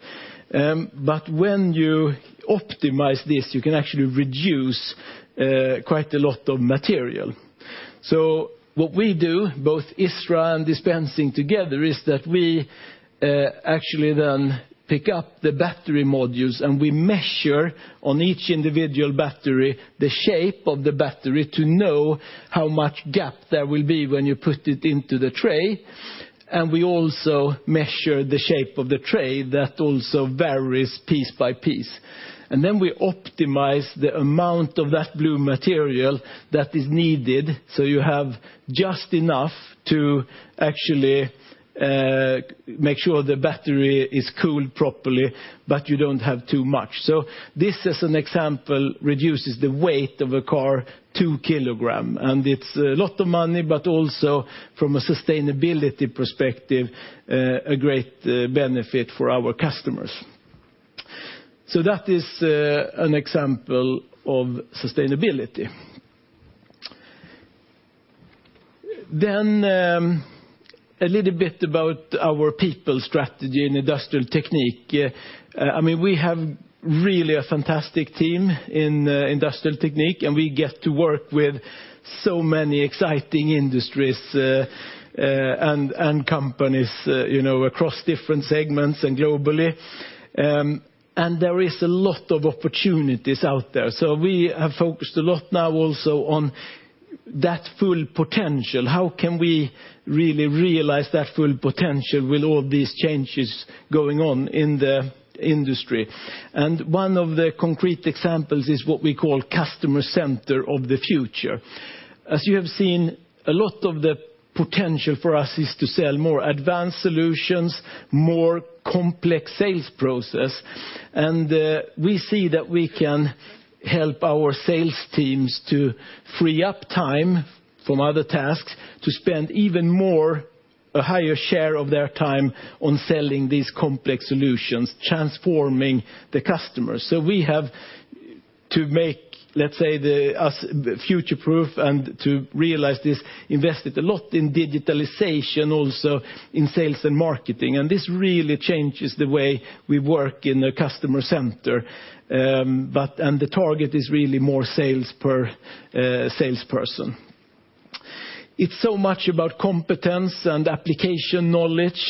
When you optimize this, you can actually reduce quite a lot of material. So what we do, both ISRA and Dispensing together, is that we actually then pick up the battery modules, and we measure on each individual battery the shape of the battery to know how much gap there will be when you put it into the tray. We also measure the shape of the tray that also varies piece by piece. We then optimize the amount of that blue material that is needed, so you have just enough to actually make sure the battery is cooled properly, but you don't have too much. This as an example, reduces the weight of a car 2 kg, and it's a lot of money, but also from a sustainability perspective, a great benefit for our customers. That is an example of sustainability. Then a little bit about our people strategy in Industrial Technique. I mean, we have really a fantastic team in Industrial Technique, and we get to work with so many exciting industries and companies, you know, across different segments and globally. There is a lot of opportunities out there. We have focused a lot now also on that full potential. How can we really realize that full potential with all these changes going on in the industry? One of the concrete examples is what we call customer center of the future. As you have seen, a lot of the potential for us is to sell more advanced solutions, more complex sales process, and we see that we can help our sales teams to free up time from other tasks to spend even more, a higher share of their time on selling these complex solutions, transforming the customers. We have to make us future-proof and to realize this, invested a lot in digitalization also in sales and marketing, and this really changes the way we work in a customer-centric. The target is really more sales per salesperson. It's so much about competence and application knowledge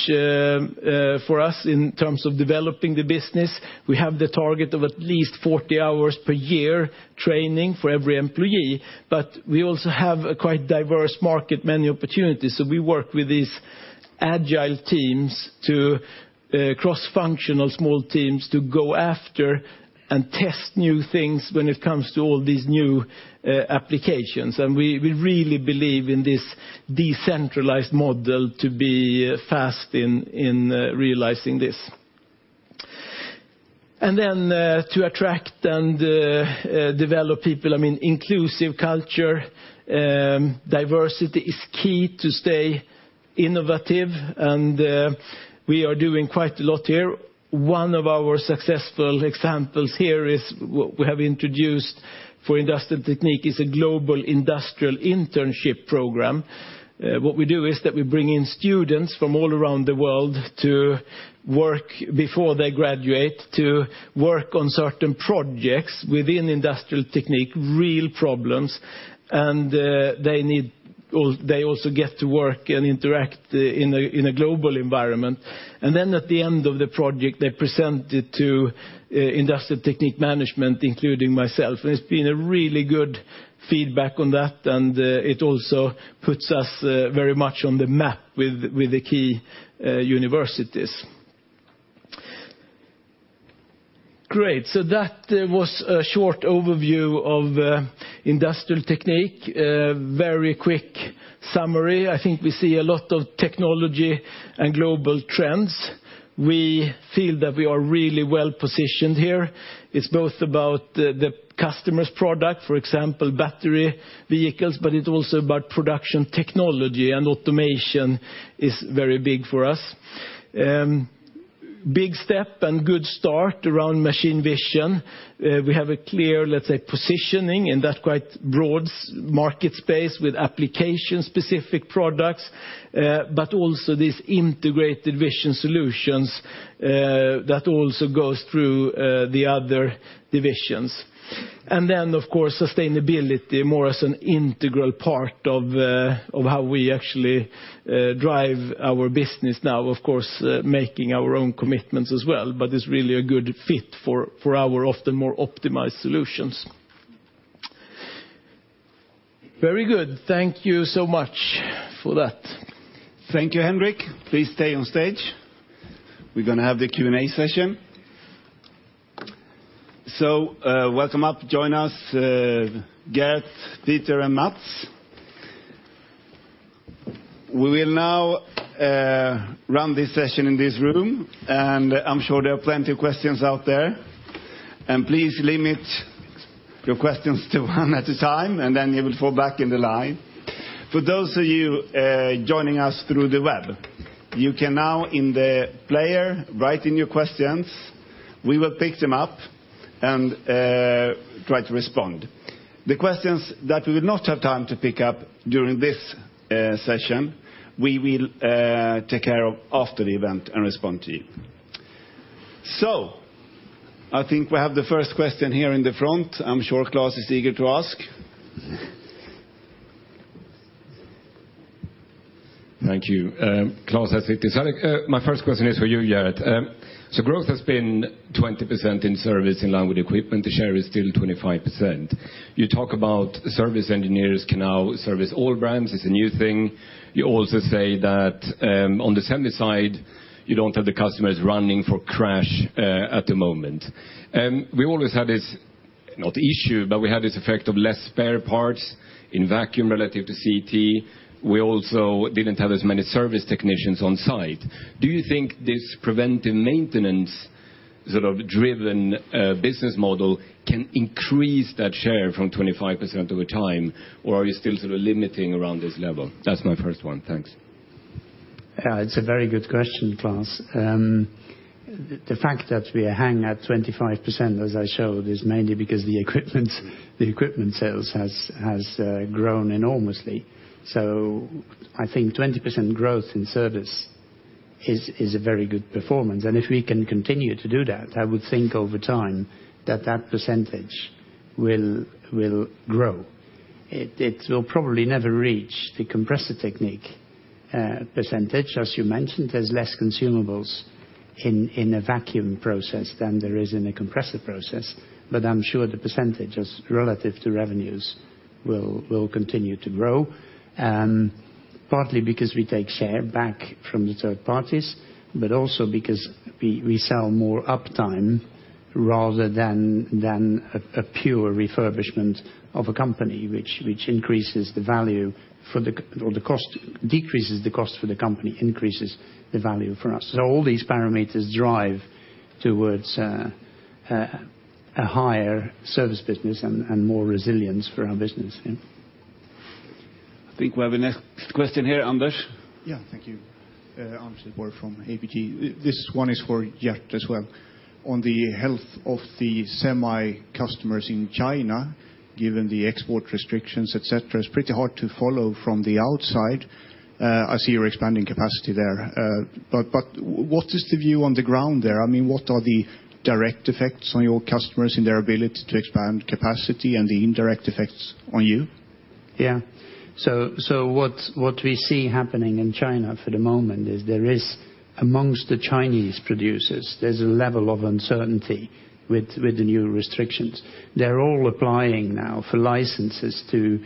for us in terms of developing the business. We have the target of at least 40 hours per year training for every employee, but we also have a quite diverse market, many opportunities, so we work with these agile cross-functional small teams to go after and test new things when it comes to all these new applications. We really believe in this decentralized model to be fast in realizing this. To attract and develop people, I mean, inclusive culture, diversity is key to stay innovative, and we are doing quite a lot here. One of our successful examples here is we have introduced for Industrial Technique a global industrial internship program. What we do is that we bring in students from all around the world to work, before they graduate, to work on certain projects within Industrial Technique, real problems, and they also get to work and interact in a global environment. At the end of the project, they present it to Industrial Technique management, including myself. It's been a really good feedback on that, and it also puts us very much on the map with the key universities. Great, that was a short overview of Industrial Technique. Very quick summary. I think we see a lot of technology and global trends. We feel that we are really well-positioned here. It's both about the customer's product, for example, battery vehicles, but it's also about production technology and automation is very big for us. Big step and good start around machine vision. We have a clear, let's say, positioning in that quite broad market space with application-specific products, but also these Integrated Vision solutions that also goes through the other divisions. Of course, sustainability more as an integral part of how we actually drive our business now, of course, making our own commitments as well, but it's really a good fit for our often more optimized solutions. Very good. Thank you so much for that. Thank you, Henrik. Please stay on stage. We're gonna have the Q&A session. Welcome up. Join us, Geert, Peter, and Mats. We will now run this session in this room, and I'm sure there are plenty of questions out there. Please limit your questions to one at a time, and then you will fall back in the line. For those of you joining us through the web, you can now in the player write in your questions. We will pick them up and try to respond. The questions that we will not have time to pick up during this session, we will take care of after the event and respond to you. I think we have the first question here in the front. I'm sure Klas is eager to ask. Thank you. Klas. Yeah. My first question for you, Geert, so growth has been 20% in service along with equipment share is still 25%, you talk about service engineers can now service all brands which is a new thing, you also say that on service side you don't have customers running for a crash at the moment. And we always had this, not the issue but the effect of this less spare parts in vacuum relative to CT. We ll also didn't have as many service technician on site. Do you think this preventative maintenance-driven business model can increase that share from 25% to a time or is still limiting around this level? That's my first one. Thanks. It's a very good question, Klas. The fact that we hang at 25% as I showed is mainly because the equipment sales has grown enormously. I think 20% growth in service is a very good performance. If we can continue to do that, I would think over time that that percentage will grow. It will probably never reach the Compressor Technique percentage as you mentioned. There's less consumables in a vacuum process than there is in a compressor process, but I'm sure the percentage as relative to revenues will continue to grow. Partly because we take share back from the third parties, but also because we sell more uptime rather than a pure refurbishment of a company which decreases the cost for the company, increases the value for us. All these parameters drive towards a higher service business and more resilience for our business. I think we have the next question here, Anders. Yeah. Thank you. Anders Hillerborg from ABG. This one is for Geert as well. On the health of the semi customers in China, given the export restrictions, et cetera, it's pretty hard to follow from the outside. I see you're expanding capacity there. But what is the view on the ground there? I mean, what are the direct effects on your customers and their ability to expand capacity and the indirect effects on you? Yeah. What we see happening in China for the moment is there is amongst the Chinese producers, there's a level of uncertainty with the new restrictions. They're all applying now for licenses to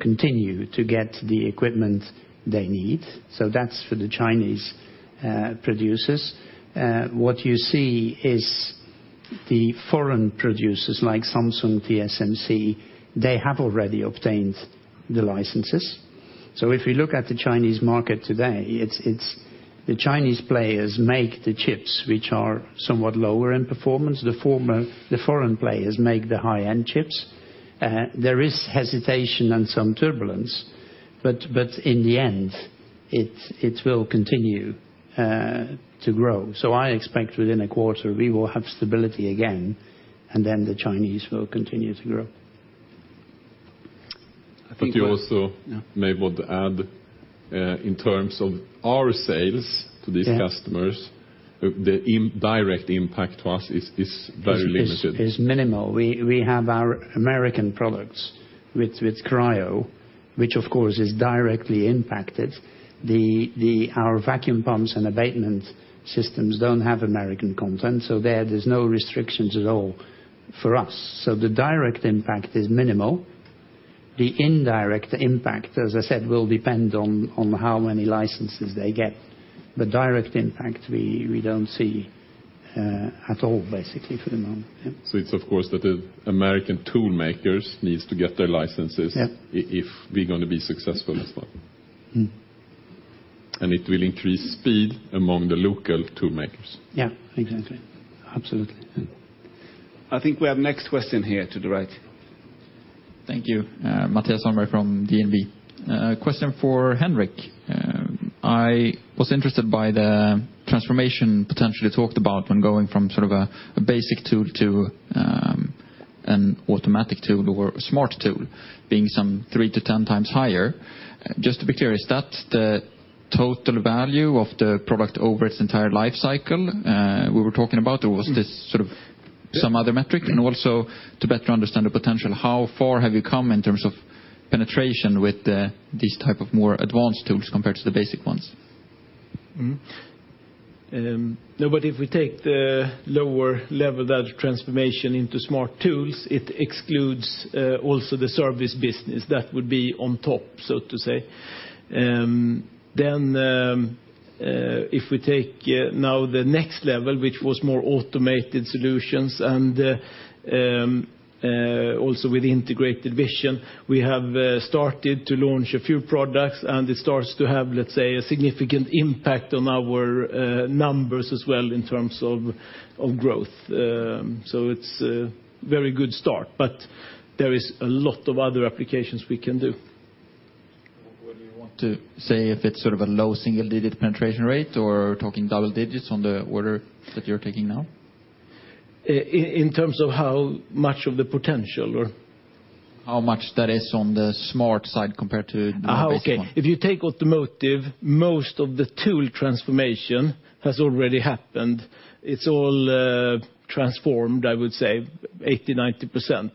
continue to get the equipment they need. That's for the Chinese producers. What you see is the foreign producers like Samsung, TSMC, they have already obtained the licenses. If we look at the Chinese market today, it's the Chinese players make the chips which are somewhat lower in performance. The foreign players make the high-end chips. There is hesitation and some turbulence, but in the end, it will continue to grow. I expect within a quarter we will have stability again, and then the Chinese will continue to grow. I think we also. Yeah may want to add, in terms of our sales to these customers- Yeah. The direct impact to us is very limited. It is minimal. We have our American products with Cryo, which of course is directly impacted. Our vacuum pumps and abatement systems don't have American content, so there's no restrictions at all for us. The direct impact is minimal. The indirect impact, as I said, will depend on how many licenses they get. The direct impact we don't see at all basically for the moment. Yeah. It's of course that the American tool makers needs to get their licenses. Yeah. If we're gonna be successful this time. Mm. It will increase speed among the local tool makers. Yeah, exactly. Absolutely. I think we have next question here to the right. Thank you. Mattias Holmberg from DNB. Question for Henrik. I was interested by the transformation potentially talked about when going from sort of a basic tool to an automatic tool or a smart tool being some 3x-10x higher. Just to be clear, is that the total value of the product over its entire life cycle we were talking about, or was this sort of some other metric? Yeah. Also to better understand the potential, how far have you come in terms of penetration with these type of more advanced tools compared to the basic ones? No, if we take the lower level, that transformation into smart tools, it excludes also the service business. That would be on top, so to say. If we take now the next level, which was more automated solutions and also with Integrated Vision, we have started to launch a few products and it starts to have, let's say, a significant impact on our numbers as well in terms of growth. It's a very good start, but there is a lot of other applications we can do. Would you want to say if it's sort of a low single-digit penetration rate or talking double digits on the order that you're taking now? In terms of how much of the potential or? How much that is on the smart side compared to the basic one? If you take automotive, most of the tool transformation has already happened. It's all transformed, I would say 80%-90%.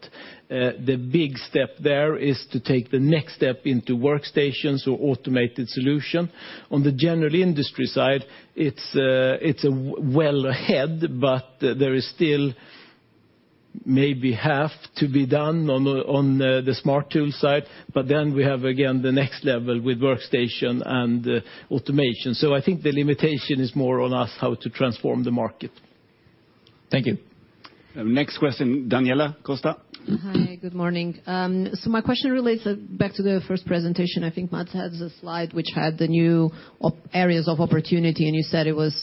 The big step there is to take the next step into workstations or automated solution. On the general industry side, it's well ahead, but there is still maybe half to be done on the smart tool side. We have again the next level with workstation and automation. I think the limitation is more on us how to transform the market. Thank you. Next question, Daniela Costa. Hi, good morning. My question relates back to the first presentation. I think Mats has a slide which had the new areas of opportunity, and you said it was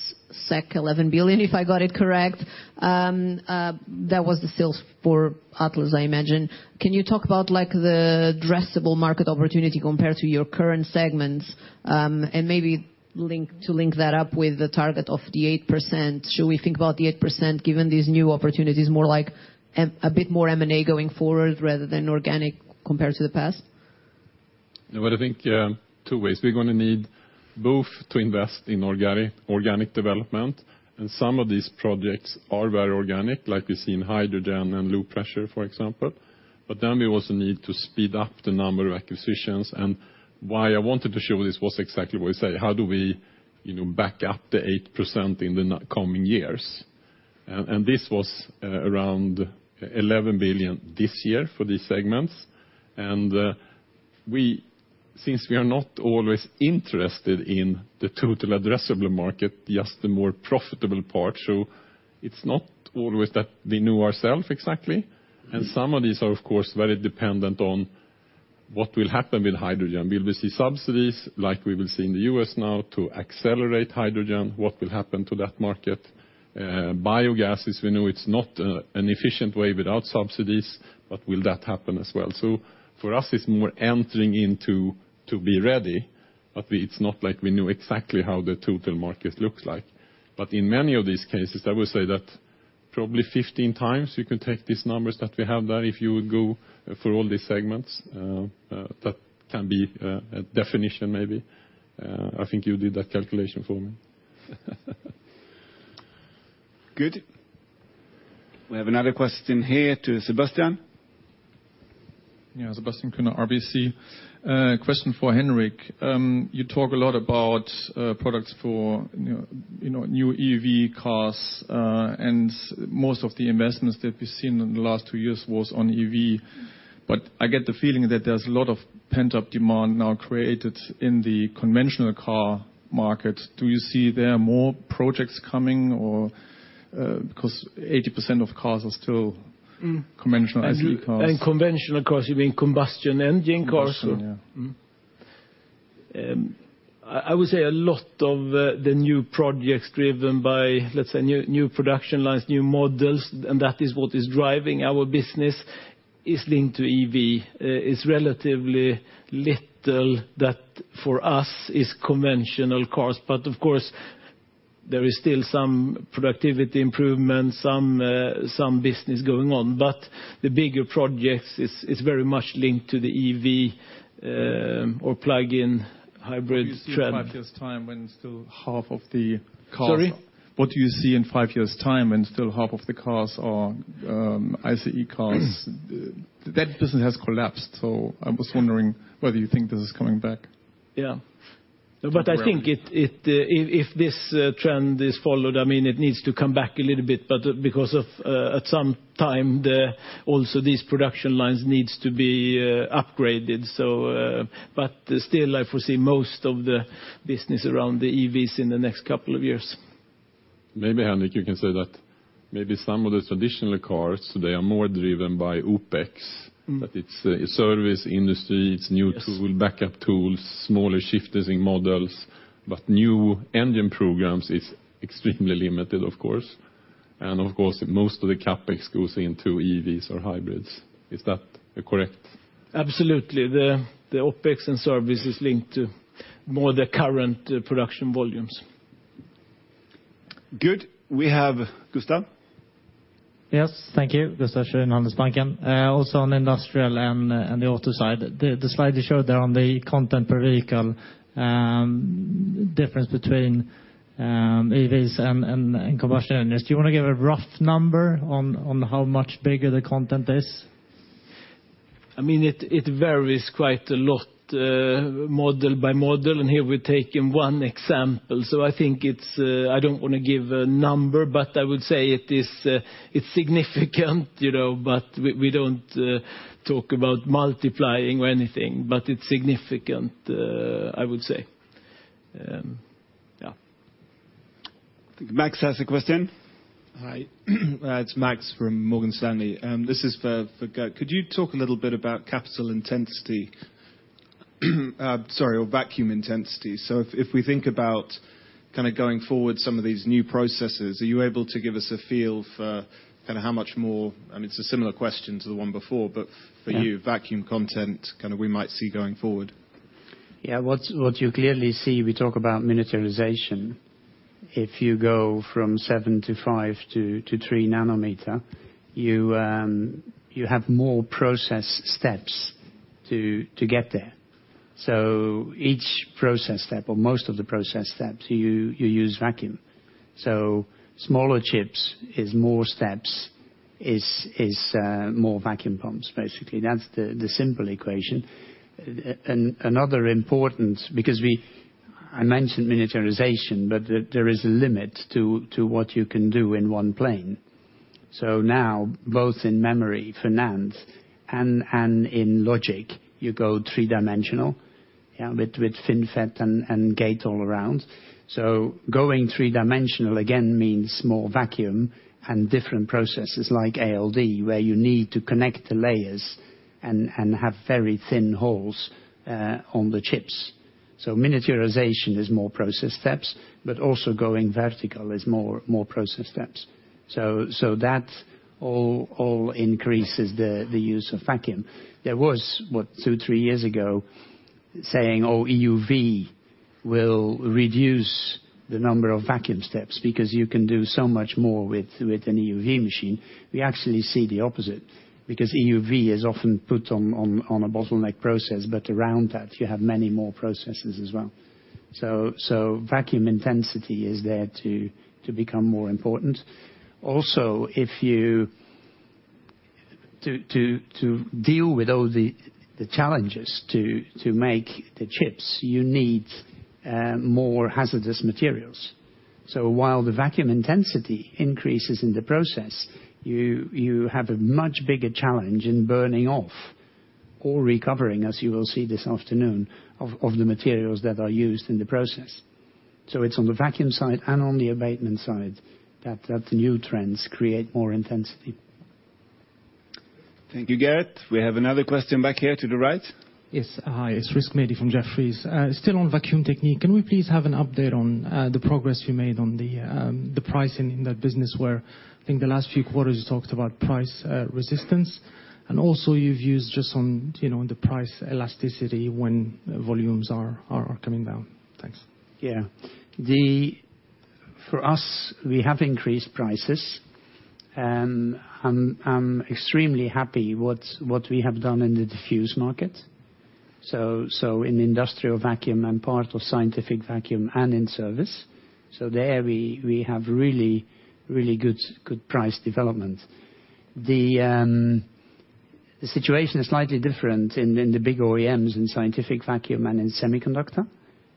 11 billion, if I got it correct. That was the sales for Atlas, I imagine. Can you talk about, like, the addressable market opportunity compared to your current segments, and maybe link that up with the target of the 8%? Should we think about the 8% given these new opportunities more like a bit more M&A going forward rather than organic compared to the past? No, I think two ways. We're gonna need both to invest in organic development, and some of these projects are very organic, like we see in hydrogen and low pressure, for example. We also need to speed up the number of acquisitions. Why I wanted to show this was exactly what you say, how do we, you know, back up the 8% in the coming years? This was around 11 billion this year for these segments. Since we are not always interested in the total addressable market, just the more profitable part, so it's not always that we know ourselves exactly. Mm-hmm. Some of these are of course very dependent on what will happen with hydrogen. Will we see subsidies like we will see in the U.S. now to accelerate hydrogen? What will happen to that market? Biogas, as we know, it's not an efficient way without subsidies, but will that happen as well? For us, it's more entering into to be ready, but it's not like we know exactly how the total market looks like. In many of these cases, I would say that probably 15x you can take these numbers that we have there, if you would go for all these segments, that can be a definition maybe. I think you did that calculation for me. Good. We have another question here to Sebastian. Yeah, Sebastian Kuenne, RBC. Question for Henrik. You talk a lot about products for, you know, new EV cars, and most of the investments that we've seen in the last two years was on EV. I get the feeling that there's a lot of pent-up demand now created in the conventional car market. Do you see there are more projects coming or, because 80% of cars are still- Mm. conventional IC cars. Conventional cars, you mean combustion engine cars or? Combustion, yeah. I would say a lot of the new projects driven by, let's say, new production lines, new models, and that is what is driving our business, is linked to EV. It's relatively little that for us is conventional cars. There is still some productivity improvement, some business going on, but the bigger projects is very much linked to the EV, or plug-in hybrid trend. What do you see in five years time when still half of the cars? Sorry? What do you see in five years time when still half of the cars are, ICE cars? That business has collapsed, so I was wondering whether you think this is coming back. Yeah. I think Around- If this trend is followed, I mean it needs to come back a little bit, but because of at some time. Also these production lines needs to be upgraded. But still, I foresee most of the business around the EVs in the next couple of years. Maybe, Henrik, you can say that maybe some of the traditional cars, they are more driven by OpEx. Mm. It's a service industry. Yes... backup tools, smaller shifters in models, but new engine programs is extremely limited, of course. Of course, most of the CapEx goes into EVs or hybrids. Is that correct? Absolutely. The OpEx and service is linked to more of the current production volumes. Good. We have Gustaf. Yes. Thank you. Gustaf Schwerin, Handelsbanken. Also on industrial and the auto side. The slide you showed there on the content per vehicle, difference between EVs and combustion engines. Do you want to give a rough number on how much bigger the content is? I mean, it varies quite a lot, model by model, and here we've taken one example. I think it's. I don't want to give a number, but I would say it's significant, you know, but we don't talk about multiplying or anything, but it's significant, I would say. Yeah. I think Max has a question. Hi. It's Max from Morgan Stanley. This is for Geert. Could you talk a little bit about capital intensity? Sorry, or vacuum intensity. If we think about kind of going forward some of these new processes, are you able to give us a feel for kind of how much more? I mean, it's a similar question to the one before, but for you. Yeah. Vacuum content kind of we might see going forward. Yeah. What you clearly see, we talk about miniaturization. If you go from 7 nm to 5 nm to 3 nm, you have more process steps to get there. Each process step, or most of the process steps, you use vacuum. Smaller chips is more steps, is more vacuum pumps, basically. That's the simple equation. Another important, because we I mentioned miniaturization, but there is a limit to what you can do in one plane. Now both in memory for NAND and in logic, you go three-dimensional, yeah, with FinFET and gate-all-around. Going three-dimensional again means more vacuum and different processes like ALD, where you need to connect the layers and have very thin holes on the chips. Miniaturization is more process steps, but also going vertical is more process steps. That all increases the use of vacuum. There was two, three years ago saying, "Oh, EUV will reduce the number of vacuum steps because you can do so much more with an EUV machine." We actually see the opposite, because EUV is often put on a bottleneck process, but around that you have many more processes as well. Vacuum intensity is there to become more important. To deal with all the challenges to make the chips, you need more hazardous materials. While the vacuum intensity increases in the process, you have a much bigger challenge in burning off or recovering, as you will see this afternoon, of the materials that are used in the process. It's on the vacuum side and on the abatement side that the new trends create more intensity. Thank you, Geert. We have another question back here to the right. Yes. Hi, it's Rizk Maidi from Jefferies. Still on Vacuum Technique, can we please have an update on the progress you made on the pricing in that business where I think the last few quarters you talked about price resistance? Also your views just on, you know, on the price elasticity when volumes are coming down. Thanks. Yeah, for us, we have increased prices, and I'm extremely happy with what we have done in the discrete market. In industrial vacuum and part of scientific vacuum and in service, we have really good price development. The situation is slightly different in the big OEMs in scientific vacuum and in semiconductor,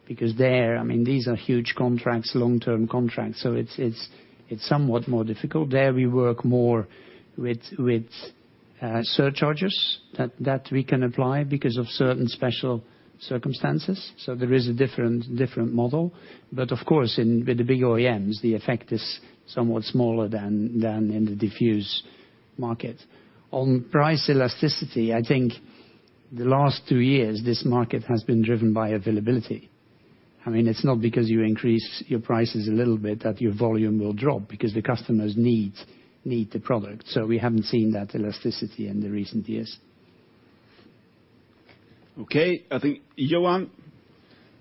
because there, I mean, these are huge contracts, long-term contracts, so it's somewhat more difficult. There we work more with surcharges that we can apply because of certain special circumstances. There is a different model. Of course, as with the big OEMs, the effect is somewhat smaller than in the discrete market. On price elasticity, I think the last two years, this market has been driven by availability. I mean, it's not because you increase your prices a little bit that your volume will drop, because the customers need the product. We haven't seen that elasticity in recent years. Okay. I think Johan?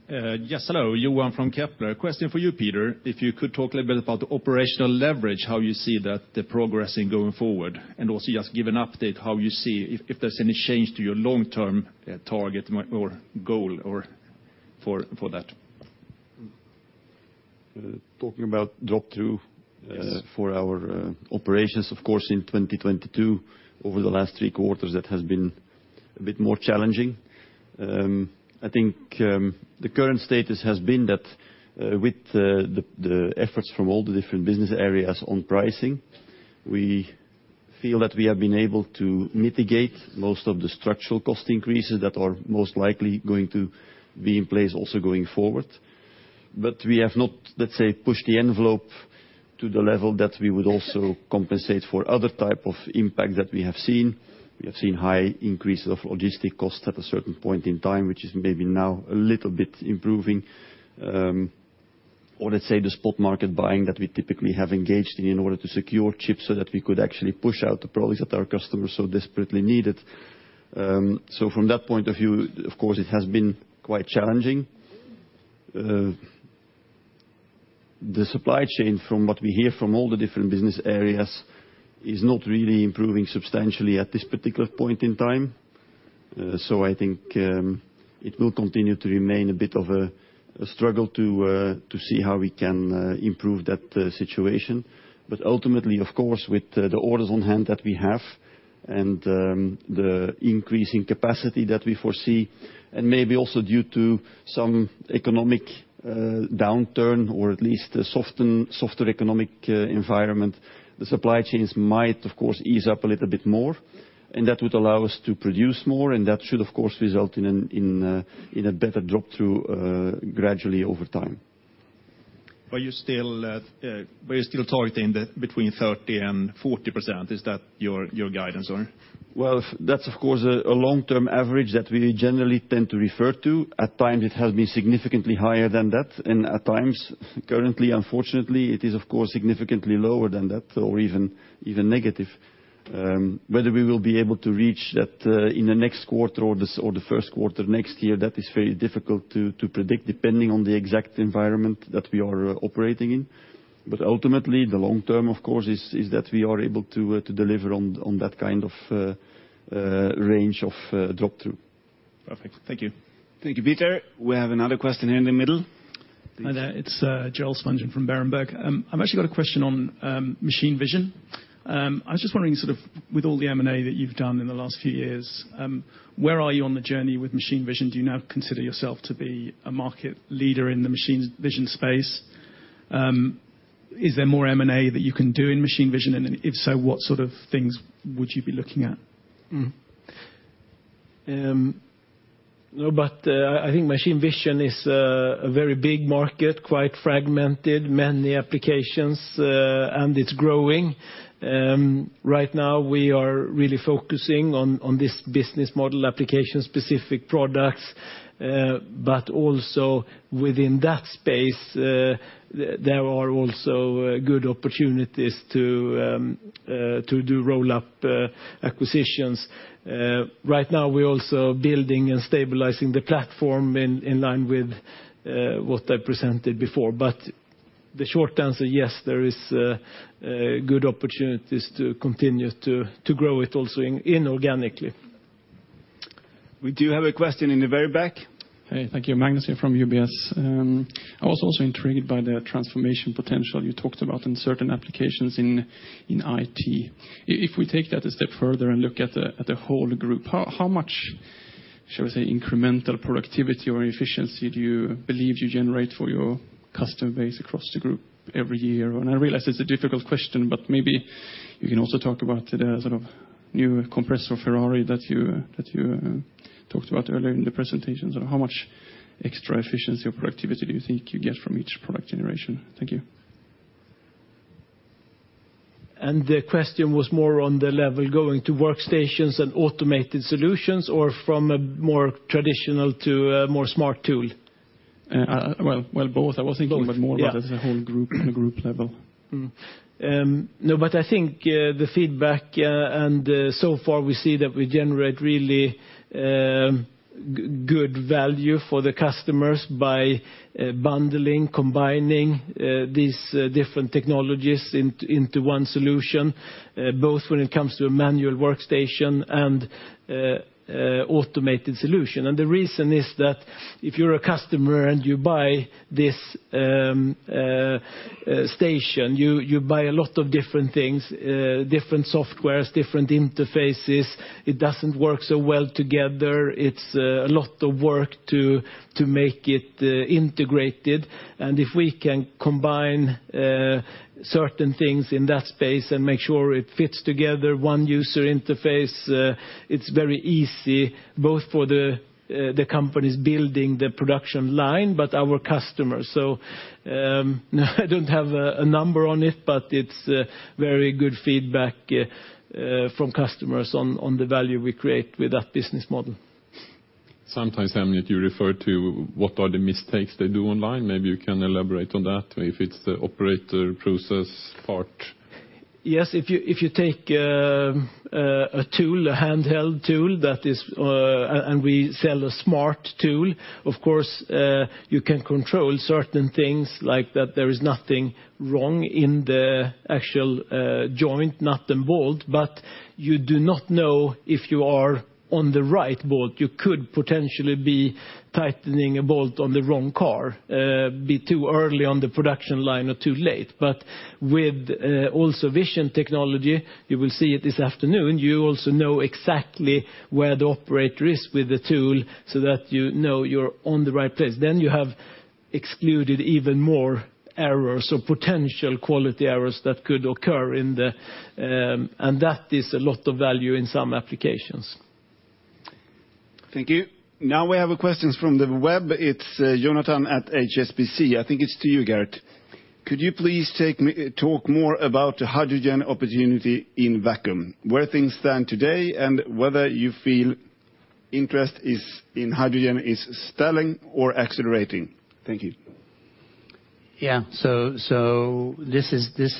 Yes. Hello, Johan from Kepler Cheuvreux. Question for you, Peter. If you could talk a little bit about the operational leverage, how you see that, the progressing going forward, and also just give an update how you see if there's any change to your long-term target or goal or for that. Talking about drop-through. Yes For our operations, of course, in 2022, over the last three quarters, that has been a bit more challenging. I think the current status has been that with the efforts from all the different business areas on pricing, we feel that we have been able to mitigate most of the structural cost increases that are most likely going to be in place also going forward. We have not, let's say, pushed the envelope to the level that we would also compensate for other type of impact that we have seen. We have seen high increases of logistics costs at a certain point in time, which is maybe now a little bit improving. Let's say the spot market buying that we typically have engaged in in order to secure chips so that we could actually push out the products that our customers so desperately needed. From that point of view, of course, it has been quite challenging. The supply chain, from what we hear from all the different business areas, is not really improving substantially at this particular point in time. I think it will continue to remain a bit of a struggle to see how we can improve that situation. Ultimately, of course, with the orders on hand that we have and the increase in capacity that we foresee, and maybe also due to some economic downturn or at least a softer economic environment, the supply chains might, of course, ease up a little bit more, and that would allow us to produce more, and that should, of course, result in a better drop-through gradually over time. Are you still targeting between 30% and 40%? Is that your guidance or? Well, that's of course a long-term average that we generally tend to refer to. At times, it has been significantly higher than that, and at times, currently, unfortunately, it is of course significantly lower than that or even negative. Whether we will be able to reach that in the next quarter or the first quarter next year, that is very difficult to predict, depending on the exact environment that we are operating in. Ultimately, the long term, of course, is that we are able to deliver on that kind of range of drop-through. Perfect. Thank you. Thank you, Peter. We have another question here in the middle. Hi there. It's Gael de-Bray from Berenberg. I've actually got a question on machine vision. I was just wondering sort of with all the M&A that you've done in the last few years, where are you on the journey with machine vision? Do you now consider yourself to be a market leader in the machine vision space? Is there more M&A that you can do in machine vision? And then if so, what sort of things would you be looking at? Mm-hmm. I think machine vision is a very big market, quite fragmented, many applications, and it's growing. Right now we are really focusing on this business model application-specific products, but also within that space, there are also good opportunities to do roll-up acquisitions. Right now we're also building and stabilizing the platform in line with what I presented before. The short answer, yes, there is good opportunities to continue to grow it also inorganically. We do have a question in the very back. Hey, thank you. Magnus here from UBS. I was also intrigued by the transformation potential you talked about in certain applications in IT. If we take that a step further and look at the whole group, how much, shall we say, incremental productivity or efficiency do you believe you generate for your customer base across the group every year? I realize it's a difficult question, but maybe you can also talk about the sort of new compressor Ferrari that you talked about earlier in the presentation. How much extra efficiency or productivity do you think you get from each product generation? Thank you. The question was more on the level going to workstations and automated solutions or from a more traditional to a more smart tool? Well, both. Both. Yeah. More about as a whole group level. No, but I think the feedback and so far we see that we generate really good value for the customers by bundling, combining these different technologies into one solution, both when it comes to a manual workstation and automated solution. The reason is that if you're a customer and you buy this station, you buy a lot of different things, different software, different interfaces. It doesn't work so well together. It's a lot of work to make it integrated. If we can combine certain things in that space and make sure it fits together, one user interface, it's very easy both for the companies building the production line, but our customers. I don't have a number on it, but it's very good feedback from customers on the value we create with that business model. Sometimes, Henrik, you refer to what are the mistakes they do online. Maybe you can elaborate on that, if it's the operator process part. Yes, if you take a tool, a handheld tool and we sell a smart tool, of course, you can control certain things like that there is nothing wrong in the actual joint, nut, and bolt, but you do not know if you are on the right bolt. You could potentially be tightening a bolt on the wrong car, be too early on the production line or too late. With also vision technology, you will see it this afternoon, you also know exactly where the operator is with the tool so that you know you're on the right place. You have excluded even more errors or potential quality errors that could occur in the. That is a lot of value in some applications. Thank you. Now we have a question from the web. It's Jonathan at HSBC. I think it's to you, Geert. Could you please talk more about the hydrogen opportunity in vacuum, where things stand today, and whether you feel interest in hydrogen is stalling or accelerating? Thank you. This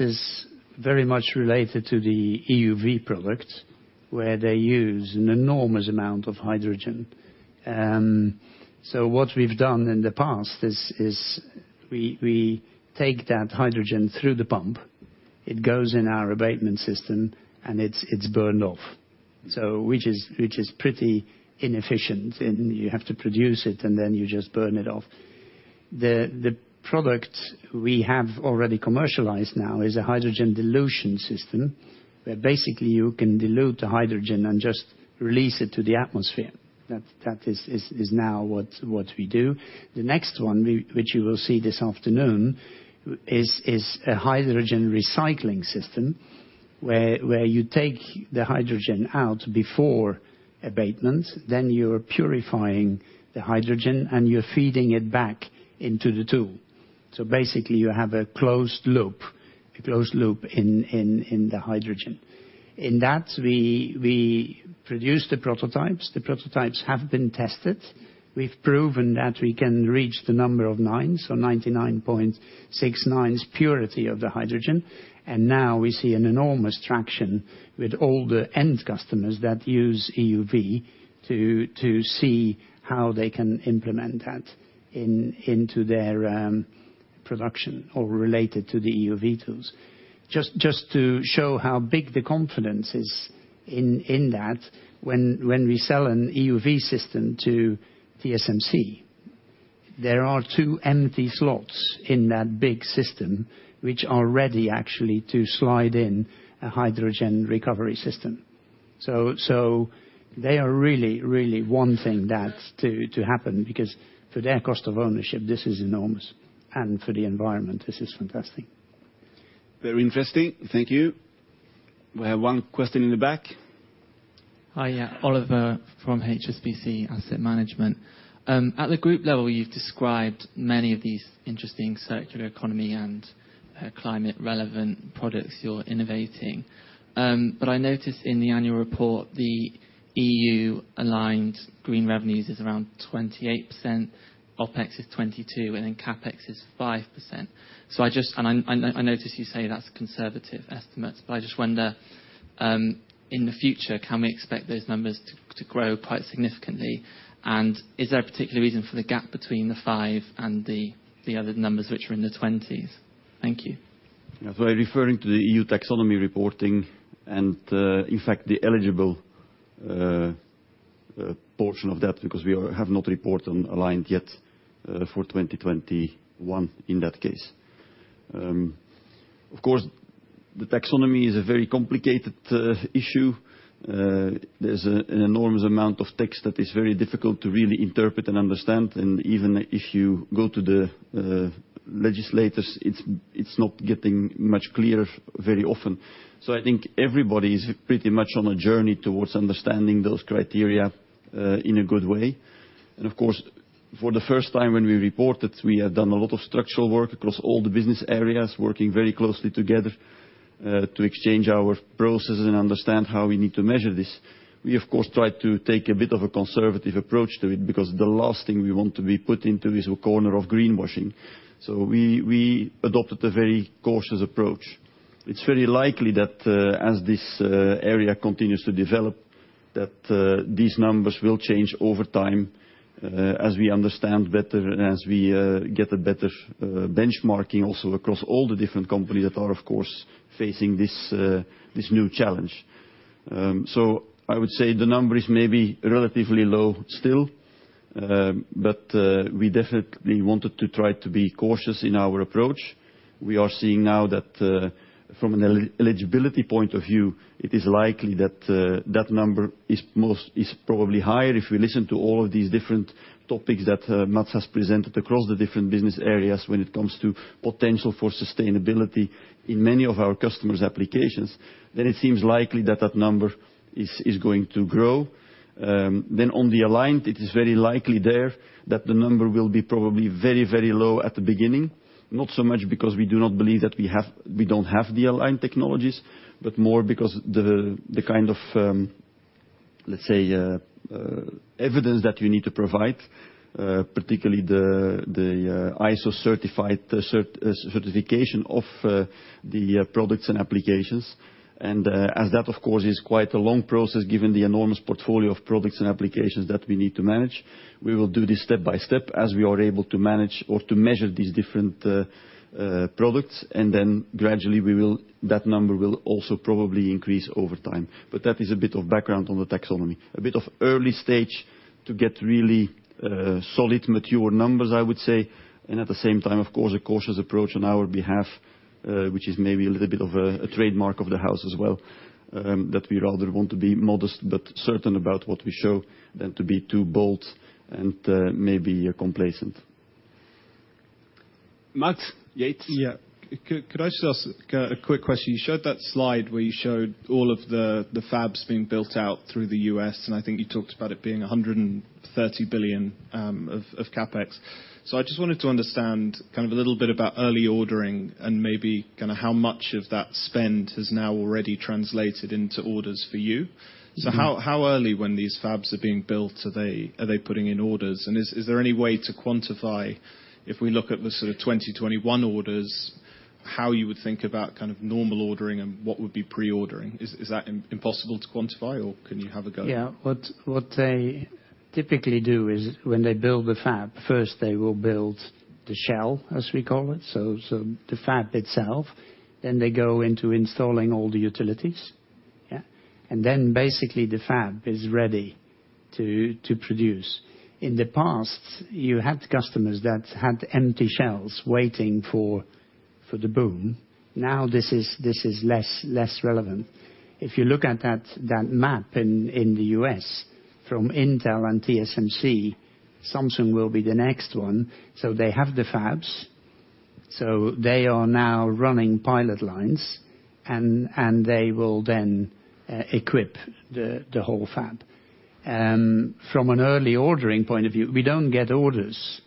is very much related to the EUV product, where they use an enormous amount of hydrogen. What we've done in the past is we take that hydrogen through the pump, it goes in our abatement system, and it's burned off, which is pretty inefficient, and you have to produce it, and then you just burn it off. The product we have already commercialized now is a hydrogen dilution system, where basically you can dilute the hydrogen and just release it to the atmosphere. That is now what we do. The next one, which you will see this afternoon, is a hydrogen recycling system, where you take the hydrogen out before abatement, then you're purifying the hydrogen and you're feeding it back into the tool. Basically you have a closed loop in the hydrogen. In that, we produce the prototypes. The prototypes have been tested. We've proven that we can reach the number of nines, so 99.999999% purity of the hydrogen. Now we see an enormous traction with all the end customers that use EUV to see how they can implement that into their production or relate it to the EUV tools. Just to show how big the confidence is in that, when we sell an EUV system to TSMC, there are two empty slots in that big system which are ready actually to slide in a hydrogen recovery system. They are really wanting that to happen because for their cost of ownership, this is enormous. For the environment, this is fantastic. Very interesting. Thank you. We have one question in the back. Hi. Oliver from HSBC Asset Management. At the group level, you've described many of these interesting circular economy and climate-relevant products you're innovating. But I noticed in the annual report, the EU-aligned green revenues is around 28%, OpEx is 22%, and then CapEx is 5%. I notice you say that's conservative estimates, but I just wonder, in the future, can we expect those numbers to grow quite significantly? And is there a particular reason for the gap between the 5% and the other numbers which are in the 20s? Thank you. If we're referring to the EU Taxonomy reporting and, in fact, the eligible portion of that, because we have not reported on aligned yet, for 2021 in that case. Of course, the Taxonomy is a very complicated issue. There's an enormous amount of text that is very difficult to really interpret and understand. Even if you go to the legislators, it's not getting much clearer very often. I think everybody is pretty much on a journey towards understanding those criteria in a good way. Of course, for the first time when we reported, we had done a lot of structural work across all the business areas, working very closely together to exchange our processes and understand how we need to measure this. We, of course, tried to take a bit of a conservative approach to it because the last thing we want to be put into is a corner of greenwashing. We adopted a very cautious approach. It's very likely that as this area continues to develop, these numbers will change over time as we understand better and as we get a better benchmarking also across all the different companies that are, of course, facing this new challenge. I would say the number is maybe relatively low still, but we definitely wanted to try to be cautious in our approach. We are seeing now that from an eligibility point of view, it is likely that that number is probably higher. If we listen to all of these different topics that Mats has presented across the different business areas when it comes to potential for sustainability in many of our customers' applications, it seems likely that number is going to grow. On the aligned, it is very likely there that the number will be probably very low at the beginning. Not so much because we do not believe that we don't have the aligned technologies, but more because the kind of let's say, evidence that we need to provide, particularly the ISO certified certification of the products and applications. As that, of course, is quite a long process, given the enormous portfolio of products and applications that we need to manage. We will do this step by step as we are able to manage or to measure these different products. Then gradually that number will also probably increase over time. That is a bit of background on the taxonomy. A bit of early stage to get really solid, mature numbers, I would say. At the same time, of course, a cautious approach on our behalf, which is maybe a little bit of a trademark of the house as well and that we rather want to be modest but certain about what we show than to be too bold and, maybe complacent. Max Yates. Yeah. Could I just ask a quick question? You showed that slide where you showed all of the fabs being built out through the U.S., and I think you talked about it being $130 billion of CapEx. I just wanted to understand kind of a little bit about early ordering and maybe kinda how much of that spend has now already translated into orders for you. Mm-hmm. How early when these fabs are being built, are they putting in orders? Is there any way to quantify if we look at the sort of 2021 orders, how you would think about kind of normal ordering and what would be pre-ordering? Is that impossible to quantify, or can you have a go? Yeah. What they typically do is when they build the fab, first they will build the shell, as we call it, so the fab itself. Then they go into installing all the utilities, yeah? Then basically the fab is ready to produce. In the past, you had customers that had empty shells waiting for the boom. Now this is less relevant. If you look at that map in the U.S., from Intel and TSMC, Samsung will be the next one. They have the fabs. They are now running pilot lines, and they will then equip the whole fab. From an early ordering point of view, we don't get orders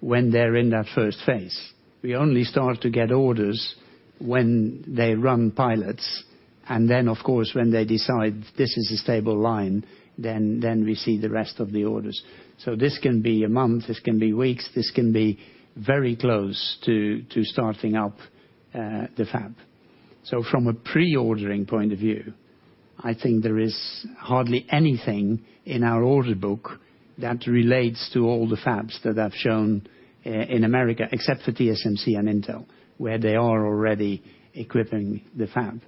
when they're in that first phase. We only start to get orders when they run pilots, and then, of course, when they decide this is a stable line, then we see the rest of the orders. This can be a month, this can be weeks, this can be very close to starting up the fab. From a pre-ordering point of view, I think there is hardly anything in our order book that relates to all the fabs that I've shown in America, except for TSMC and Intel, where they are already equipping the fab.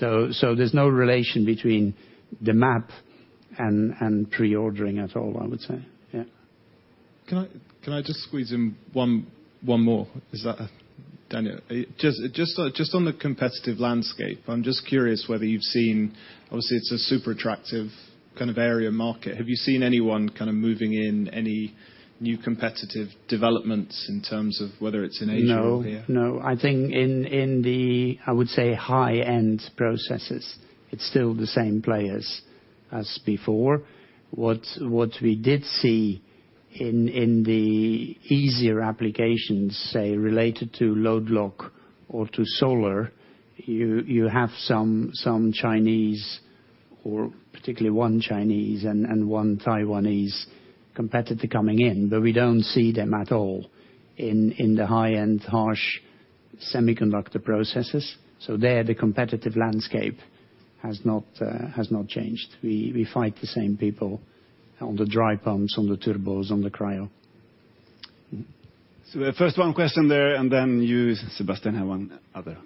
There's no relation between the map and pre-ordering at all, I would say. Yeah. Can I just squeeze in one more? Is that Daniel?. Just on the competitive landscape, I'm just curious whether you've seen. Obviously, it's a super attractive kind of area market. Have you seen anyone kind of moving in any new competitive developments in terms of whether it's in Asia or India? No. I think in the high-end processes, I would say it's still the same players as before. What we did see in the easier applications, say related to load lock or to solar, you have some Chinese or particularly one Chinese and one Taiwanese competitor coming in, but we don't see them at all in the high-end harsh semiconductor processes. There, the competitive landscape has not changed. We fight the same people on the dry pumps, on the turbos, on the cryo. The first question there, and then you, Sebastian, have one other.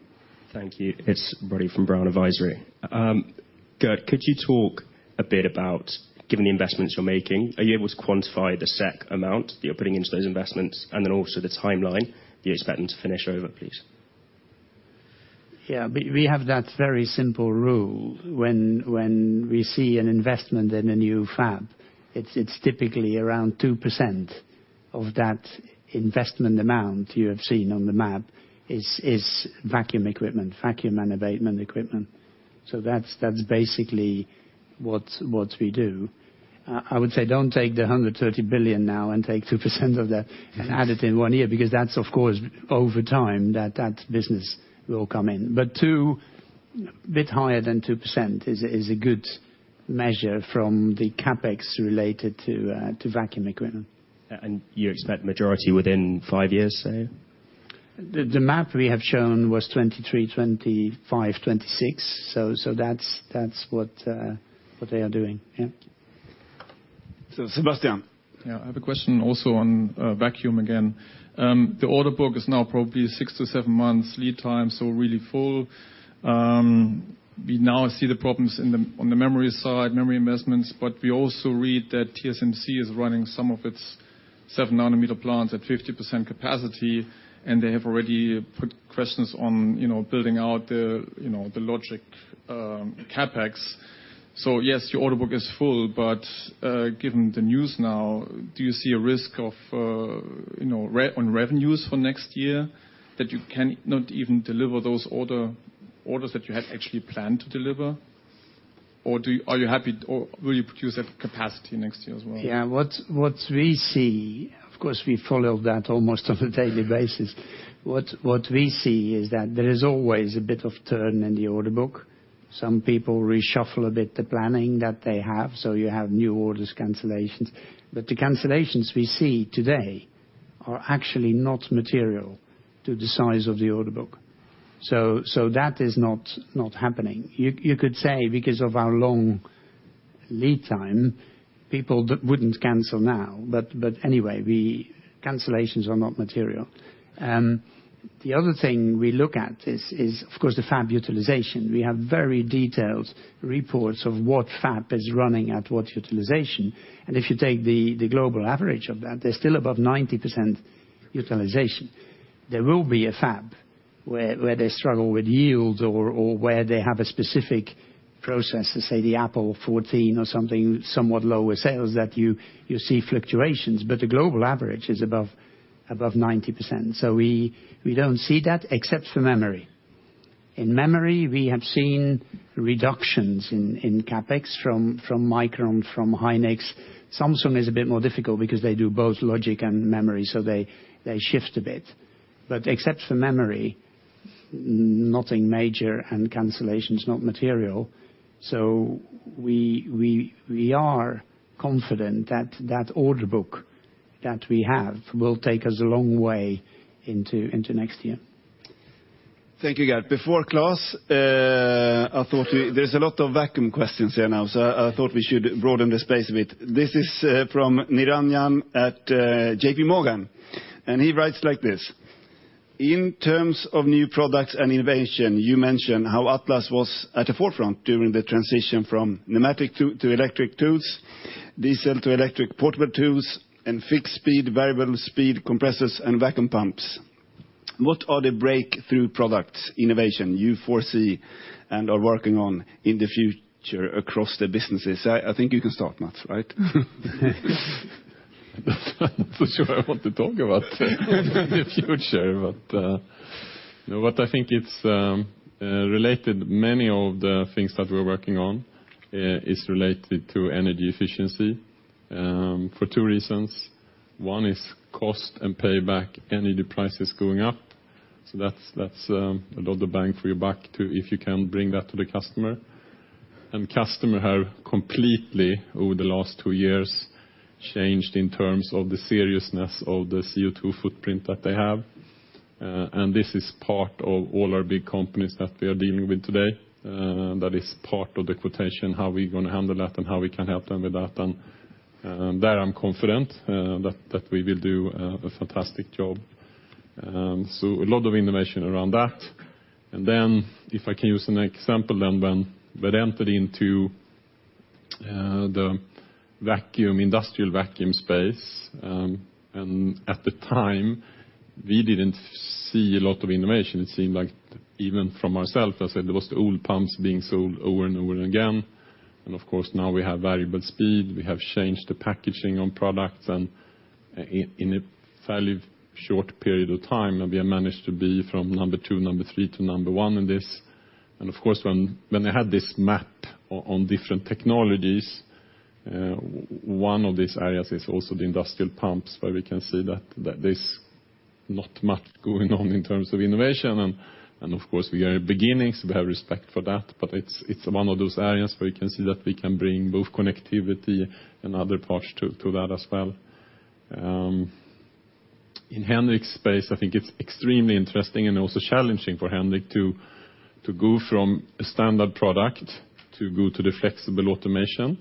Thank you. It's Brodie from Brown Advisory. Geert, could you talk a bit about, given the investments you're making, are you able to quantify the set amount that you're putting into those investments, and then also the timeline you're expecting to finish over, please? We have that very simple rule when we see an investment in a new fab. It's typically around 2% of that investment amount you have seen on the map is vacuum equipment, vacuum and abatement equipment. That's basically what we do. I would say don't take the $130 billion now and take 2% of that and add it in one year, because that's of course over time that business will come in. A bit higher than 2% is a good measure from the CapEx related to vacuum equipment. You expect majority within five years, say? The map we have shown was 2023, 2025, 2026, so that's what they are doing. Yeah. Sebastian. Yeah. I have a question also on vacuum again. The order book is now probably 6-7 months lead time, so really full. We now see the problems on the memory side, memory investments, but we also read that TSMC is running some of its 7 nm plants at 50% capacity, and they have already put questions on, you know, building out the, you know, the logic, CapEx. Yes, your order book is full, but given the news now, do you see a risk of, you know, revision on revenues for next year, that you cannot even deliver those orders that you had actually planned to deliver? Or do you, are you happy, or will you produce at capacity next year as well? Yeah. What we see, of course, we follow that almost on a daily basis. What we see is that there is always a bit of churn in the order book. Some people reshuffle a bit the planning that they have, so you have new orders, cancellations. The cancellations we see today are actually not material to the size of the order book. That is not happening. You could say because of our long lead time, people wouldn't cancel now, but anyway, cancellations are not material. The other thing we look at is of course the fab utilization. We have very detailed reports of what fab is running at what utilization, and if you take the global average of that, they're still above 90% utilization. There will be a fab where they struggle with yields or where they have a specific process to, say, the Apple 14 or something, somewhat lower sales that you see fluctuations, but the global average is above 90%. We don't see that except for memory. In memory, we have seen reductions in CapEx from Micron, from SK Hynix. Samsung is a bit more difficult because they do both logic and memory, so they shift a bit. Except for memory, nothing major and cancellation's not material. We are confident that order book that we have will take us a long way into next year. Thank you, Geert. Before Claes, there's a lot of vacuum questions here now, so I thought we should broaden the space a bit. This is from Niranjan at JPMorgan, and he writes like this: "In terms of new products and innovation, you mentioned how Atlas was at the forefront during the transition from pneumatic to electric tools, diesel to electric portable tools, and fixed speed, variable speed compressors and vacuum pumps. What are the breakthrough products innovation you foresee and are working on in the future across the businesses?" I think you can start, Mats, right? I'm not so sure I want to talk about the future, but no, what I think is related to many of the things that we're working on is related to energy efficiency for two reasons. One is cost and payback. Energy price is going up, so that's a lot of bang for your buck if you can bring that to the customer. Customers have completely, over the last two years, changed in terms of the seriousness of the CO2 footprint that they have. This is part of all our big companies that we are dealing with today, that is part of the quotation, how we're gonna handle that and how we can help them with that. There I'm confident that we will do a fantastic job. A lot of innovation around that. If I can use an example, when we entered into the vacuum, industrial vacuum space, and at the time we didn't see a lot of innovation. It seemed like even from ourselves, as I said, it was the old pumps being sold over and over and again. Of course, now we have variable speed, we have changed the packaging on products and in a fairly short period of time, and we have managed to be from number two, number three to number one in this. Of course, when I had this map on different technologies, one of these areas is also the industrial pumps, where we can see that there's not much going on in terms of innovation. Of course we are at beginnings, we have respect for that, but it's one of those areas where you can see that we can bring both connectivity and other parts to that as well. In Henrik's space, I think it's extremely interesting and also challenging for Henrik to go from a standard product to the flexible automation.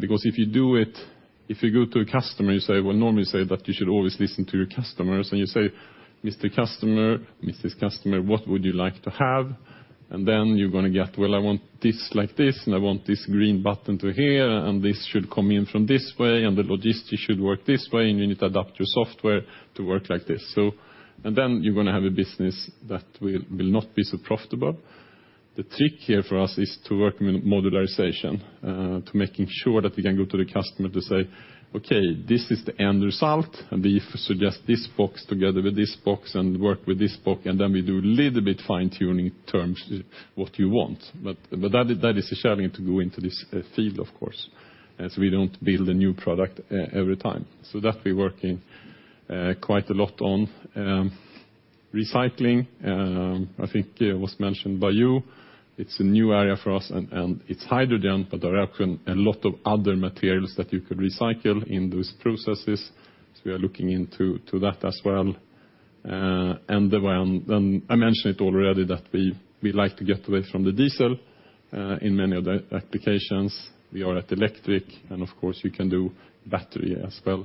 Because if you do it, if you go to a customer, you say, well, normally you say that you should always listen to your customers, and you say, "Mr. Customer, Mrs. Customer, what would you like to have?" And then you're gonna get, "Well, I want this like this, and I want this green button to here, and this should come in from this way, and the logistics should work this way, and you need to adapt your software to work like this." So You're gonna have a business that will not be so profitable. The trick here for us is to work with modularization to making sure that we can go to the customer to say, "Okay, this is the end result, and we suggest this box together with this box and work with this box, and then we do a little bit fine-tuning in terms with what you want." That is a challenge to go into this field of course, as we don't build a new product every time. That we're working quite a lot on. Recycling, I think it was mentioned by you. It's a new area for us and it's hydrogen, but there are a lot of other materials that you could recycle in those processes, so we are looking into that as well. I mentioned it already that we like to get away from the diesel in many other applications. We are at electric and of course you can do battery as well.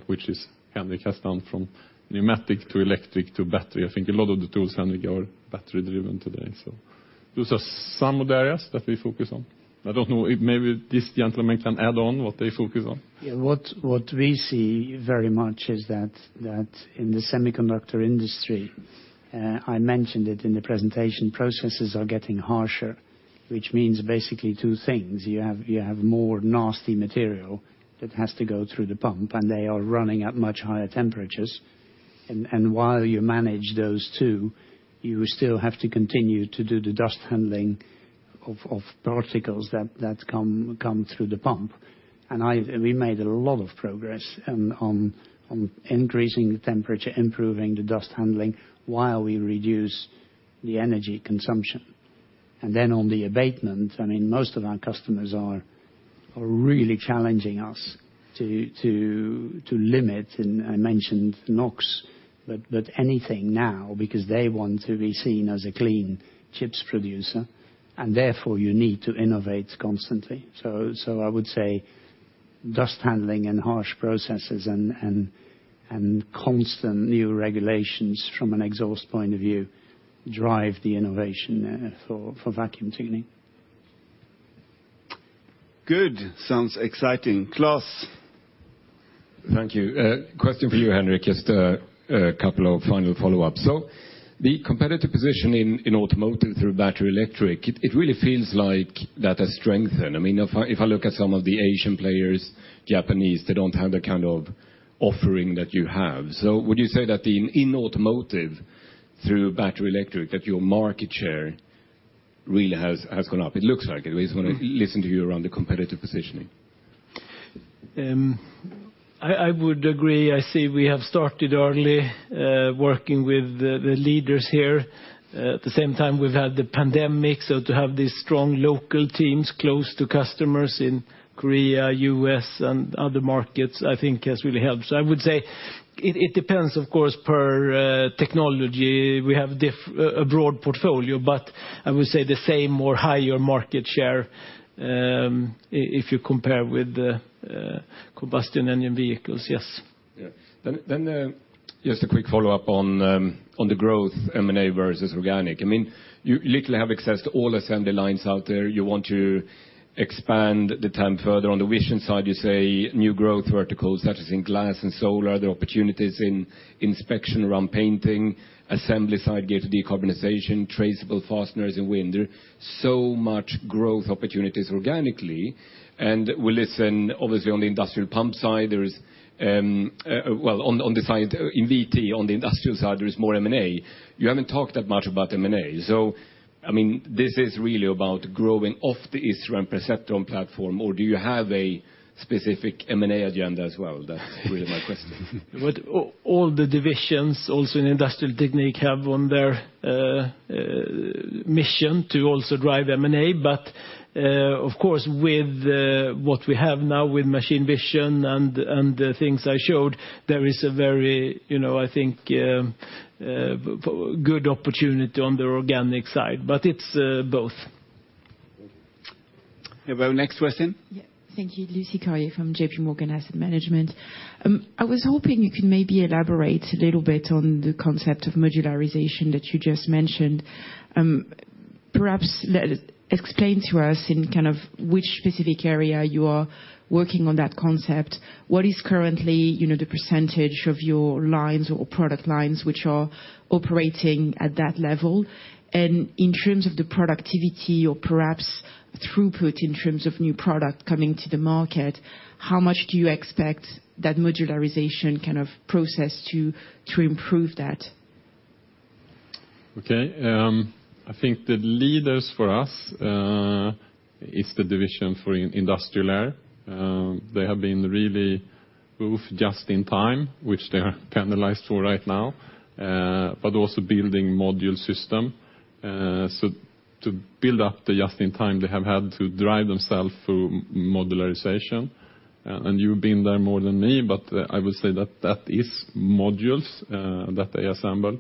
Henrik has gone from pneumatic to electric to battery. I think a lot of the tools, Henrik, are battery driven today. Those are some of the areas that we focus on. I don't know if maybe this gentleman can add on what they focus on. Yeah. What we see very much is that in the semiconductor industry, I mentioned it in the presentation, processes are getting harsher, which means basically two things. You have more nasty material that has to go through the pump, and they are running at much higher temperatures. While you manage those two, you still have to continue to do the dust handling of particles that come through the pump. We made a lot of progress on increasing the temperature, improving the dust handling while we reduce the energy consumption. Then on the abatement, I mean, most of our customers are really challenging us to limit, and I mentioned NOx, but anything now because they want to be seen as a clean chips producer, and therefore you need to innovate constantly. I would say dust handling and harsh processes and constant new regulations from an exhaust point of view drive the innovation for Vacuum Technique. Good. Sounds exciting. Klas? Thank you. Question for you, Henrik. Just a couple of final follow-ups. The competitive position in automotive through battery electric, it really feels like that has strengthened. I mean, if I look at some of the Asian players, Japanese, they don't have the kind of offering that you have. Would you say that in automotive through battery electric, that your market share really has gone up? It looks like it, at least when I listen to you around the competitive positioning. I would agree. I say we have started early, working with the leaders here. At the same time, we've had the pandemic, so to have these strong local teams close to customers in Korea, U.S., and other markets, I think has really helped. I would say it depends of course per technology. We have a broad portfolio, but I would say the same or higher market share, if you compare with the combustion engine vehicles, yes. I mean, you literally have access to all assembly lines out there. You want to expand the TAM further. On the vision side, you say new growth verticals, that is in glass and solar. There are opportunities in inspection around painting, assembly side geared to decarbonization, traceable fasteners and wind. There are so much growth opportunities organically, and we listen obviously on the industrial pump side, there is on the side in VT, on the industrial side, there is more M&A. You haven't talked that much about M&A. I mean, this is really about growing off the ISRA VISION, Perceptron platform, or do you have a specific M&A agenda as well? That's really my question. All the divisions also in Industrial Technique have on their mission to also drive M&A. Of course, with what we have now with machine vision and the things I showed, there is a very, you know, I think good opportunity on the organic side, but it's both. We have our next question. Yeah. Thank you. Lucie Carrier from JPMorgan Asset Management. I was hoping you could maybe elaborate a little bit on the concept of modularization that you just mentioned. Perhaps explain to us in kind of which specific area you are working on that concept. What is currently, you know, the percentage of your lines or product lines which are operating at that level? And in terms of the productivity or perhaps throughput in terms of new product coming to the market, how much do you expect that modularization kind of process to improve that? Okay. I think the leaders for us is the division for Industrial Air. They have been really both just in time, which they are penalized for right now, but also building module system. To build up the just in time, they have had to drive themselves through modularization. You've been there more than me, but I would say that is modules that they assemble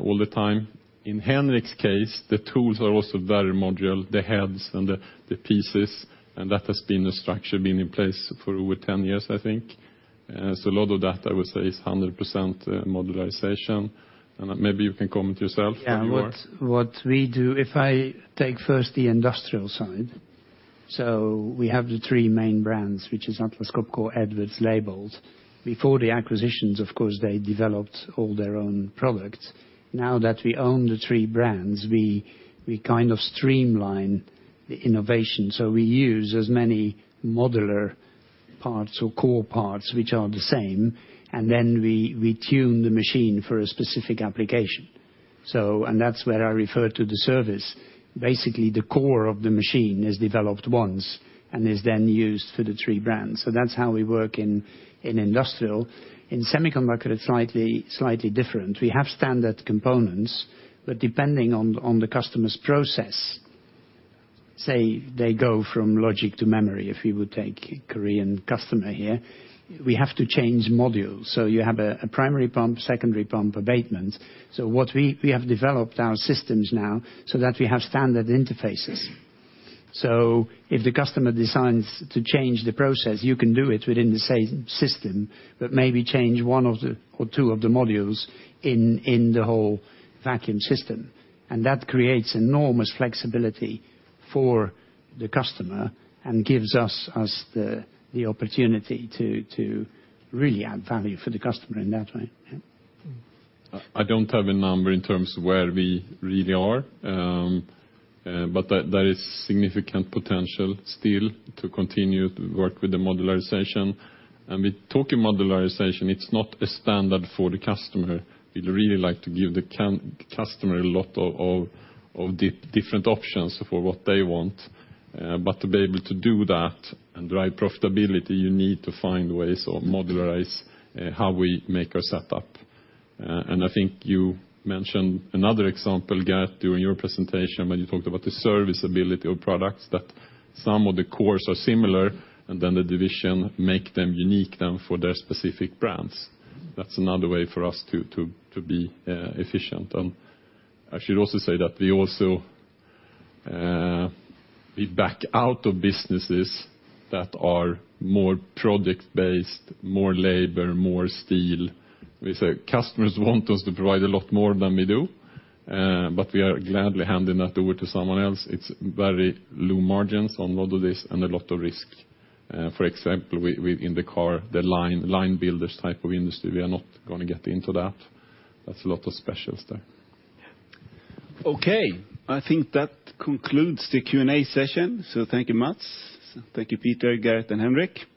all the time. In Henrik's case, the tools are also very modular, the heads and the pieces, and that has been the structure in place for over 10 years, I think. A lot of that, I would say, is 100% modularization. Maybe you can comment yourself on yours. Yeah. What we do, if I take first the industrial side, we have the three main brands, which is Atlas Copco, Edwards, Leybold. Before the acquisitions, of course, they developed all their own products. Now that we own the three brands, we kind of streamline the innovation. We use as many modular parts or core parts which are the same, and then we tune the machine for a specific application. That's where I refer to the service. Basically, the core of the machine is developed once and is then used for the three brands. That's how we work in industrial. In semiconductor, it's slightly different. We have standard components, but depending on the customer's process, say they go from logic to memory, if you would take a Korean customer here, we have to change modules. You have a primary pump, secondary pump abatement. What we have developed our systems now so that we have standard interfaces. If the customer decides to change the process, you can do it within the same system, but maybe change one or two of the modules in the whole vacuum system. That creates enormous flexibility for the customer and gives us the opportunity to really add value for the customer in that way. Yeah. I don't have a number in terms of where we really are, but that is significant potential still to continue to work with the modularization. With talking modularization, it's not a standard for the customer. We'd really like to give the customer a lot of different options for what they want. But to be able to do that and drive profitability, you need to find ways or modularize how we make our setup. I think you mentioned another example, Geert, during your presentation when you talked about the serviceability of products, that some of the cores are similar, and then the division make them unique then for their specific brands. That's another way for us to be efficient. I should also say that we also, we back out of businesses that are more product-based, more labor, more steel. We say customers want us to provide a lot more than we do, but we are gladly handing that over to someone else. It's very low margins on a lot of this and a lot of risk. For example, with the car line builders type of industry, we are not gonna get into that. That's a lot of specials there. Okay. I think that concludes the Q&A session. Thank you, Mats. Thank you, Peter, Geert, and Henrik.